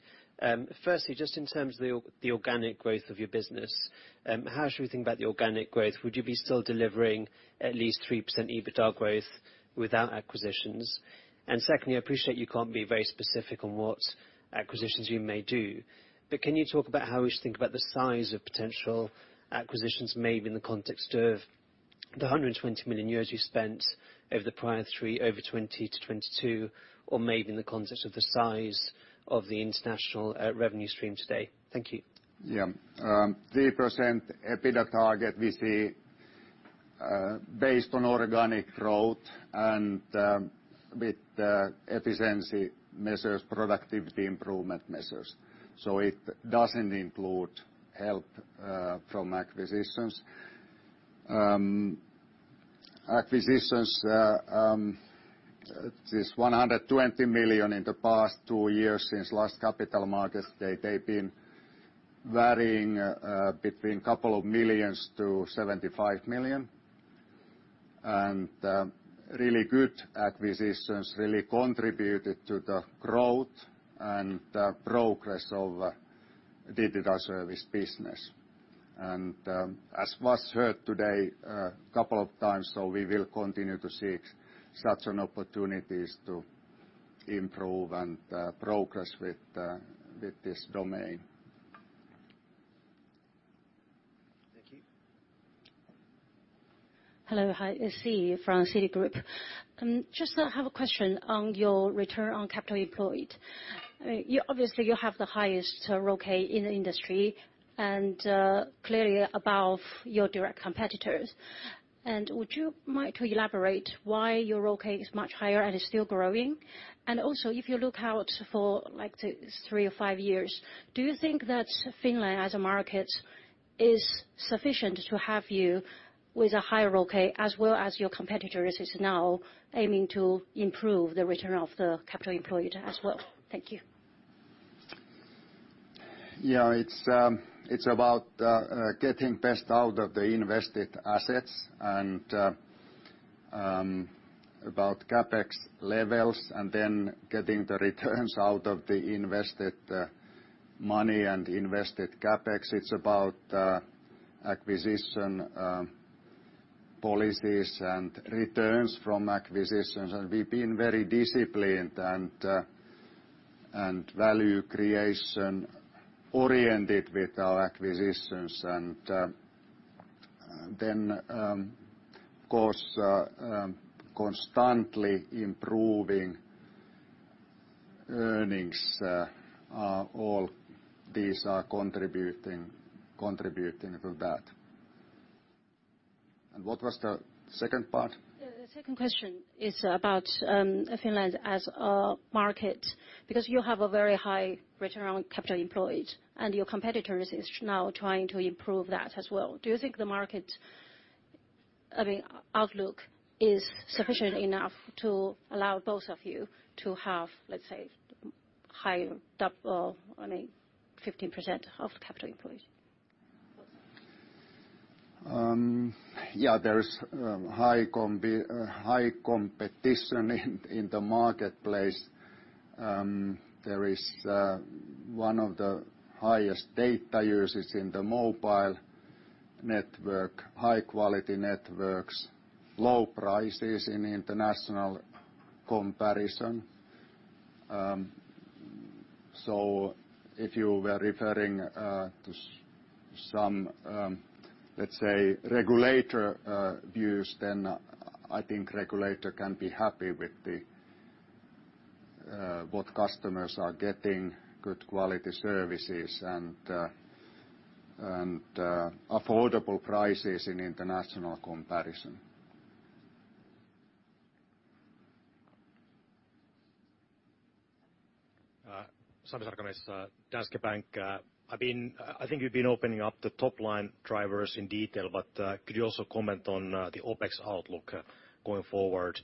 First in terms of organic growth of your business and how should we think about organic growth? Would you be still delivering at least 3% EBIDTA growth without acquisitions. And second I appreciate you can't be very specific on what acquisitions you may do, but can you talk about how you think about the size of potential acquisitions made in the context of the 120 million euros you spent over the prior three over 2020 to 2022 or made in the context of the size of the international revenue streams. Thank you. Yeah. 3% EBITDA target we see based on organic growth and with the efficiency measures, productivity improvement measures. Acquisitions, this 120 million in the past two years since last Capital Market Day, they've been varying between couple of millions to 75 million. Really good acquisitions really contributed to the growth and progress of digital service business. As was heard today a couple of times, we will continue to seek such an opportunities to improve and progress with this domain. Thank you. Hello. Hi, it's Siyi from Citigroup. Just have a question on your return on capital employed. I mean, you obviously have the highest return okay in the industry and clearly above your direct competitors. Would you mind to elaborate why your ROIC is much higher and is still growing? Also, if you look out for, like, say, three or five years, do you think that Finland as a market is sufficient to have you with a higher ROIC as well as your competitors is now aiming to improve the return of the capital employed as well? Thank you. Yeah. It's, it's about getting best out of the invested assets and about CapEx levels and then getting the returns out of the invested money and invested CapEx. It's about acquisition policies and returns from acquisitions. We've been very disciplined and value creation-oriented with our acquisitions. Then, of course, constantly improving earnings are all these are contributing to that. What was the second part? Yeah. The second question is about Finland as a market, because you have a very high return on capital employed and your competitors is now trying to improve that as well. Do you think the market, I mean, outlook is sufficient enough to allow both of you to have, let's say, high double, I mean, 15% of the capital employed? Yeah. There's high competition in the marketplace. There is one of the highest data users in the mobile network, high-quality networks, low prices in international comparison. If you were referring to some, let's say, regulator views, then I think regulator can be happy with what customers are getting good quality services and affordable prices in international comparison. Sami Sarkamies, Danske Bank. I think you've been opening up the top line drivers in detail, but could you also comment on the OpEx outlook going forward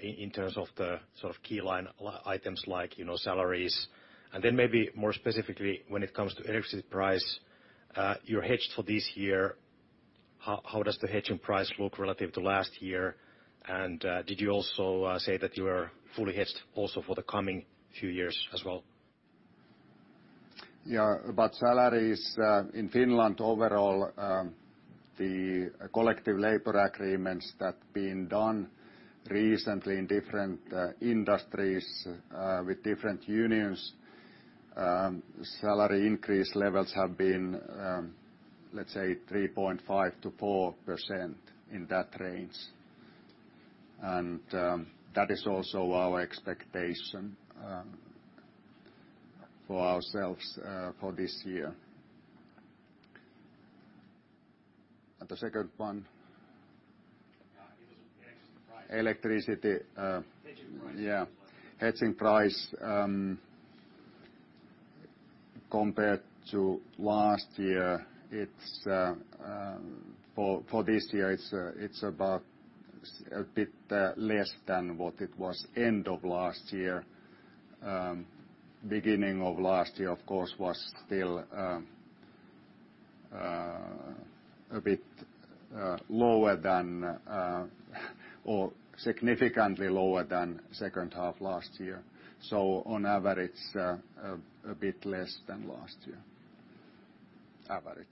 in terms of the sort of key line items like, you know, salaries? Maybe more specifically, when it comes to electricity price, you're hedged for this year, how does the hedging price look relative to last year? Did you also say that you are fully hedged also for the coming few years as well? Yeah. About salaries in Finland overall, the collective labor agreements that have been done recently in different industries, with different unions, salary increase levels have been, let's say 3.5%-4% in that range. That is also our expectation for ourselves for this year. The second one? Yeah. It was the hedging price. Electricity. Hedging price. Hedging price, compared to last year, for this year it's about a bit less than what it was end of last year. Beginning of last year of course, was still a bit lower than or significantly lower than second half last year. On average, a bit less than last year. Average.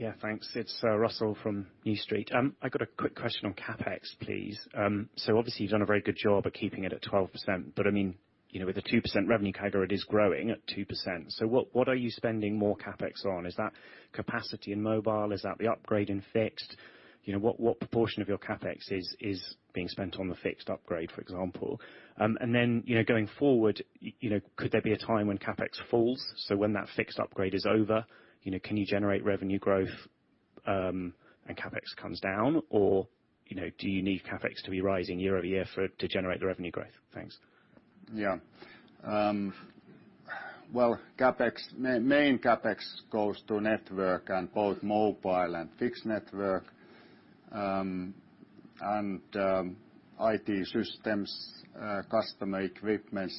Yeah. Thanks. It's Russell from New Street. I've got a quick question on CapEx please. Obviously you've done a very good job at keeping it at 12%, but I mean, you know, with a 2% revenue CAGR, it is growing at 2%. What are you spending more CapEx on? Is that capacity in mobile? Is that the upgrade in fixed? You know, what proportion of your CapEx is being spent on the fixed upgrade, for example? You know, going forward, you know, could there be a time when CapEx falls? When that fixed upgrade is over, you know, can you generate revenue growth, and CapEx comes down? You know, do you need CapEx to be rising year-over-year for it to generate the revenue growth? Thanks. Well, CapEx, main CapEx goes to network and both mobile and fixed network, and IT systems, customer equipments.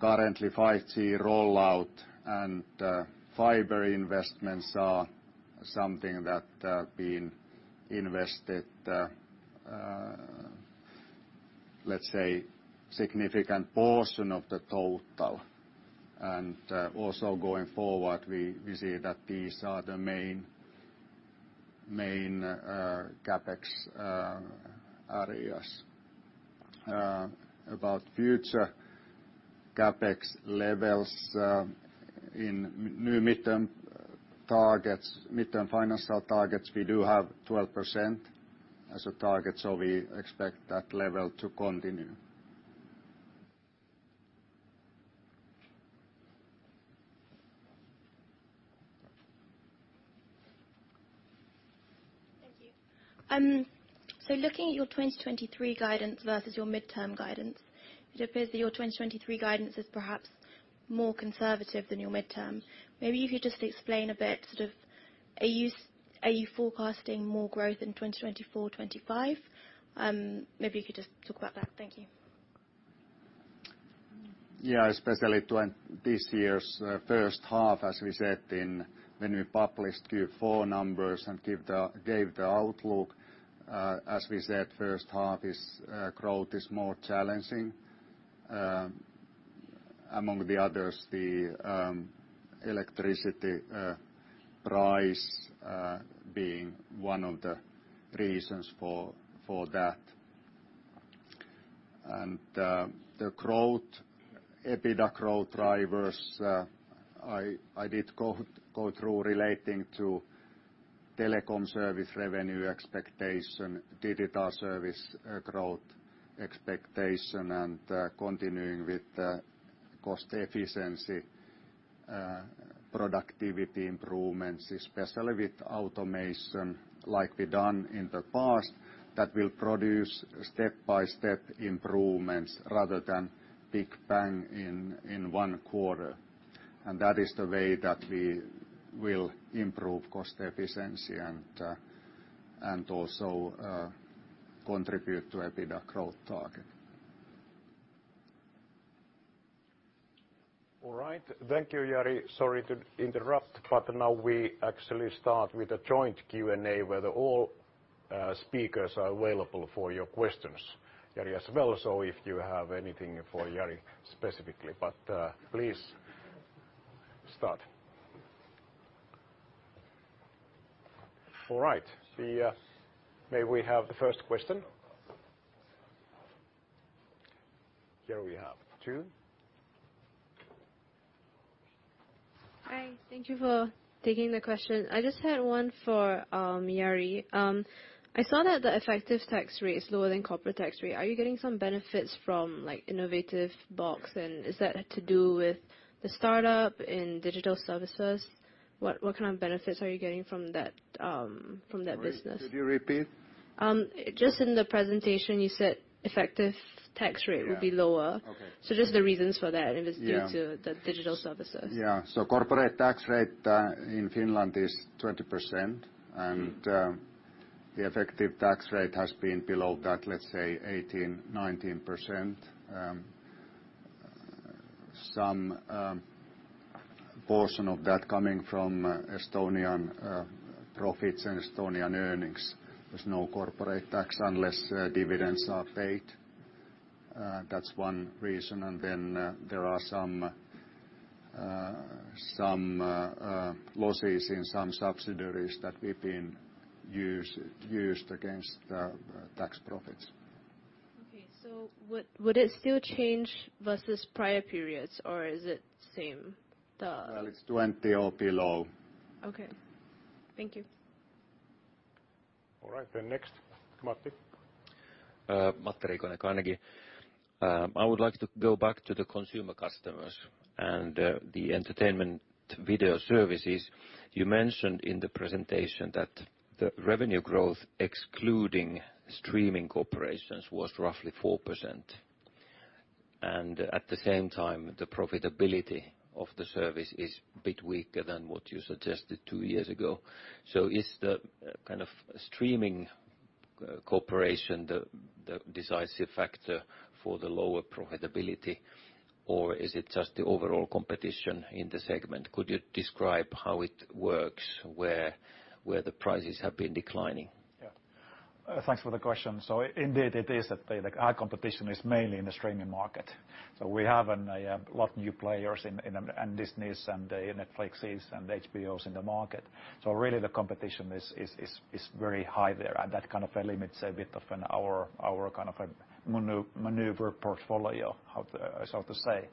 Currently 5G rollout and fiber investments are something that being invested, let's say significant portion of the total. Also going forward, we see that these are the main CapEx areas. About future CapEx levels, in new midterm targets, midterm financial targets, we do have 12% as a target, so we expect that level to continue. Thank you. Looking at your 2023 guidance versus your midterm guidance, it appears that your 2023 guidance is perhaps more conservative than your midterm. Maybe if you just explain a bit, sort of are you forecasting more growth in 2024, 2025? Maybe you could just talk about that. Thank you. Yeah, especially this year's first half, as we said in when we published Q4 numbers and gave the outlook, as we said, first half is growth is more challenging. Among the others, the electricity price being one of the reasons for that. The growth, EBITDA growth drivers, I did go through relating to telecom service revenue expectation, digital service growth expectation, and continuing with cost efficiency productivity improvements, especially with automation like we done in the past, that will produce step-by-step improvements rather than big bang in one quarter. That is the way that we will improve cost efficiency and also contribute to EBITDA growth target. All right. Thank you, Jari. Sorry to interrupt, but now we actually start with a joint Q and A where the all speakers are available for your questions. Jari as well, so if you have anything for Jari specifically. Please start. All right. May we have the first question? Here we have two. Hi. Thank you for taking the question. I just had one for Jari. I saw that the effective tax rate is lower than corporate tax rate. Are you getting some benefits from, like, innovative box? Is that to do with the startup in digital services? What kind of benefits are you getting from that from that business? Sorry. Could you repeat? Just in the presentation you said effective tax rate. Yeah. will be lower. Okay. just the reasons for that. Yeah. due to the digital services. Yeah. Corporate tax rate in Finland is 20%. The effective tax rate has been below that, let's say 18%, 19%. Some portion of that coming from Estonian profits and Estonian earnings. There's no corporate tax unless dividends are paid. That's one reason. Then, there are some, losses in some subsidiaries that we've been used against tax profits. Okay. Would it still change versus prior periods, or is it same? Well, it's 20% or below. Okay. Thank you. All right. Next, Matti. Matti Riikonen, Carnegie. I would like to go back to the Consumer Customers and the entertainment video services. You mentioned in the presentation that the revenue growth, excluding streaming cooperation, was roughly 4%. At the same time, the profitability of the service is a bit weaker than what you suggested two years ago. Is the kind of streaming cooperation the decisive factor for the lower profitability or is it just the overall competition in the segment? Could you describe how it works, where the prices have been declining? Yeah. Thanks for the question. Indeed, it is that the, like, our competition is mainly in the streaming market. We have a lot of new players and Disney's and Netflix's and HBO's in the market. Really, the competition is very high there, and that kind of limits a bit of an our kind of a maneuver portfolio, how to, so to say.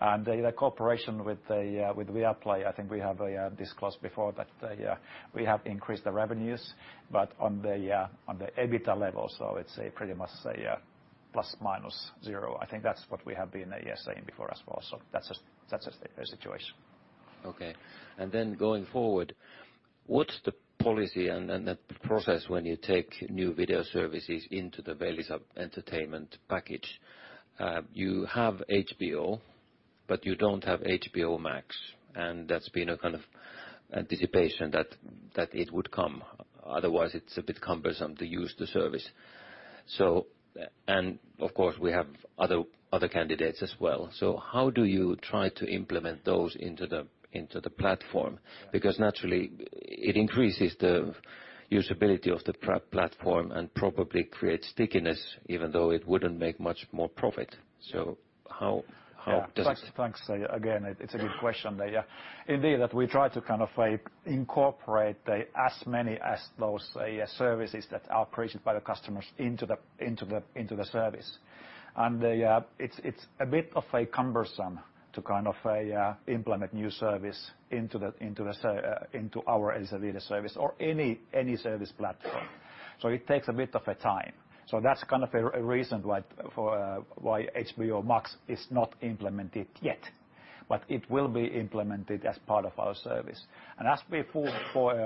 The cooperation with Viaplay, I think we have discussed before that, we have increased the revenues, but on the EBITDA level. It's a pretty much plus minus zero. I think that's what we have been saying before as well. That's the situation. Okay. Then going forward, what's the policy and the process when you take new video services into the Elisa Viihde package? You have HBO, but you don't have HBO Max, and that's been a kind of anticipation that it would come. Otherwise, it's a bit cumbersome to use the service. Of course, we have other candidates as well. How do you try to implement those into the platform? Because naturally it increases the usability of the platform and probably creates stickiness, even though it wouldn't make much more profit. How does it? Yeah. Thanks again. It's a good question there. Indeed, that we try to kind of, like, incorporate as many as those services that are created by the customers into the service. it's a bit of a cumbersome to kind of implement new service into our Elisa Viihde service or any service platform. It takes a bit of a time. That's kind of a reason why HBO Max is not implemented yet, but it will be implemented as part of our service. As we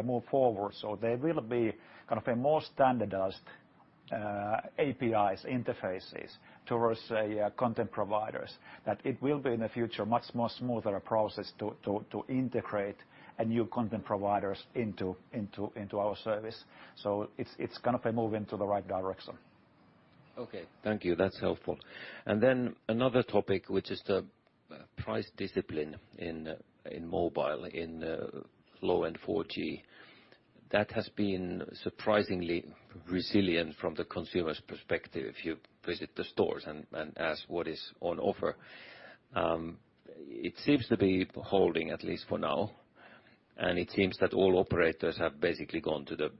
move forward, there will be kind of a more standardized APIs, interfaces towards content providers, that it will be, in the future, much more smoother process to integrate a new content providers into our service. It's kind of a move into the right direction. Okay. Thank you. That's helpful. Then another topic, which is the price discipline in mobile, in low-end 4G. That has been surprisingly resilient from the consumer's perspective. If you visit the stores and ask what is on offer, it seems to be holding at least for now. It seems that all operators have basically gone to the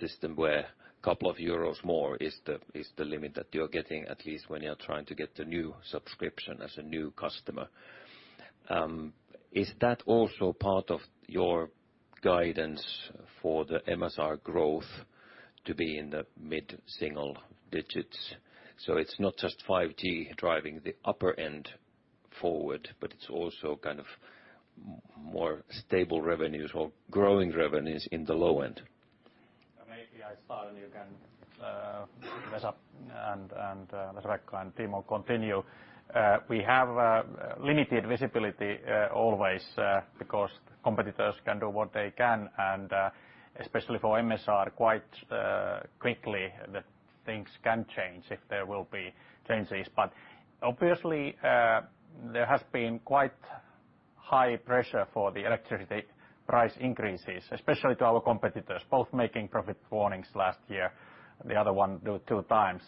system where a couple of euros more is the limit that you're getting, at least when you are trying to get the new subscription as a new customer. Is that also part of your guidance for the MSR growth to be in the mid-single digits? It's not just 5G driving the upper end forward, but it's also kind of more stable revenues or growing revenues in the low end. Maybe I start, and you can mess up and let Timo continue. We have limited visibility always because competitors can do what they can, and especially for MSR, quite quickly that things can change if there will be changes. Obviously, there has been quite high pressure for the electricity price increases, especially to our competitors, both making profit warnings last year. The other one do two times.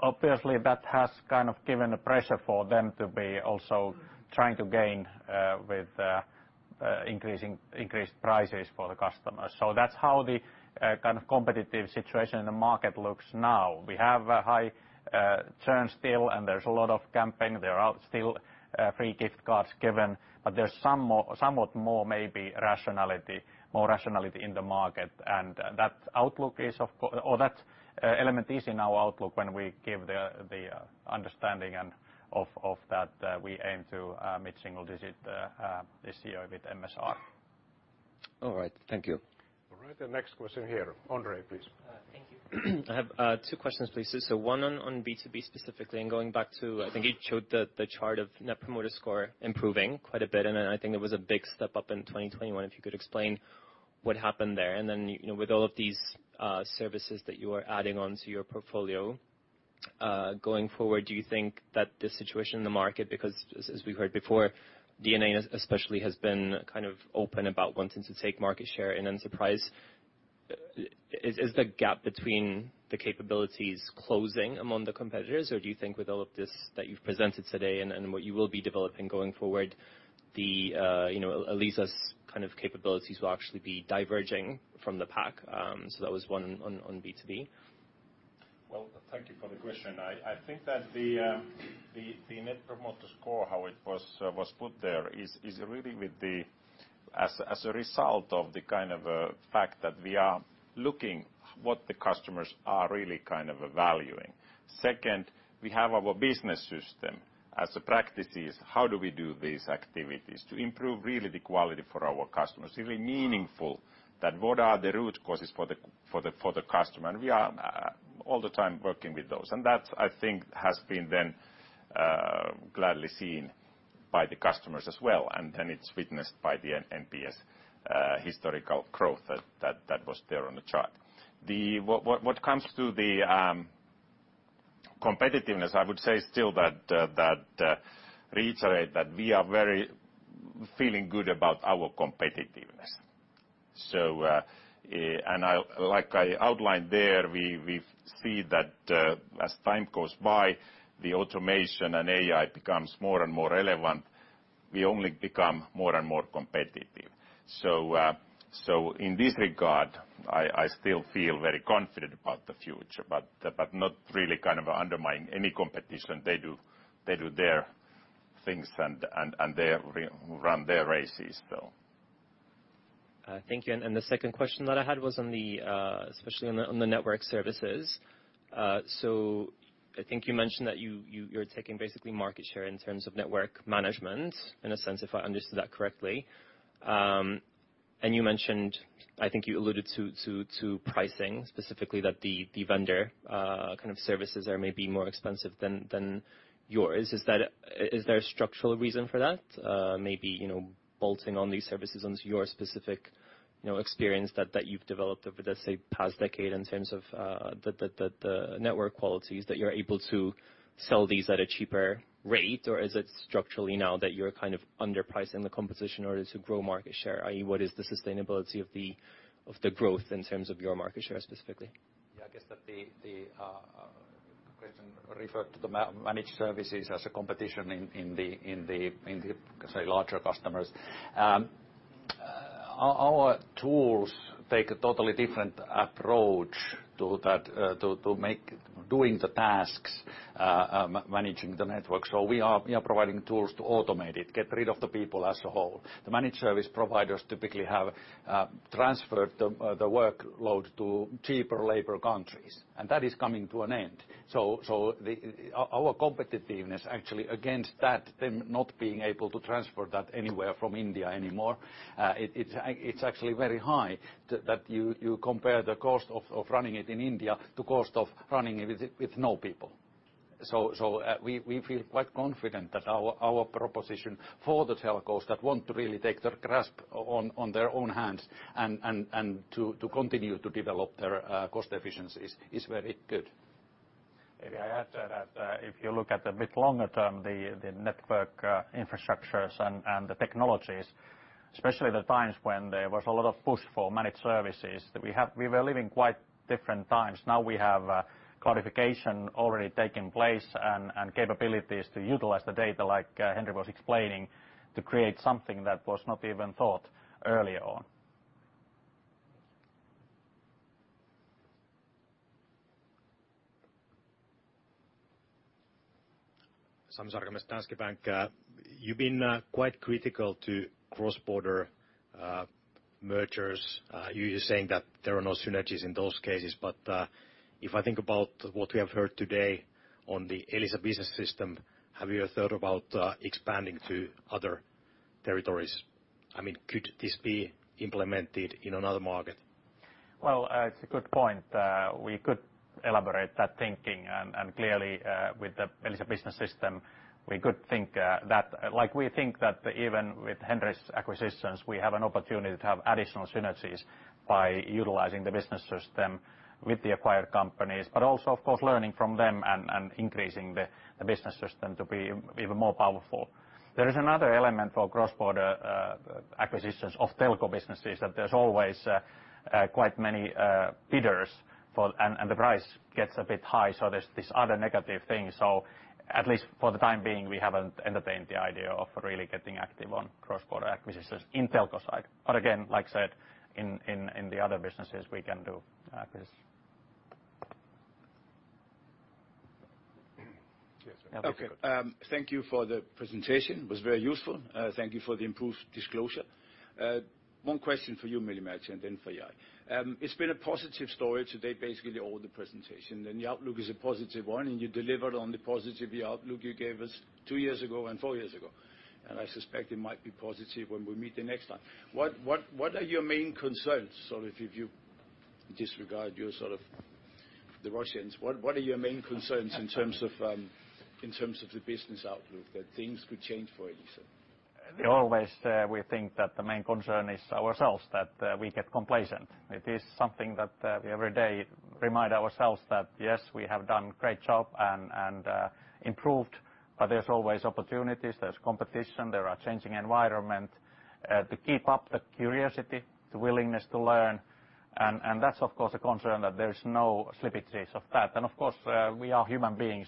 Obviously that has kind of given a pressure for them to be also trying to gain with increased prices for the customers. That's how the kind of competitive situation in the market looks now. We have a high churn still, and there's a lot of campaign. There are still free gift cards given, but there's somewhat more maybe rationality in the market. That outlook is or that element is in our outlook when we give the understanding and of that, we aim to mid-single digit this year with MSR. All right. Thank you. All right. The next question here. Ondrej, please. Thank you. I have two questions, please. One on B2B specifically, and going back to, I think you showed the chart of Net Promoter Score improving quite a bit, and then I think it was a big step up in 2021. If you could explain what happened there. You know, with all of these services that you are adding on to your portfolio, going forward, do you think that the situation in the market, because as we heard before, DNA especially has been kind of open about wanting to take market share and then surprise. Is the gap between the capabilities closing among the competitors, or do you think with all of this that you've presented today and what you will be developing going forward, the, you know, at least us kind of capabilities will actually be diverging from the pack? So that was one on B2B. Well, thank you for the question. I think that the Net Promoter Score, how it was put there is really as a result of the kind of fact that we are looking what the customers are really kind of valuing. Second, we have our Business System as a practices, how do we do these activities to improve really the quality for our customers. Really meaningful that what are the root causes for the customer, and we are. All the time working with those. That, I think, has been then gladly seen by the customers as well, and then it's witnessed by the NPS historical growth that was there on the chart. What comes to the competitiveness, I would say still that reiterate that we are very feeling good about our competitiveness. Like I outlined there, we see that as time goes by, the automation and AI becomes more and more relevant. We only become more and more competitive. In this regard, I still feel very confident about the future, but not really kind of undermining any competition. They do their things and they run their races, so. Thank you. The second question that I had was on the network services. I think you mentioned that you're taking basically market share in terms of network management, in a sense, if I understood that correctly. You mentioned, I think you alluded to pricing, specifically that the vendor kind of services are maybe more expensive than yours. Is that, is there a structural reason for that? Maybe, you know, bolting on these services onto your specific, you know, experience that you've developed over the, say, past decade in terms of the network qualities that you're able to sell these at a cheaper rate? Is it structurally now that you're kind of underpriced in the competition in order to grow market share? What is the sustainability of the growth in terms of your market share specifically? Yeah, I guess that the question referred to the managed services as a competition in the larger customers. Our tools take a totally different approach to that, Doing the tasks, managing the network. So we are providing tools to automate it, get rid of the people as a whole. The managed service providers typically have transferred the workload to cheaper labor countries, and that is coming to an end. The competitiveness actually against that, them not being able to transfer that anywhere from India anymore, it's actually very high that you compare the cost of running it in India to cost of running it with no people. We feel quite confident that our proposition for the telcos that want to really take the grasp on their own hands and to continue to develop their cost efficiencies is very good. Maybe I add to that. If you look at a bit longer term, the network infrastructures and the technologies, especially the times when there was a lot of push for managed services, we were living quite different times. Now we have cloudification already taking place and capabilities to utilize the data, like Henri was explaining, to create something that was not even thought early on. You've been quite critical to cross-border mergers. You're saying that there are no synergies in those cases. If I think about what we have heard today on the Elisa Business System, have you thought about expanding to other territories? I mean, could this be implemented in another market? Well, it's a good point. We could elaborate that thinking, and clearly, with the Elisa Business System, we could think that. Like, we think that even with Henri's acquisitions, we have an opportunity to have additional synergies by utilizing the Business System with the acquired companies, but also, of course, learning from them and increasing the Business System to be even more powerful. There is another element for cross-border acquisitions of telco businesses that there's always quite many bidders for, and the price gets a bit high, so there's this other negative thing. At least for the time being, we haven't entertained the idea of really getting active on cross-border acquisitions in telco side. Again, like I said, in the other businesses, we can do acquisitions. Yes. Okay. Thank you for the presentation. It was very useful. Thank you for the improved disclosure. One question for you, Veli-Matti and then for Jari. It's been a positive story today, basically all the presentation, and the outlook is a positive one, and you delivered on the positive outlook you gave us two years ago and four years ago, and I suspect it might be positive when we meet the next time. What are your main concerns, sort of if you disregard your sort of the Russians, what are your main concerns in terms of, in terms of the business outlook that things could change for Elisa? We always, we think that the main concern is ourselves, that, we get complacent. It is something that, every day remind ourselves that, yes, we have done great job and improved, but there's always opportunities, there's competition, there are changing environment, to keep up the curiosity, the willingness to learn. That's of course a concern that there's no slippages of that. Of course, we are human beings,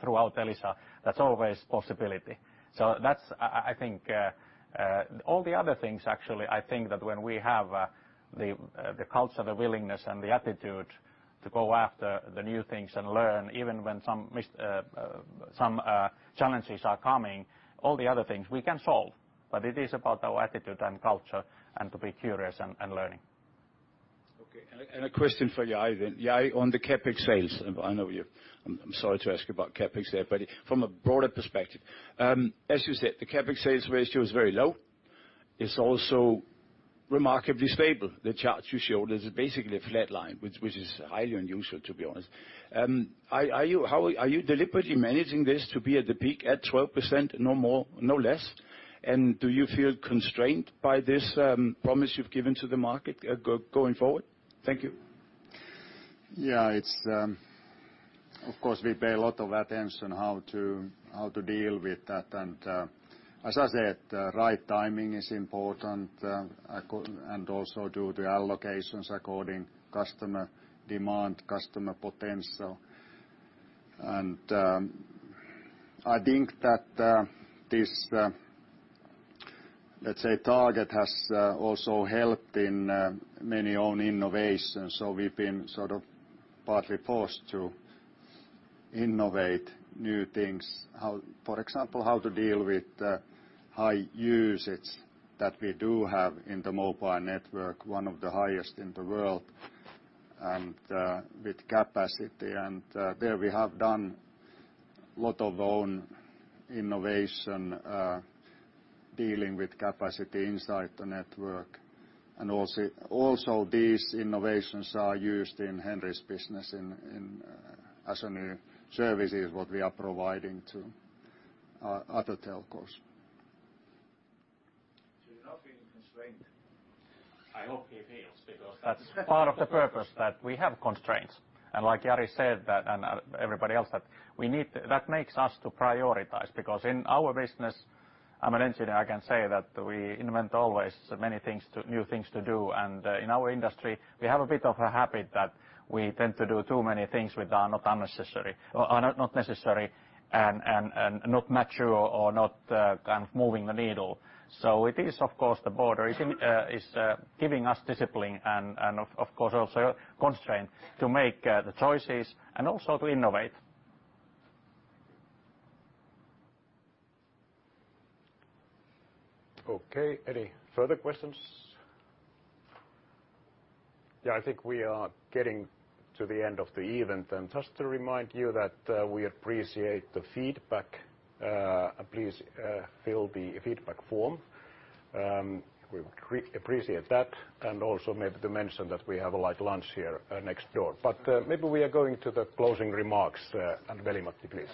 throughout Elisa. That's always possibility. That's, I think, all the other things actually, I think that when we have the culture, the willingness, and the attitude to go after the new things and learn, even when challenges are coming, all the other things we can solve. It is about our attitude and culture and to be curious and learning. Okay. A question for Jari then. Jari, on the CapEx sales, I'm sorry to ask you about CapEx there, from a broader perspective, as you said, the CapEx sales ratio is very low. Is also remarkably stable. The charts you showed, this is basically a flat line, which is highly unusual, to be honest. Are you deliberately managing this to be at the peak at 12% no more, no less? Do you feel constrained by this promise you've given to the market going forward? Thank you. Yeah, it's, of course, we pay a lot of attention how to deal with that. As I said, right timing is important, and also do the allocations according customer demand, customer potential. I think that this, let's say, target has also helped in many own innovations. We've been sort of partly forced to innovate new things. For example, how to deal with high usage that we do have in the mobile network, one of the highest in the world, with capacity. There we have done lot of own innovation dealing with capacity inside the network, and also these innovations are used in Henri's business in as new services what we are providing to other telcos. You're not feeling constrained? I hope he feels because that's part of the purpose that we have constraints. Like Jari said that, and everybody else that That makes us to prioritize because in our business, I'm an engineer, I can say that we invent always many things to, new things to do. In our industry, we have a bit of a habit that we tend to do too many things with are not unnecessary or are not necessary and not mature or not kind of moving the needle. It is, of course, the border. It is giving us discipline and of course also constraint to make the choices and also to innovate. Okay. Any further questions? Yeah, I think we are getting to the end of the event. Just to remind you that we appreciate the feedback. Please fill the feedback form. We appreciate that, and also maybe to mention that we have a light lunch here next door. Maybe we are going to the closing remarks, and Veli-Matti, please.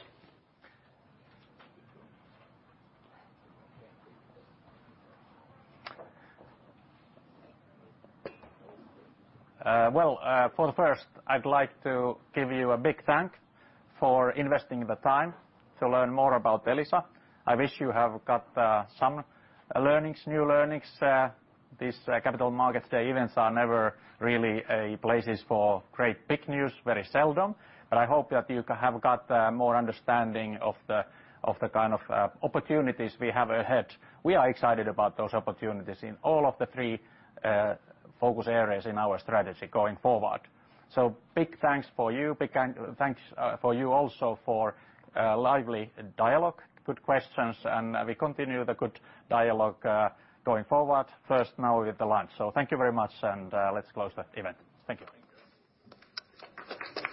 Well, for the first, I'd like to give you a big thank for investing the time to learn more about Elisa. I wish you have got some learnings, new learnings. This Capital Markets Day events are never really a places for great big news, very seldom, but I hope that you have got more understanding of the kind of opportunities we have ahead. We are excited about those opportunities in all of the three focus areas in our strategy going forward. Big thanks for you. Big kind thanks for you also for lively dialogue, good questions, and we continue the good dialogue going forward, first now with the lunch. Thank you very much, and let's close the event. Thank you.